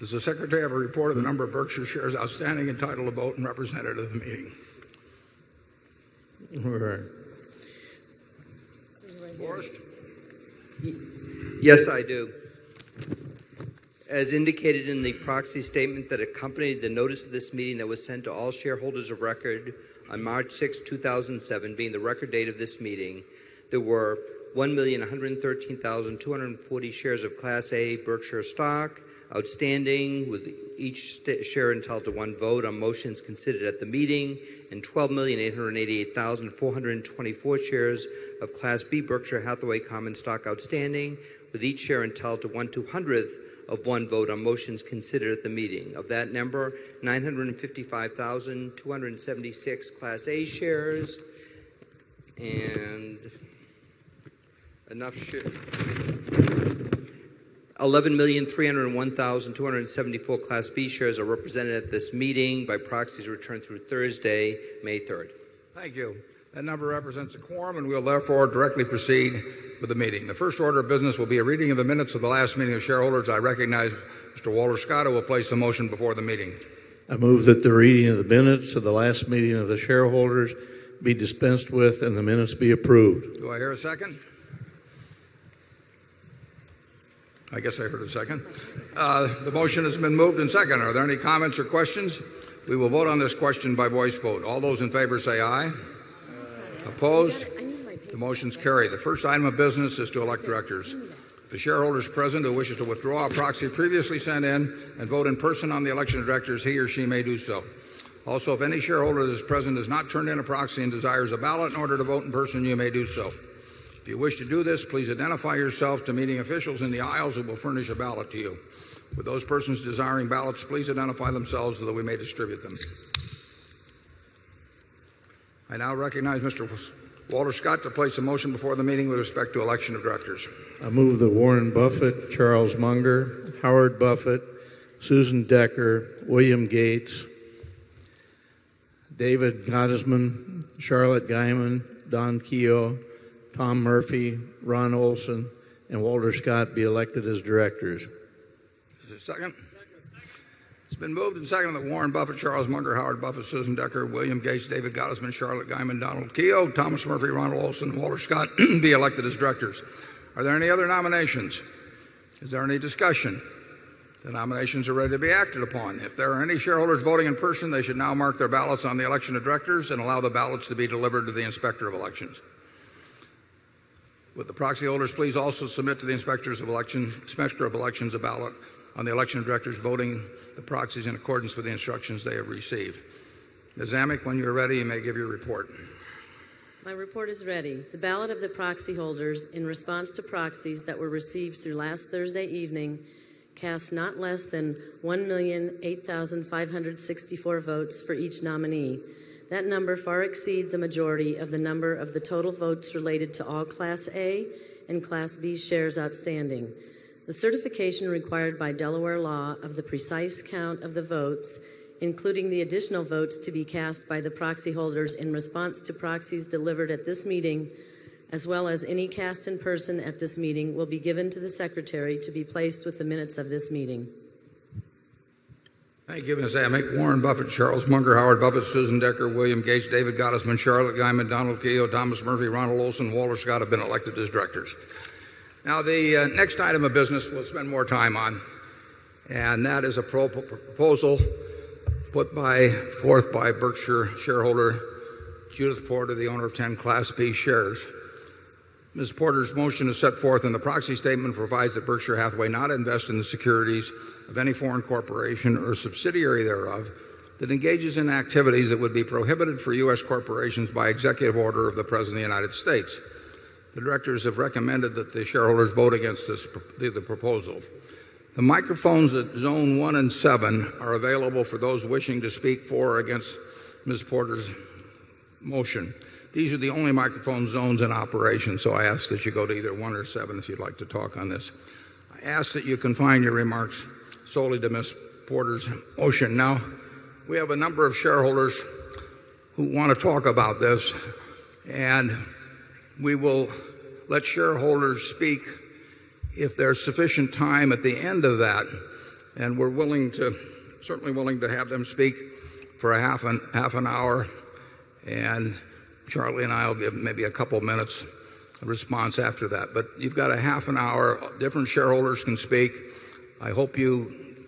Does the secretary have a report of the number of Berkshire shares outstanding entitled to vote and representative of the meeting? Yes, I do. As indicated in the proxy statement that accompanied the notice this meeting that was sent to all shareholders of record on March 6, 2007 being the record date of this meeting, there were 1,113,240 shares of Class A Berkshire Stock outstanding with each share entitled to one vote on motions considered at the meeting and 12,888,424 Shares of Class B Berkshire Hathaway common stock outstanding with each share in total of 1 200th of 1 vote on motions considered at the meeting. Of that number, 955,276 Class A shares and 11,301,274 Class B shares are represented at this meeting by proxies returned through Thursday, May 3rd. Thank you. That number represents a quorum and we will therefore directly proceed with the meeting. The first order of business will be a reading of the minutes of the last meeting of the shareholders. I recognize Mr. Walter Scott, who will place the motion before the meeting. I move that the reading of the minutes of the last meeting of the shareholders be dispensed with and the minutes be approved. Do I hear a second? I guess I heard a second. The motion has been moved and seconded. Are there any comments or questions? We will vote on this question by voice vote. All those in favor, say aye. Aye. Opposed? The motion is carried. The first item of business is to elect directors. The shareholders present who wishes to withdraw a proxy previously sent in and vote in person on the election of directors, he or she may do so. Also, if any shareholder that is present does not turn in a proxy and desires a ballot in order to vote in person, you may do so. If you wish to do this, please identify yourself to meeting officials in the aisles who will furnish a ballot to you. With those persons desiring ballots, please identify themselves so that we may distribute them. I now recognize Mr. Walter Scott to place a motion before the meeting with respect to election of directors. I move that Warren Buffett, Charles Munger, Howard Buffett, Susan Decker, William Gates, David Gottesman, Charlotte Guyman, Don Keogh, Tom Murphy, Ron Olson, and Walter Scott be elected as directors. Is there a second? It's been moved and seconded that Warren Buffett, Charles Munger, Howard Buffett, Susan Decker, William Gates, David Gottesman, Charlotte Guyman, Donald Keogh, Thomas Murphy, Ronald Olson, Walter Scott be elected as directors. Walter Scott be elected as directors. Are there any other nominations? Is there any discussion? The nominations are ready to be acted upon. If there are any shareholders voting in person, they should now mark their ballots on the election of directors and allow the ballots to be delivered to the Inspector of Elections. Would the proxy holders please also submit to the Inspector of Elections a ballot on the Election of Directors voting the proxies in accordance with the instructions they have received. Ms. Zamek, when you're ready, you may give your report. My report is ready. The ballot of the proxy holders in response to proxies that were received through last Thursday evening cast not less than 1,000,08,564 votes for each nominee. That number far exceeds the majority of the number of the total votes related to all class A and class B shares outstanding. The certification required by Delaware law of the precise count of the votes, including the additional votes to be cast by the proxy holders in response to proxies delivered at this meeting as well as any cast in person at this meeting will be given to the secretary to be placed with the minutes of this meeting. Thank you, Mr. Amick. Warren Buffett, Charles Munger, Howard Buffett, Susan Decker, William Gates, David Gottesman, Charlotte Guyman, Donald Keogh, Thomas Murphy, Ronald Olson, Walter Scott have been elected as directors. Now the next item of business we'll spend more time on and that is a proposal put forth by Berkshire shareholder Judith Porter, the owner of 10 Class B shares. Ms. Porter's motion is set forth and the proxy statement provides that Berkshire Hathaway not invest in the securities of any foreign corporation or subsidiary thereof that engages in activities that would be prohibited for US corporations by executive order of the President of the United States. The directors have recommended that the shareholders vote against this proposal. The microphones at Zone 17 are available for those wishing to speak for or against Ms. Porter's motion. These are the only microphone zones in operation. So I ask that you go to either 1 or 7 if you'd like to talk on this. I ask that you can find your remarks solely to Miss Porter's ocean. Now we have a number of shareholders who want to talk about this. And we will let shareholders speak if there's sufficient time at the end of that. And we're willing to certainly willing to have them speak for half an hour. And Charlie and I will give maybe a couple of minutes of response after that. But you've got a half an hour, different shareholders can speak. I hope you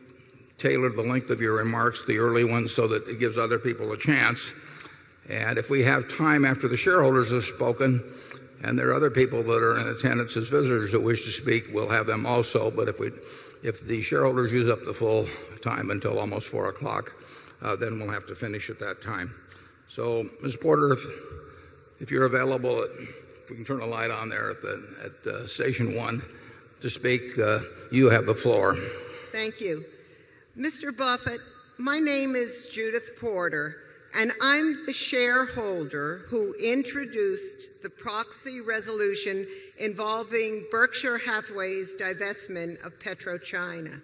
tailored the length of your remarks, the early ones, so that it gives other people a chance. And if we have time after the shareholders have spoken and there are other people that are in attendance as visitors that wish to speak, we'll have them also. But if the shareholders use up the full time until almost 4 o'clock, then we'll have to finish at that time. So Ms. Porter, if you're available, if you can turn the light on there at Station 1 to speak, you have the floor. Thank you. Mister Buffet, my name is Judith Porter and I'm the shareholder who introduced the proxy resolution involving Berkshire Hathaway's divestment of PetroChina.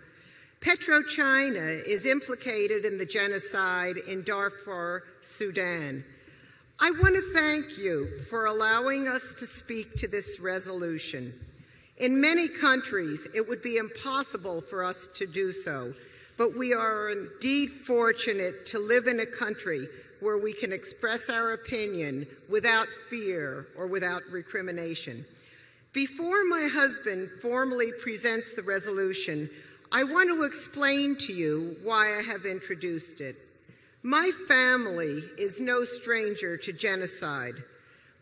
PetroChina is implicated in the genocide in Darfur, Sudan. I want to thank you for allowing us to speak to this resolution. In many countries, it would be impossible for us to do so, but we are indeed fortunate to live in a country where we can express our opinion without fear or without recrimination. Before my husband formally presents the resolution, I want to explain to you why I have introduced it. My family is no stranger to genocide.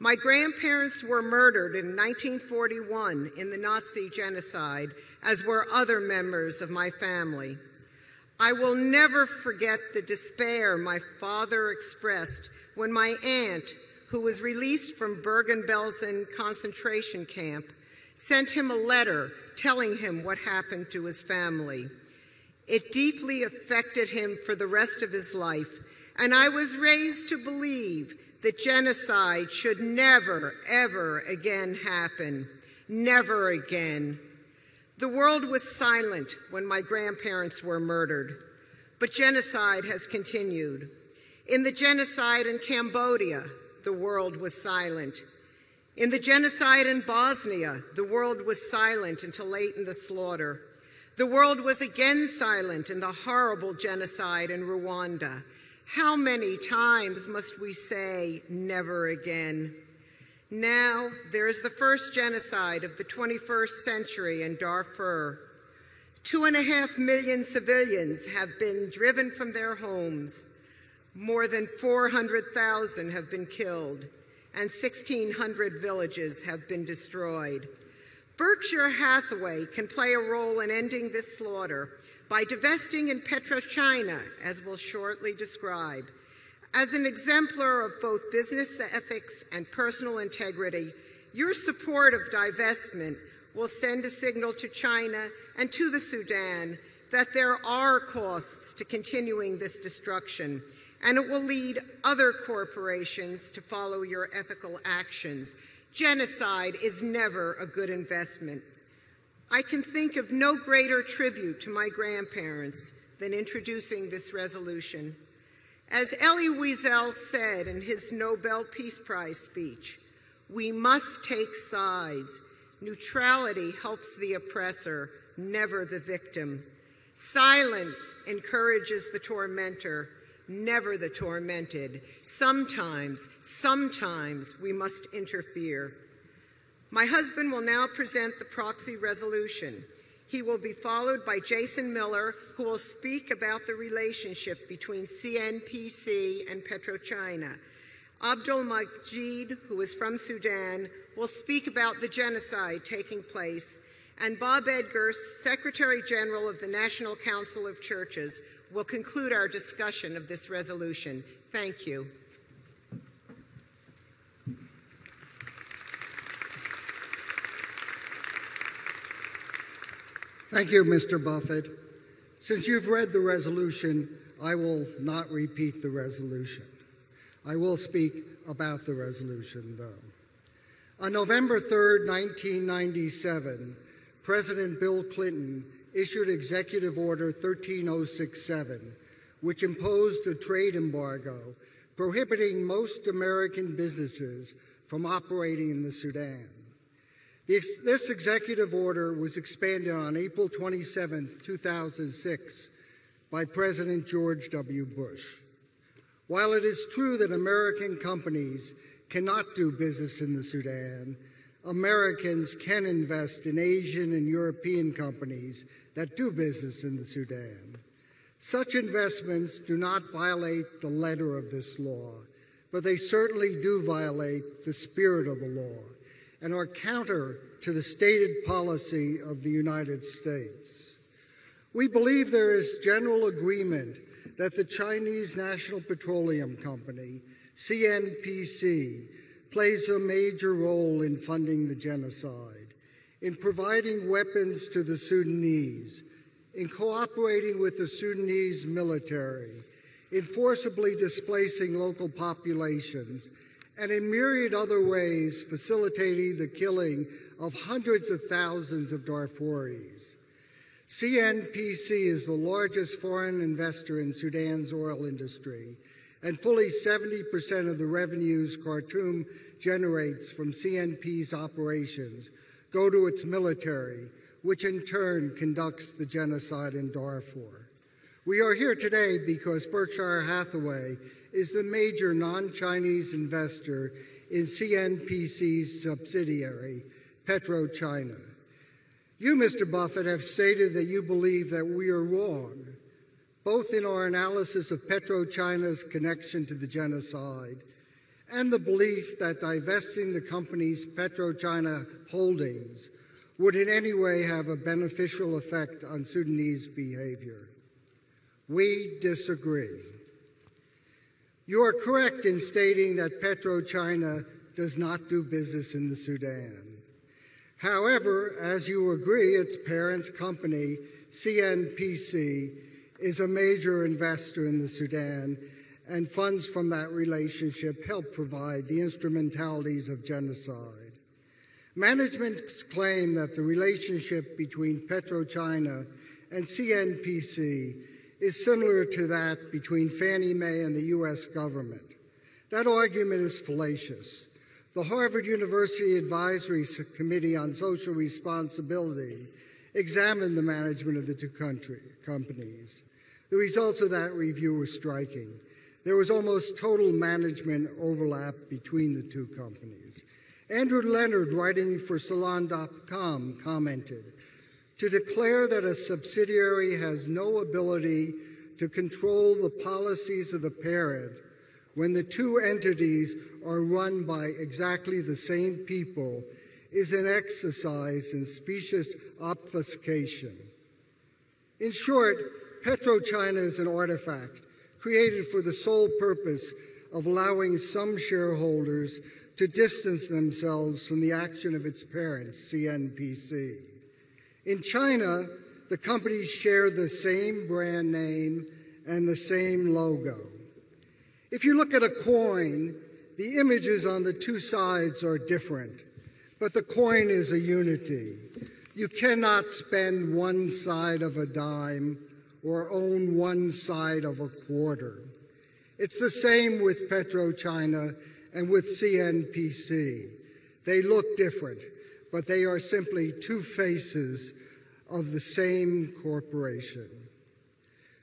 My grandparents were murdered in 1941 in the Nazi genocide as were other members of my family. I will never forget the despair my father expressed when my aunt, who was released from Bergen Belsen concentration camp, sent him a letter telling him what happened to his family. It deeply affected him for the rest of his life and I was raised to believe that genocide should never ever again happen, never again. The world was silent when my grandparents were murdered, but genocide has continued. In the genocide in Cambodia, the world was silent. In the genocide in Bosnia, the world was silent until late in the slaughter. The world was again silent in the horrible genocide in Rwanda. How many times must we say never again? Now there is the first genocide of the 21st century in Darfur. 2a half 1000000 civilians have been driven from their homes. More than 400,000 have been killed and 1600 villages have been destroyed. Berkshire Hathaway can play a role in ending this slaughter by divesting in PetroChina as we'll shortly describe. As an exemplar of both business ethics and personal integrity, your support of divestment will send a signal to China and to the Sudan that there are costs to continuing this destruction and it will lead other corporations to follow your ethical actions. Genocide is never a good investment. I can think of no greater tribute to my grandparents than introducing this resolution. As Elie Wiesel said in his Nobel Peace Prize speech, we must take sides. Neutrality helps the oppressor, never the victim. Silence encourages the tormentor, never the tormented. Sometimes sometimes we must interfere. My husband will now present the proxy resolution. He will be followed by Jason Miller who will speak about the relationship between CNPC and PetroChina. Abdul Majid, who is from Sudan, will speak about the genocide taking place and Bob Edgors, secretary general of the National Council of Churches, will conclude our discussion of this resolution. Thank you. Thank you, Mr. Buffet. Since you've read the resolution, I will not repeat the resolution. I will speak about the resolution though. On November 3, 1997, president Bill Clinton issued executive order 13067 which imposed a trade embargo prohibiting most American businesses from operating in the Sudan. This executive order was expanded on April 27, 2006 by president George w Bush. While it is true that American companies cannot do business in the Sudan, Americans can invest in Asian and European companies that do business in the Sudan. Such investments do not violate the letter of this law, but they certainly do violate the spirit of the law and are counter to the stated policy of the United States. We believe there is general agreement that the Chinese National Petroleum Company, CNPC, plays a major role in funding the genocide, in providing weapons to the Sudanese, in cooperating with the Sudanese military, in forcibly displacing local populations and in myriad other ways facilitating the killing of 100 of 1000 of Darfuris. CNPC is the largest foreign investor in Sudan's oil industry and fully 70% of the revenues Khartoum generates from CNP's operations go to its military, which in turn conducts the genocide in Darfur. We are here today because Berkshire Hathaway is the major non Chinese investor in CNPC's subsidiary, PetroChina. You, mister Buffet, have stated that you believe that we are wrong, both in our analysis of PetroChina's connection to the genocide and the belief that divesting the company's PetroChina holdings would in any way have a beneficial effect on Sudanese behavior. We disagree. You are correct in stating that PetroChina does not do business in the Sudan. However, as you agree, its parent's company, CNPC, is a major investor in the Sudan, and funds from that relationship help provide the instrumentalities of genocide. Management's claim that the relationship between PetroChina and CNPC is similar to that between Fannie Mae and the US government. That argument is fallacious. The Harvard US government. That argument is fallacious. The Harvard University advisory committee on social responsibility examined the management of the 2 countries. The results of that review was striking. There was almost total management overlap between the two companies. Andrew Leonard, writing for salon.com, commented, to declare that a subsidiary has no ability to control the policies of the parent when the 2 entities are run by exactly the same people is an exercise in specious obfuscation. In short, PetroChina is an artifact created for the sole purpose of allowing some shareholders to distance themselves from the action of its parent, CNPC. In China, the company shared the same brand name and the same logo. If you look at a coin, the images on the two sides are different, but the coin is a unity. You cannot spend one side of a dime or own one side of a quarter. It's the same with PetroChina and with CNPC. They look different, but they are simply 2 faces of the same corporation.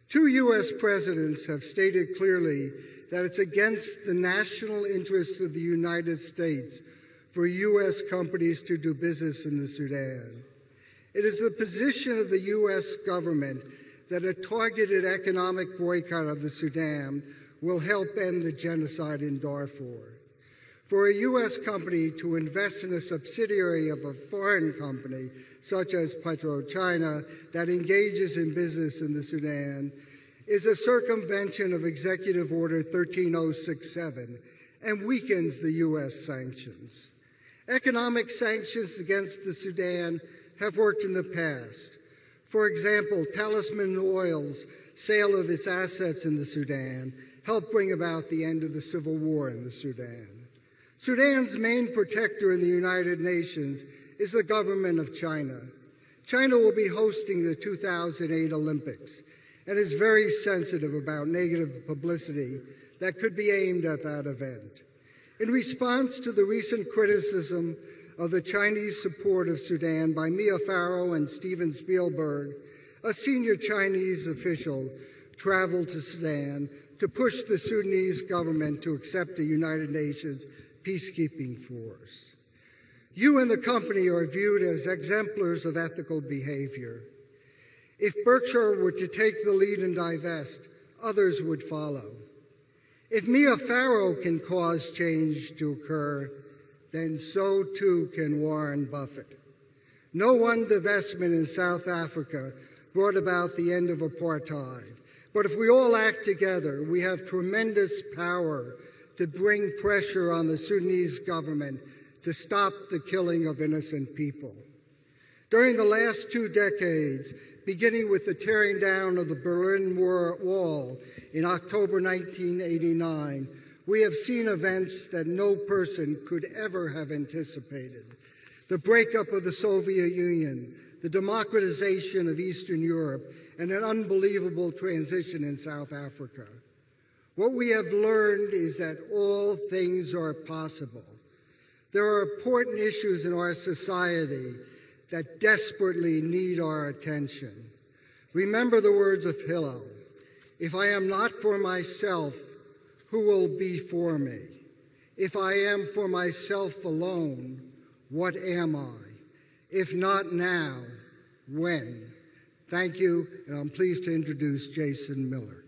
2 US presidents have stated clearly that it's against the national interest of the United States for US companies to do business in the Sudan. It is the position of the US government that a targeted economic boycott of the Sudan will help end the genocide in Darfur. For a US company to invest in a subsidiary of a foreign company such as PetroChina that engages in business in the Sudan is a circumvention of executive order 13067 and weakens the US sanctions. Economic sanctions against the Sudan have worked in the past. For example, Talisman Oil's sale of its assets in the Sudan helped bring about the end of the civil war in the Sudan. Sudan's main protector of the United Nations is the government of China. China will be hosting the 2008 Olympics and is very sensitive about negative publicity that could be aimed at that event. In response to the recent criticism of the Chinese support of Sudan by Mia Farrow and Steven Spielberg, a senior Chinese official traveled to Sudan to push the Sudanese government to accept the United Nations peacekeeping force. You and the company are viewed as exemplars of ethical behavior. If Berkshire were to take the lead and divest, others would follow. If Mia Farrow can cause change to occur, then so too can Warren Buffett. No one divestment in South Africa brought about the end of apartheid. But if we all act together, we have tremendous power to bring pressure on the Sudanese government to stop the killing of innocent people. During the last 2 decades, beginning with the tearing down of the Berlin Wall in October 1989, we have seen events that no person could ever have anticipated. The breakup of the Soviet Union, the democratization of Eastern Europe and an unbelievable transition in South Africa. What we have learned is that all things are possible. There are important issues in our society that desperately need our attention. Remember the words of Hillo, If I am not for myself, who will be for me? If I am for myself alone, what am I? If not now, when? Thank you, and I'm pleased to introduce Jason Miller.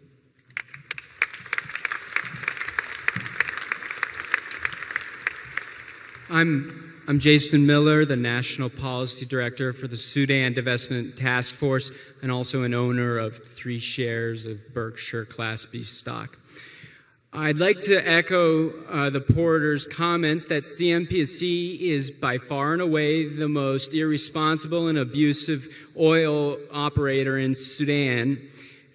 I'm Jason Miller, the National Policy Director for Sudan divestment task force and also an owner of 3 shares of Berkshire Class B stock. I'd like to echo the porter's comments that CMPSC is by far and away the most irresponsible and abusive oil operator in Sudan.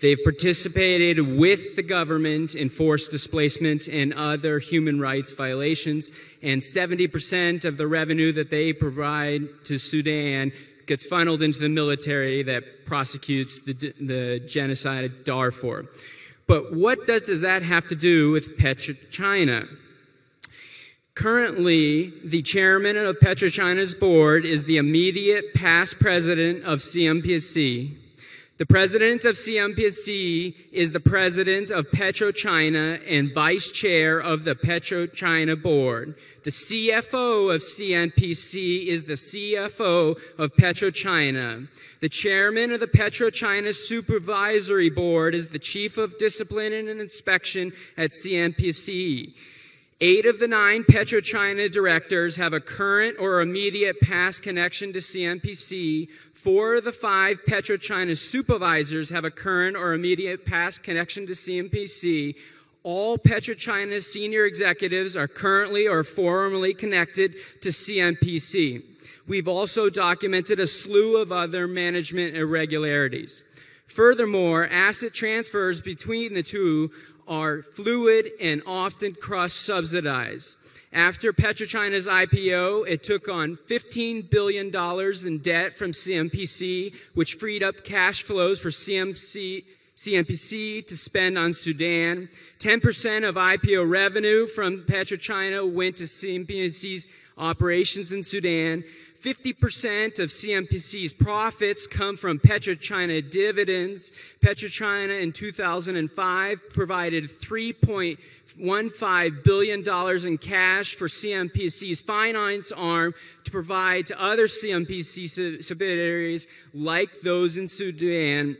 They've participated with the government in forced displacement and other human rights violations. And 70% of the revenue that they provide to Sudan gets funneled into the military that prosecutes the the genocide at Darfur. But what does that have to do with Petra China? Currently the chairman of Petra China's board is the immediate past president of CMPSC. The President of CMPSC is the president of PetroChina and vice chair of the PetroChina Board. The CFO of CNPC is the CFO of PetroChina. The Chairman of the PetroChina Supervisory Board is the Chief of Discipline and Inspection at CNPC. 8 of the 9 PetroChina directors have a current or immediate past connection to CNPC. 4 of the 5 PetroChina Supervisors Have A Current OR Immediate Past Connection TO CMPC, All PetroChina senior executives are currently or formerly connected to CMPC. We've also documented a slew of other management irregularities. Furthermore, asset transfers between the two are fluid and often cross subsidized. After PetroChina's IPO, it took on $15,000,000,000 in debt from CMPC, which freed up cash flows for CMPC to spend on Sudan. 10% of IPO revenue from PetroChina went to CMBNC's operations in Sudan. 50% of CMPC's profits come from PetroChina dividends. PetroChina in 2,005 provided $3,150,000,000 in cash for CMPC's finance arm to provide to other CMPC subsidiaries like those in Sudan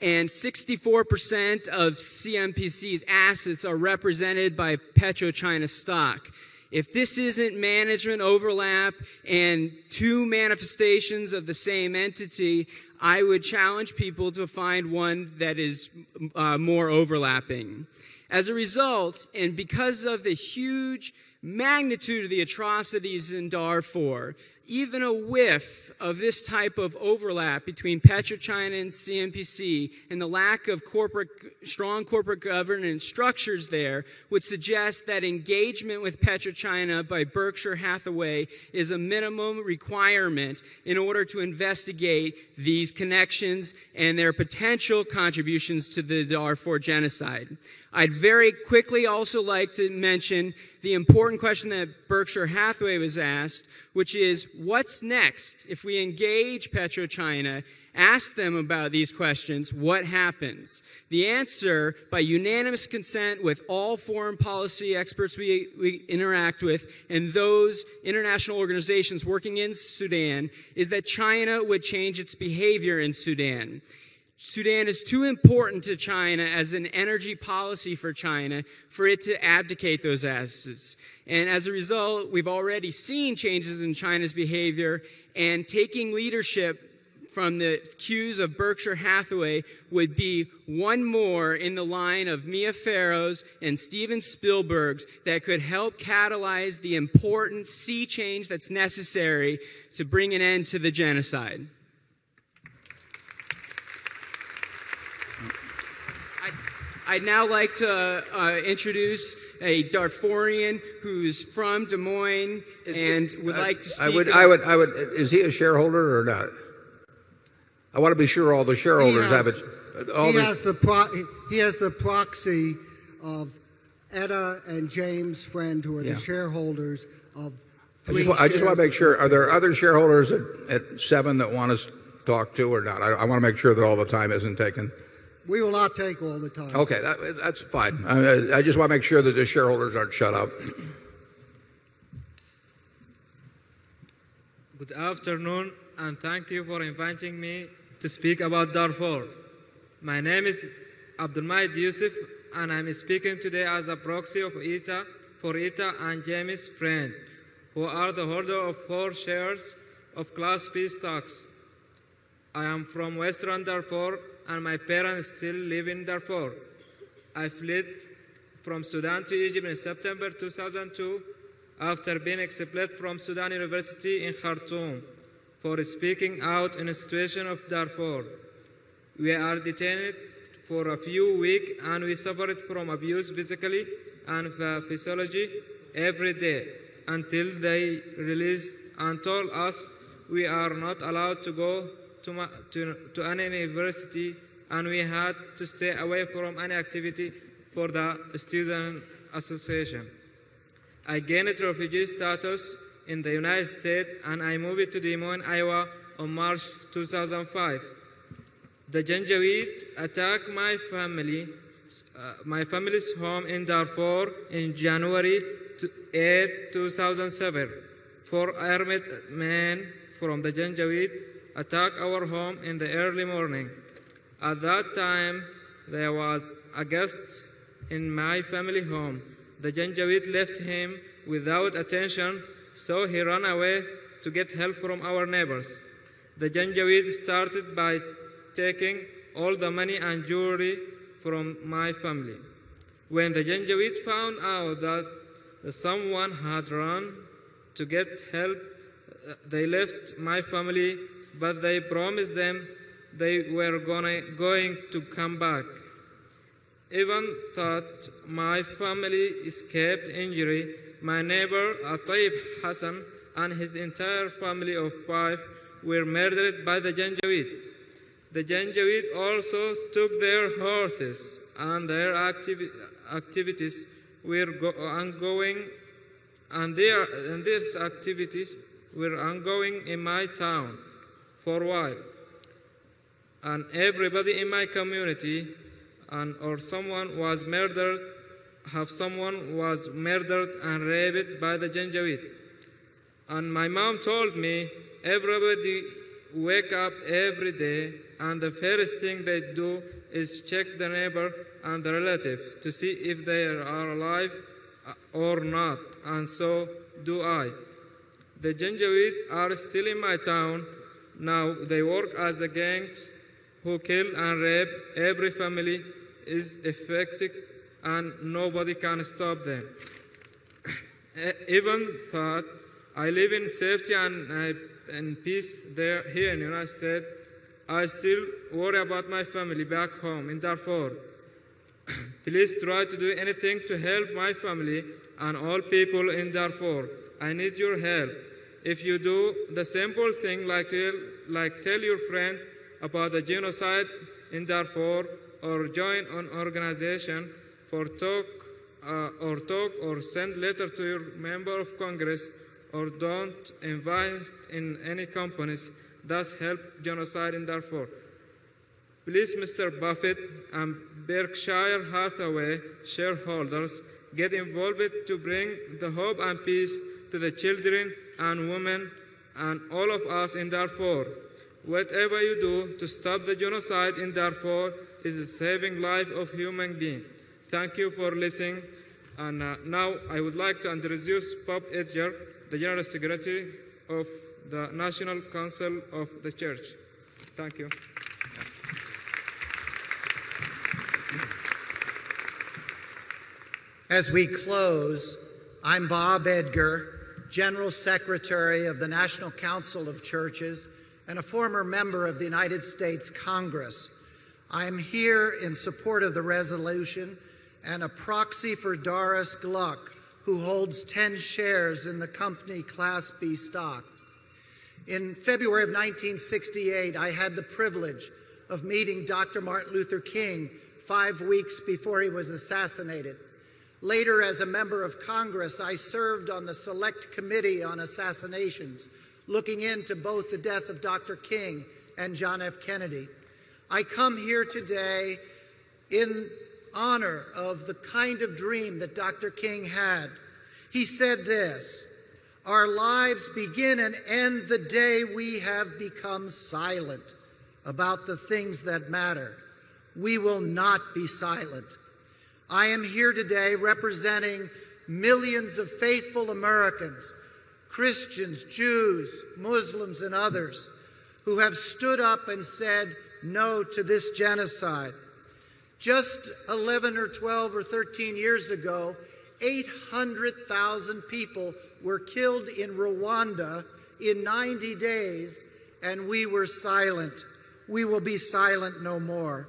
and 64% of CMPC's assets are represented by PetroChina stock. If this isn't management overlap and 2 manifestations of the same entity, I would challenge people to find one that is more overlapping. As a result and because of the huge magnitude of the atrocities in Darfur, even a whiff of this type of overlap between PetroChina and CNPC and the lack of strong corporate governance structures there would suggest that engagement with PetroChina by Berkshire Hathaway is a minimum requirement in order to investigate these connections and their potential contributions to the Darfur genocide. I'd very quickly also like to mention the important question that Berkshire Hathaway was asked, which is what's next? If we engage PetroChina, ask them about these questions, what happens? The answer, by unanimous consent with all foreign policy experts we interact with and those international organizations working in Sudan is that China would change its behavior in Sudan. Sudan is too important to China as an energy policy for China for it to abdicate those assets. And as a result, we've already seen changes in China's behavior and taking leadership from the cues of Berkshire Hathaway would be one more in the line of Mia Farrows and Steven Spielberg's that could help catalyze the important sea change that's necessary to bring an end to the genocide. I'd now like to introduce a Darphorian who's from Des Moines and would like to see I would is he a shareholder or not? I want to be sure all the shareholders have it. He has the proxy of Etta and James Friend, who are the shareholders of I just want to make sure, are there other shareholders at 7 that want us to talk to or not? I want to make sure that all the time isn't taken. We will not take all the time. Okay. That's fine. I just want to make sure that the shareholders aren't shut up. Good afternoon and thank you for inviting me to speak about Darfur. My name is Abdulmai D'ousif and I'm speaking today as a proxy of ITA for ITA and Jamie's friend who are the holders of 4 shares of class fee stocks. I am from Western Darfur and my parents still live in Darfur. I fled from Sudan to Egypt in September 2002 after being accepted from Sudan University in Khartoum for speaking out in a situation of Darfur. We are detained for a few weeks and we suffered from abuse physically and the physiology every day until they released and told us we are not allowed to go to any university and we had to stay away from any activity for the student association. I gained a refugee status in the United States and I moved to Des Moines, Iowa on March 2005. The Jindjuyu attacked my family's home in Darfur in January 8, 2007. 4 armed men from the Janjaweed attacked our home in the early morning. At that time there was a guest in my family home. The Jahnjaweed left him without attention so he ran away to get help from our neighbors. The Janjaweed started by taking all the money and jewelry from my family. When the janjavit found out that someone had run to get help They left my family but they promised them they were going to come back. Even that my family escaped injury, my neighbor Atayb Hassan and his entire family of 5 were murdered by the Janjawid. The Janjawid also took their horses and their activities were ongoing and their and these activities were ongoing in my town for a while. And everybody in my community or someone was murdered, have someone was murdered and raped by the jenavit. And my mom told me everybody wake up every day and the first thing they do is check the neighbor and the relative to see if they are alive or not and so do I. The jingyweed are still in my town. Now they work as the gangs who kill and rape every family is affected and nobody can stop them. Even though I live in safety and and peace there here in United States, I still worry about my family back home in Darfur. Please try to do anything to help my family and all people in Darfur. I need your help. If you do the simple thing like tell your friend about the genocide and therefore or join an organization or talk or send letter to your member of Congress or don't invest in any companies that help genocide in their work. Please Mr. Buffet and Berkshire Hathaway shareholders get involved to bring the hope and peace to the children and women and all of us in Darfur. Whatever you do to stop the genocide in Darfur is the saving life of human being. Thank you for listening. And now I would like to introduce Bob Edgar, the General Secretary of the National Council of the Church. Thank you. As we close, I'm Bob Edgar, General Secretary of the National Council of Churches and a former member of the United States Congress. I am here in support of the resolution and a proxy for Doris Gluck who holds 10 shares in the company Class B Stock. In February of 1968, I had the privilege of meeting Doctor. Martin Luther King 5 weeks before he was assassinated. Later as a member of congress, I served on the select committee on assassinations looking into both the death of Doctor. King and John F. Kennedy. I come here today in honor of the kind of dream that Doctor. King had. He said this, our lives begin and end the day we have become silent about the things that matter. We will not be silent. I am here today representing millions of faithful Americans, Christians, Jews, Muslims and others who have stood up and said no to this genocide. Just 11 or 12 or 13 years ago, 800,000 people were killed in Rwanda in 90 days and we were silent. We will be silent no more.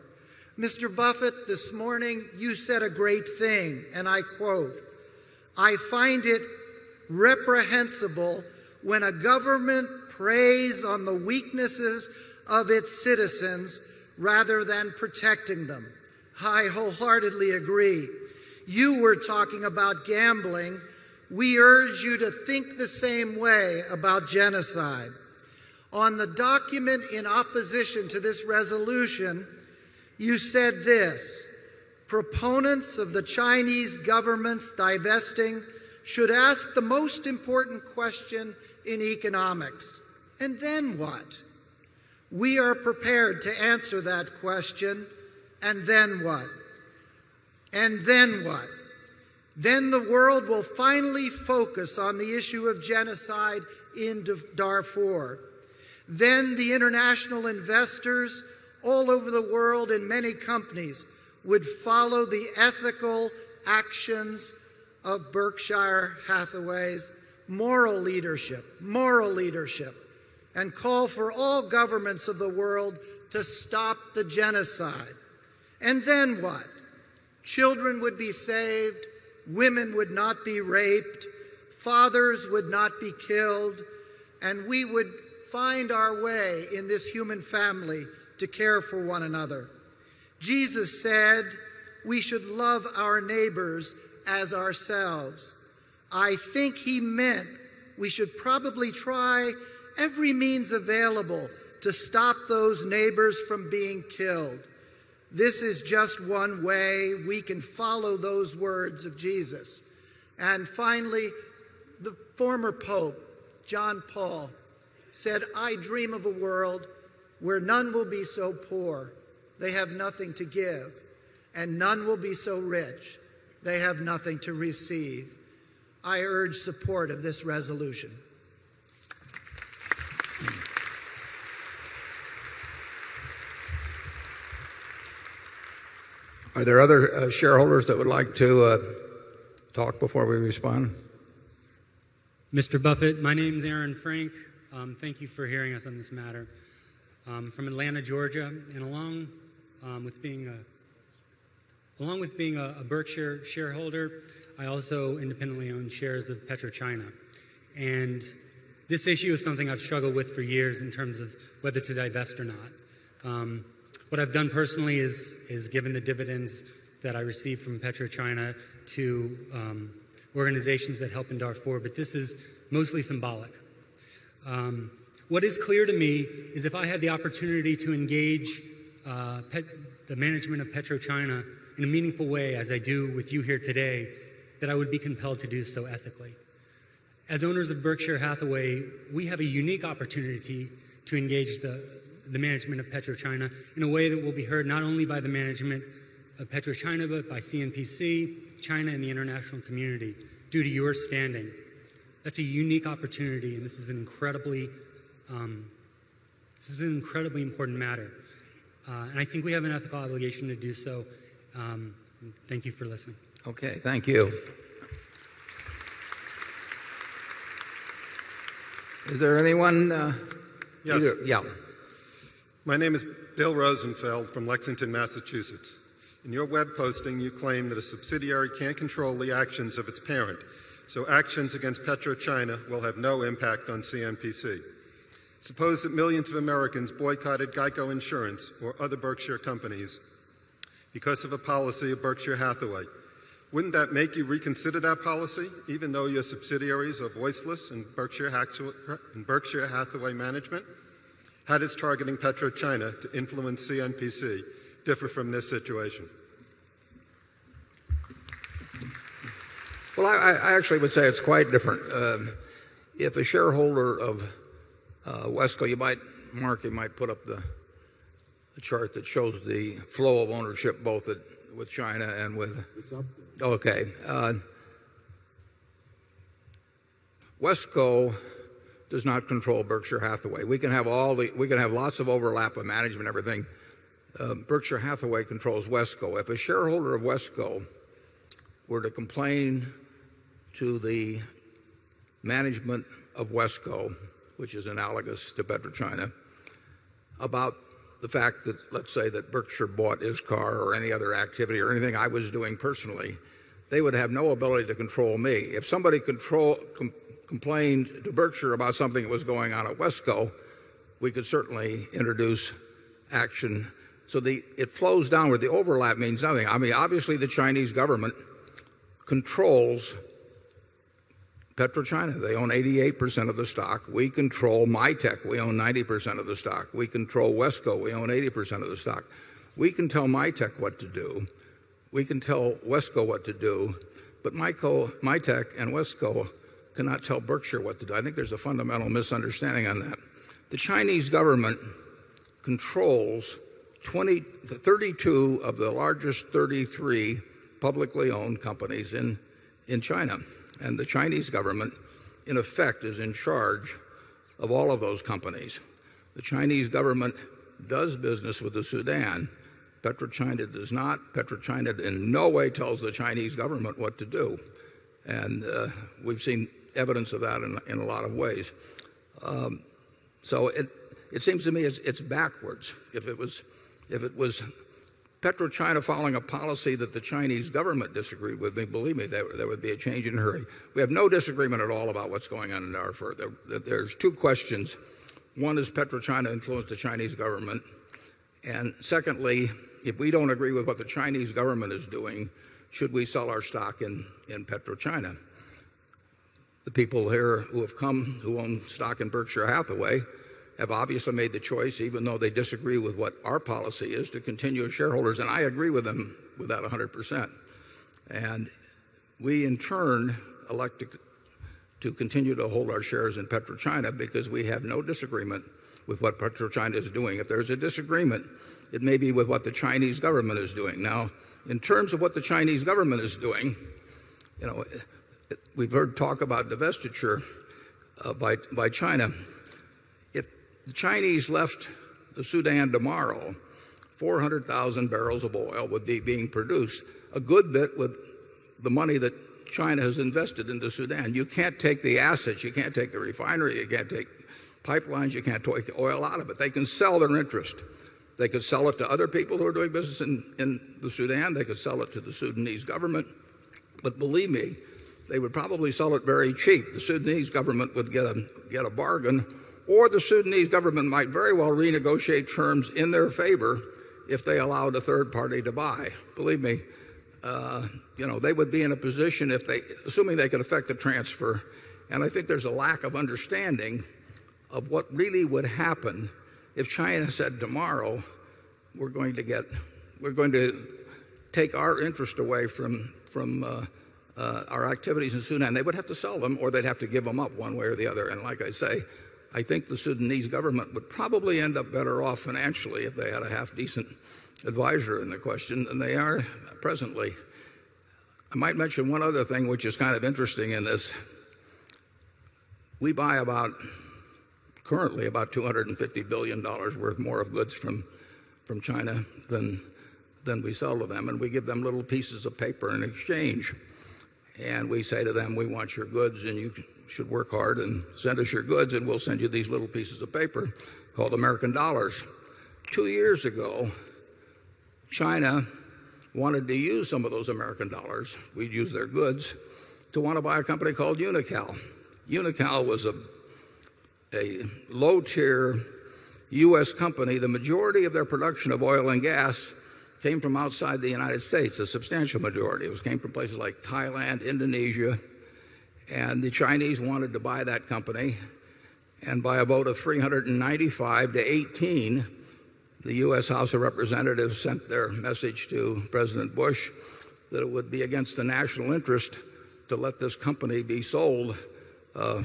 Mr. Buffet, this morning you said a great thing and I quote, I find it reprehensible when a government preys on the weaknesses of its citizens rather than protecting them. I wholeheartedly agree. You were talking about gambling. We urge you to think the same way about genocide. On the document in opposition to this resolution, you said this: proponents of the Chinese government's divesting should ask the most important question in economics. And then what? We are prepared to answer that question. And then what? And then what? Then the world will finally focus on the issue of genocide in Darfur. Then the international investors all over the world and many companies would follow the ethical actions of Berkshire Hathaway's moral leadership, moral leadership and call for all governments of the world to stop the genocide. And then what? Children would be saved, women would not be raped, fathers would not be killed and we would find our way in this human family to care for one another. Jesus said we should love our neighbors as ourselves. I think he meant we should probably try every means available to stop those neighbors from being killed. This is just one way we can follow those words of Jesus. And finally, the former pope, John Paul, said, I dream of a world where none will be so poor, they have nothing to give and none will be so rich, they have nothing to receive. I urge support of this resolution. Are there other shareholders that would like to talk before we respond? Mr. Buffet, my name is Aaron Frank. Thank you for hearing us on this matter. I'm from Atlanta, Georgia and along with being a Berkshire shareholder, I also independently own shares of PetroChina. And this issue is something I've struggled with for years in terms of whether to divest or not. What I've done personally is given the dividends that I received from PetroChina to organizations that help in Darfur, but this is mostly symbolic. What is clear to me is if I had the opportunity to engage the management of PetroChina in a meaningful way as I do with you here today, that I would be compelled to do so ethically. As owners of Berkshire Hathaway, we have a unique opportunity to engage the management of PetroChina in a way that will be heard not only by the management of PetroChina but by CNPC, China and the international community due to your standing. That's a unique opportunity and this is an incredibly important matter. And I think we have an ethical obligation to do so. Thank you for listening. Okay. Thank you. Is there anyone? My name is Bill Rosenfeld from Lexington, Massachusetts. In your web posting, you claim that a subsidiary can't control the actions of its parent. So actions against PetroChina will have no impact on CMPC. Suppose that millions of Americans boycotted GEICO Insurance or other Berkshire Companies because of a policy of Berkshire Hathaway. Wouldn't that make you reconsider that policy even though your subsidiaries are voiceless in Berkshire Hathaway Management? How does targeting PetroChina to influence CNPC differ from this situation? Well, I actually would say it's quite different. If a shareholder of WESCO, you might Mark, you might put up the chart that shows the flow of ownership both with China and with It's up. Okay. WESCO does not control Berkshire Hathaway. We can have all the we can have lots of overlap of management and everything. Berkshire Hathaway controls Wesco. If a shareholder of Wesco were to complain to the management of WESCO, which is analogous to better China about the fact that let's say that Berkshire bought his car or any other was we could certainly introduce action. So it flows down where the overlap means nothing. I mean, obviously, the Chinese government controls PetroChina. They own 88% of the stock. We control Mitek, we own 90% of the stock. We control WESCO, we own 80% of the stock. We can tell Mitek what to do. We can tell WESCO what to do, but Mitek and WESCO cannot tell Berkshire what to do. I think there's a fundamental misunderstanding on that. The Chinese government controls 32 of the largest 33 publicly owned companies in China. And the Chinese government in effect, is in charge of all of those companies. The Chinese government does business with the Sudan. PetroChina does not. PetroChina in no way tells the Chinese government what to do. And we've seen evidence of that in a lot of ways. So it seems to me it's backwards. If it was PetroChina following a policy that the Chinese government hurry. We have no disagreement at all about what's going on in our effort. There's 2 questions. One, does PetroChina influence the Chinese government? And secondly, if we don't agree with what the Chinese government is doing, should we sell our stock in PetroChina? The people here who have come, who own stock in Berkshire Hathaway have obviously made the choice even though they disagree with what our policy is to continue as shareholders. And I agree with them with that 100%. And we, in turn, elect to continue to hold our shares in PetroChina because we have no disagreement with what PetroChina is doing. If there's a disagreement, it may be with what the Chinese government is doing. Now, in terms of what the Chinese government is doing, you know, we've heard talk about divestiture by China. If the Chinese left the Sudan tomorrow, 400,000 barrels of oil would be being produced a good bit with the money that China has invested into Sudan. You can't take the assets, you can't take the refinery, you can't take pipelines. You can't take oil out of it. They can sell their interest. They could sell it to other people who are doing business in Sudan. They could sell it to the Sudanese government. But believe me, they would probably sell it very cheap. The Sudanese government would get a bargain. Or the Sudanese government might very well renegotiate terms in their favor if they allowed a 3rd party to buy. Believe me, they would be in a position if they assuming they could affect the transfer. And I think there's a lack of understanding of what really would happen if China said tomorrow, we're going to take our interest away from our activities in Sunan. They would have to sell them or they'd have to give them up one way or the other. And like I say, I think the Sudanese government would probably end up better off financially if they had a half decent advisor in the question than they are presently. I might mention one other thing which is kind of interesting in this. We buy currently about $250,000,000,000 worth more of goods from China than we sell to them. And we give them little pieces of paper in exchange. And we say to them, we want your goods and you should work hard and send us your goods and we'll send you these little pieces of paper called American dollars. 2 years ago, China wanted to use some of those American dollars. We'd use their goods to want to buy a company called Unical. Unical was a low tier US company. The majority of their production of oil and gas came from outside the United States, a substantial majority. It came places like Thailand, Indonesia and the Chinese wanted to buy that company. And by a vote of 395 to 18, the US House of Representatives sent their message to President Bush that it would be against the national interest to let this company be sold,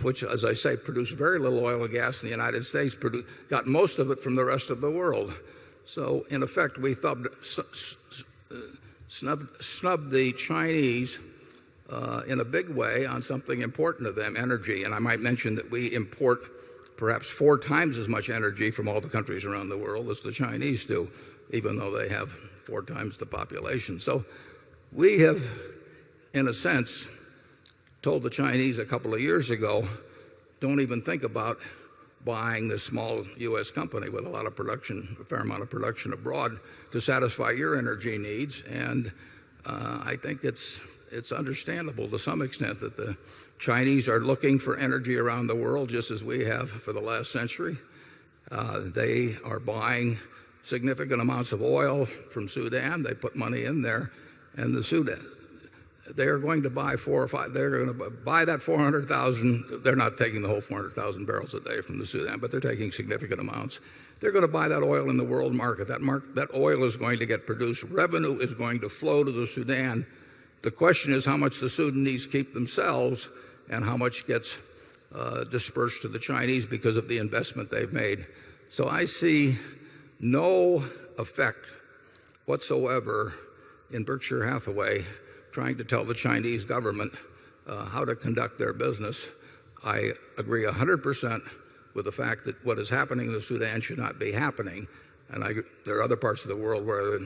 which as I say, produced very little oil and gas in the United States. Got most of it from the rest of the world. So in effect, we snubbed the Chinese in a big way on something important to them, energy. And I might mention that we import perhaps 4 times as much energy from all the countries around the world as the Chinese do even though they have 4 times the population. So we have in a sense, told the Chinese a couple of years ago, don't even think about buying a small US company with a fair amount of production abroad to satisfy your energy needs. And I think it's understandable to some extent that the Chinese are looking for energy around the world just as we have for the last century. They are buying significant amounts of oil from Sudan. They put money in there and the Sudan. They are going to buy 4 or 5. They're going to buy that 400,000. They're not taking the whole 400,000 barrels a day from the Sudan, but they're taking significant amounts. They're going to buy that oil in the world market. That oil is going to get produced. Revenue is going to flow to the Sudan. The question is how much the Sudanese keep themselves and how much gets, dispersed to the Chinese because of the investment they've made. So I see no effect whatsoever in Berkshire Hathaway trying to tell the Chinese government, how to conduct their business. I agree 100% with the fact that what is happening in Sudan should not be happening and there are other parts of the world where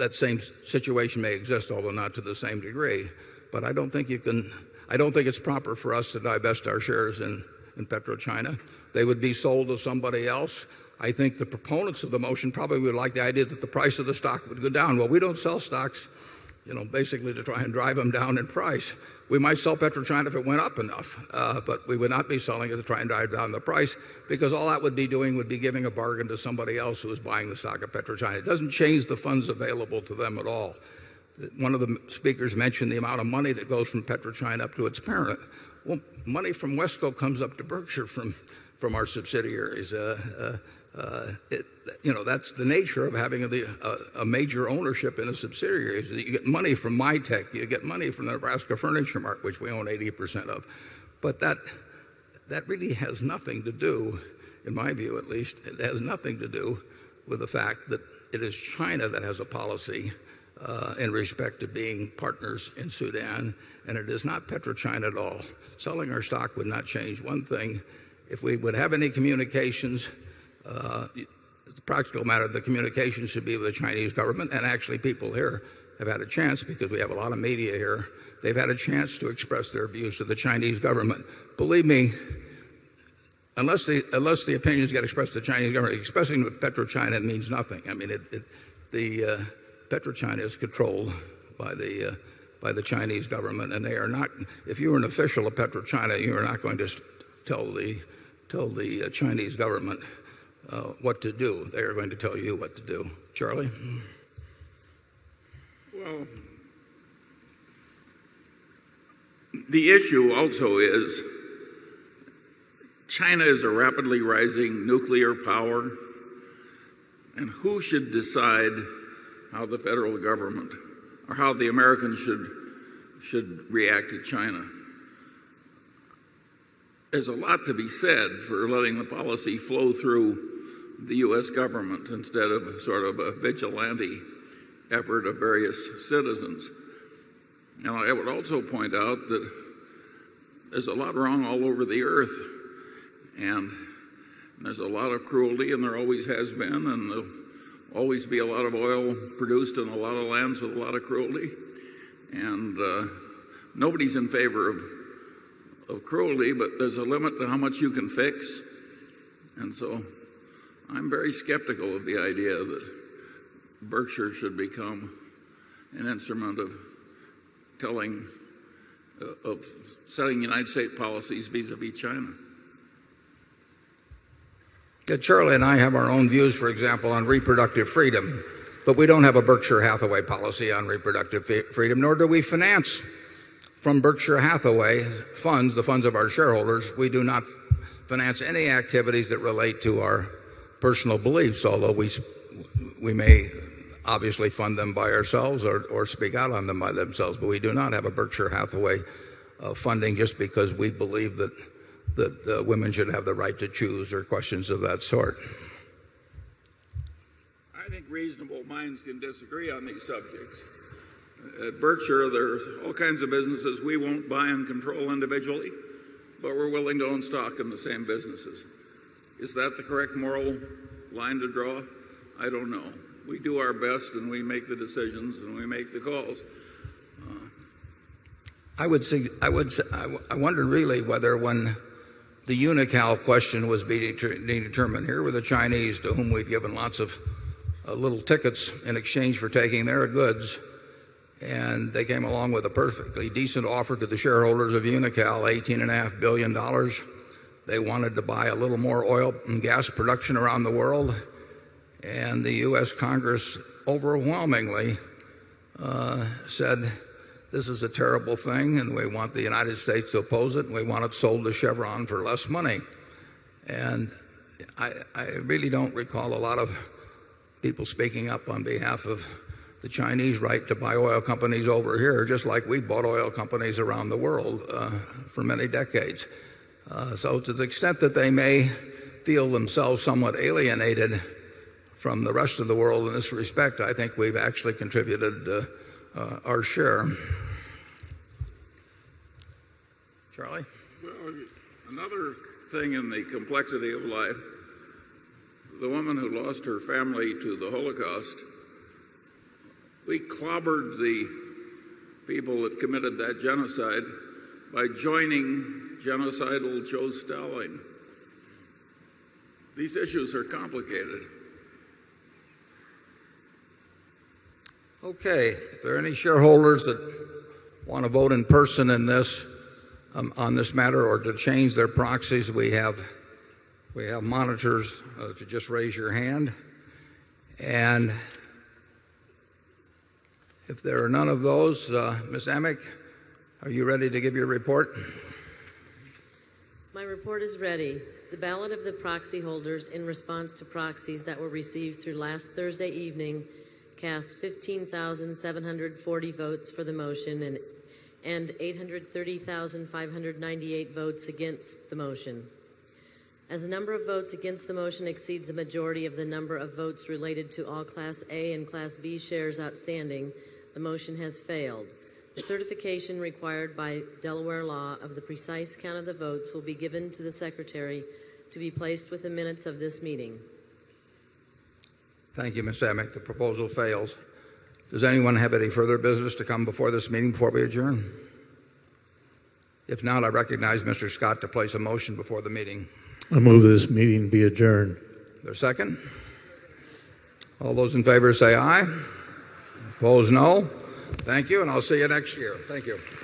that same situation may exist although not to the same degree. But I don't think it's proper for us to divest our shares in PetroChina. They would be sold to somebody else. I think the proponents of the motion probably would like the idea that the price of the stock would go down. Well, we don't sell stocks basically to try and drive them down in price. We might sell PetroChina if it went up enough, but we would not be selling it to try and drive down the price because all that would be doing would be giving a bargain to somebody else who is buying the Saka Petro China. It doesn't change the funds available to them at all. One of the speakers mentioned the amount of money that goes from PetroChina up to its parent. Money from WESCO comes up to Berkshire from our subsidiaries. That's the nature of having a major ownership in a subsidiary. You get money from Mytek, you get money from Nebraska Furniture Mart which we own 80% of. But that really has nothing to do, in my view at least, it has nothing to do with the fact that it is China that has a policy in respect to being partners in Sudan and it is not PetroChina at all. Selling our stock would not change one thing. If we would have any communications, it's a practical matter of the communication should the Chinese government. And actually people here have had a chance because we have a lot of media here. They've had a chance to express their views to the Chinese government. Believe me, unless the opinions get expressed to the Chinese government, expressing with petro China means nothing. I mean, the petro China is controlled by the Chinese government and they are not if you're an official of Petro China, you're not going to tell the Chinese government what to do. They're going to tell you what to do. Charlie? The issue also is China is a rapidly rising nuclear power And who should decide how the federal government or how the Americans should react to China? There's a lot to be said for letting the policy flow through the U. S. Government instead of sort of a vigilante effort of various citizens. Now, I would also point out that there's a lot wrong all over the earth and there's a lot of cruelty and there always has been and there'll always be a lot of oil produced in a lot of lands with a lot of cruelty. And nobody is in favor of cruelty but there's a limit to how much you can fix. And so I'm very skeptical of the idea that Berkshire should become an instrument of telling of setting United States policies visavis China. Charlie and I have our own views, for example, on reproductive freedom. But we don't have a Berkshire Hathaway policy on reproductive freedom nor do we finance from Berkshire Hathaway funds, the funds of our shareholders. We do not finance any activities that relate to our personal beliefs, although we may obviously fund them by ourselves or speak out on them by themselves, but we do not have a Berkshire Hathaway funding just because we believe that women should have the right to choose or questions of that sort. I think reasonable minds can disagree on these subjects. At Berkshire, there's all kinds of businesses we won't buy and control individually, but we're willing to own stock in the same businesses. Is that the correct moral line to draw? I don't know. We do our best and we make the decisions and we make the calls. I would say I wonder really whether when the Unocal question was being determined here with the Chinese to whom we'd given lots of little tickets in exchange for taking their goods and they came along with a perfectly decent offer to the shareholders of Unocal, dollars 18,500,000,000 They wanted to buy a little more oil and gas production around the world and the US Congress overwhelmingly said this is a terrible thing and we want the United States to oppose it and we want it sold to Chevron for less money. And I really don't recall a lot of people speaking up on behalf of the Chinese right to buy oil companies over here just like we bought oil companies around the world for many decades. So to the extent that they may feel themselves somewhat alienated from the rest of the world in this respect, I think we've actually contributed our share. Charlie? Another thing in the complexity of life, the woman who lost her family to the holocaust, we clobbered the people that committed that genocide by joining genocidal Joe Stallion. These issues are complicated. Okay. Are there any shareholders that want to vote in person in this on this matter or to change their proxies? We have monitors to just raise your hand. And if there are none of those, Ms. Amick, are you ready to give your report? My report is ready. The ballot of the proxy holders in response to proxies that were received through last Thursday evening cast 15,740 votes for the motion and 830,598 votes against the motion. As the number of votes against the motion exceeds the majority of the number of votes related to all Class A and Class B shares outstanding, the motion has failed. The certification required by Delaware law of the precise count of the votes will be given to the secretary to be placed within minutes of this meeting. Thank you, Ms. Amec. The proposal fails. Does anyone have any further business to come before this meeting before we adjourn? If not, I recognize Mr. Scott to place a motion before the meeting. I move this meeting be adjourned. Is there a second? All those in favor, say aye. Opposed, no. Thank you and I'll see you next year. Thank you.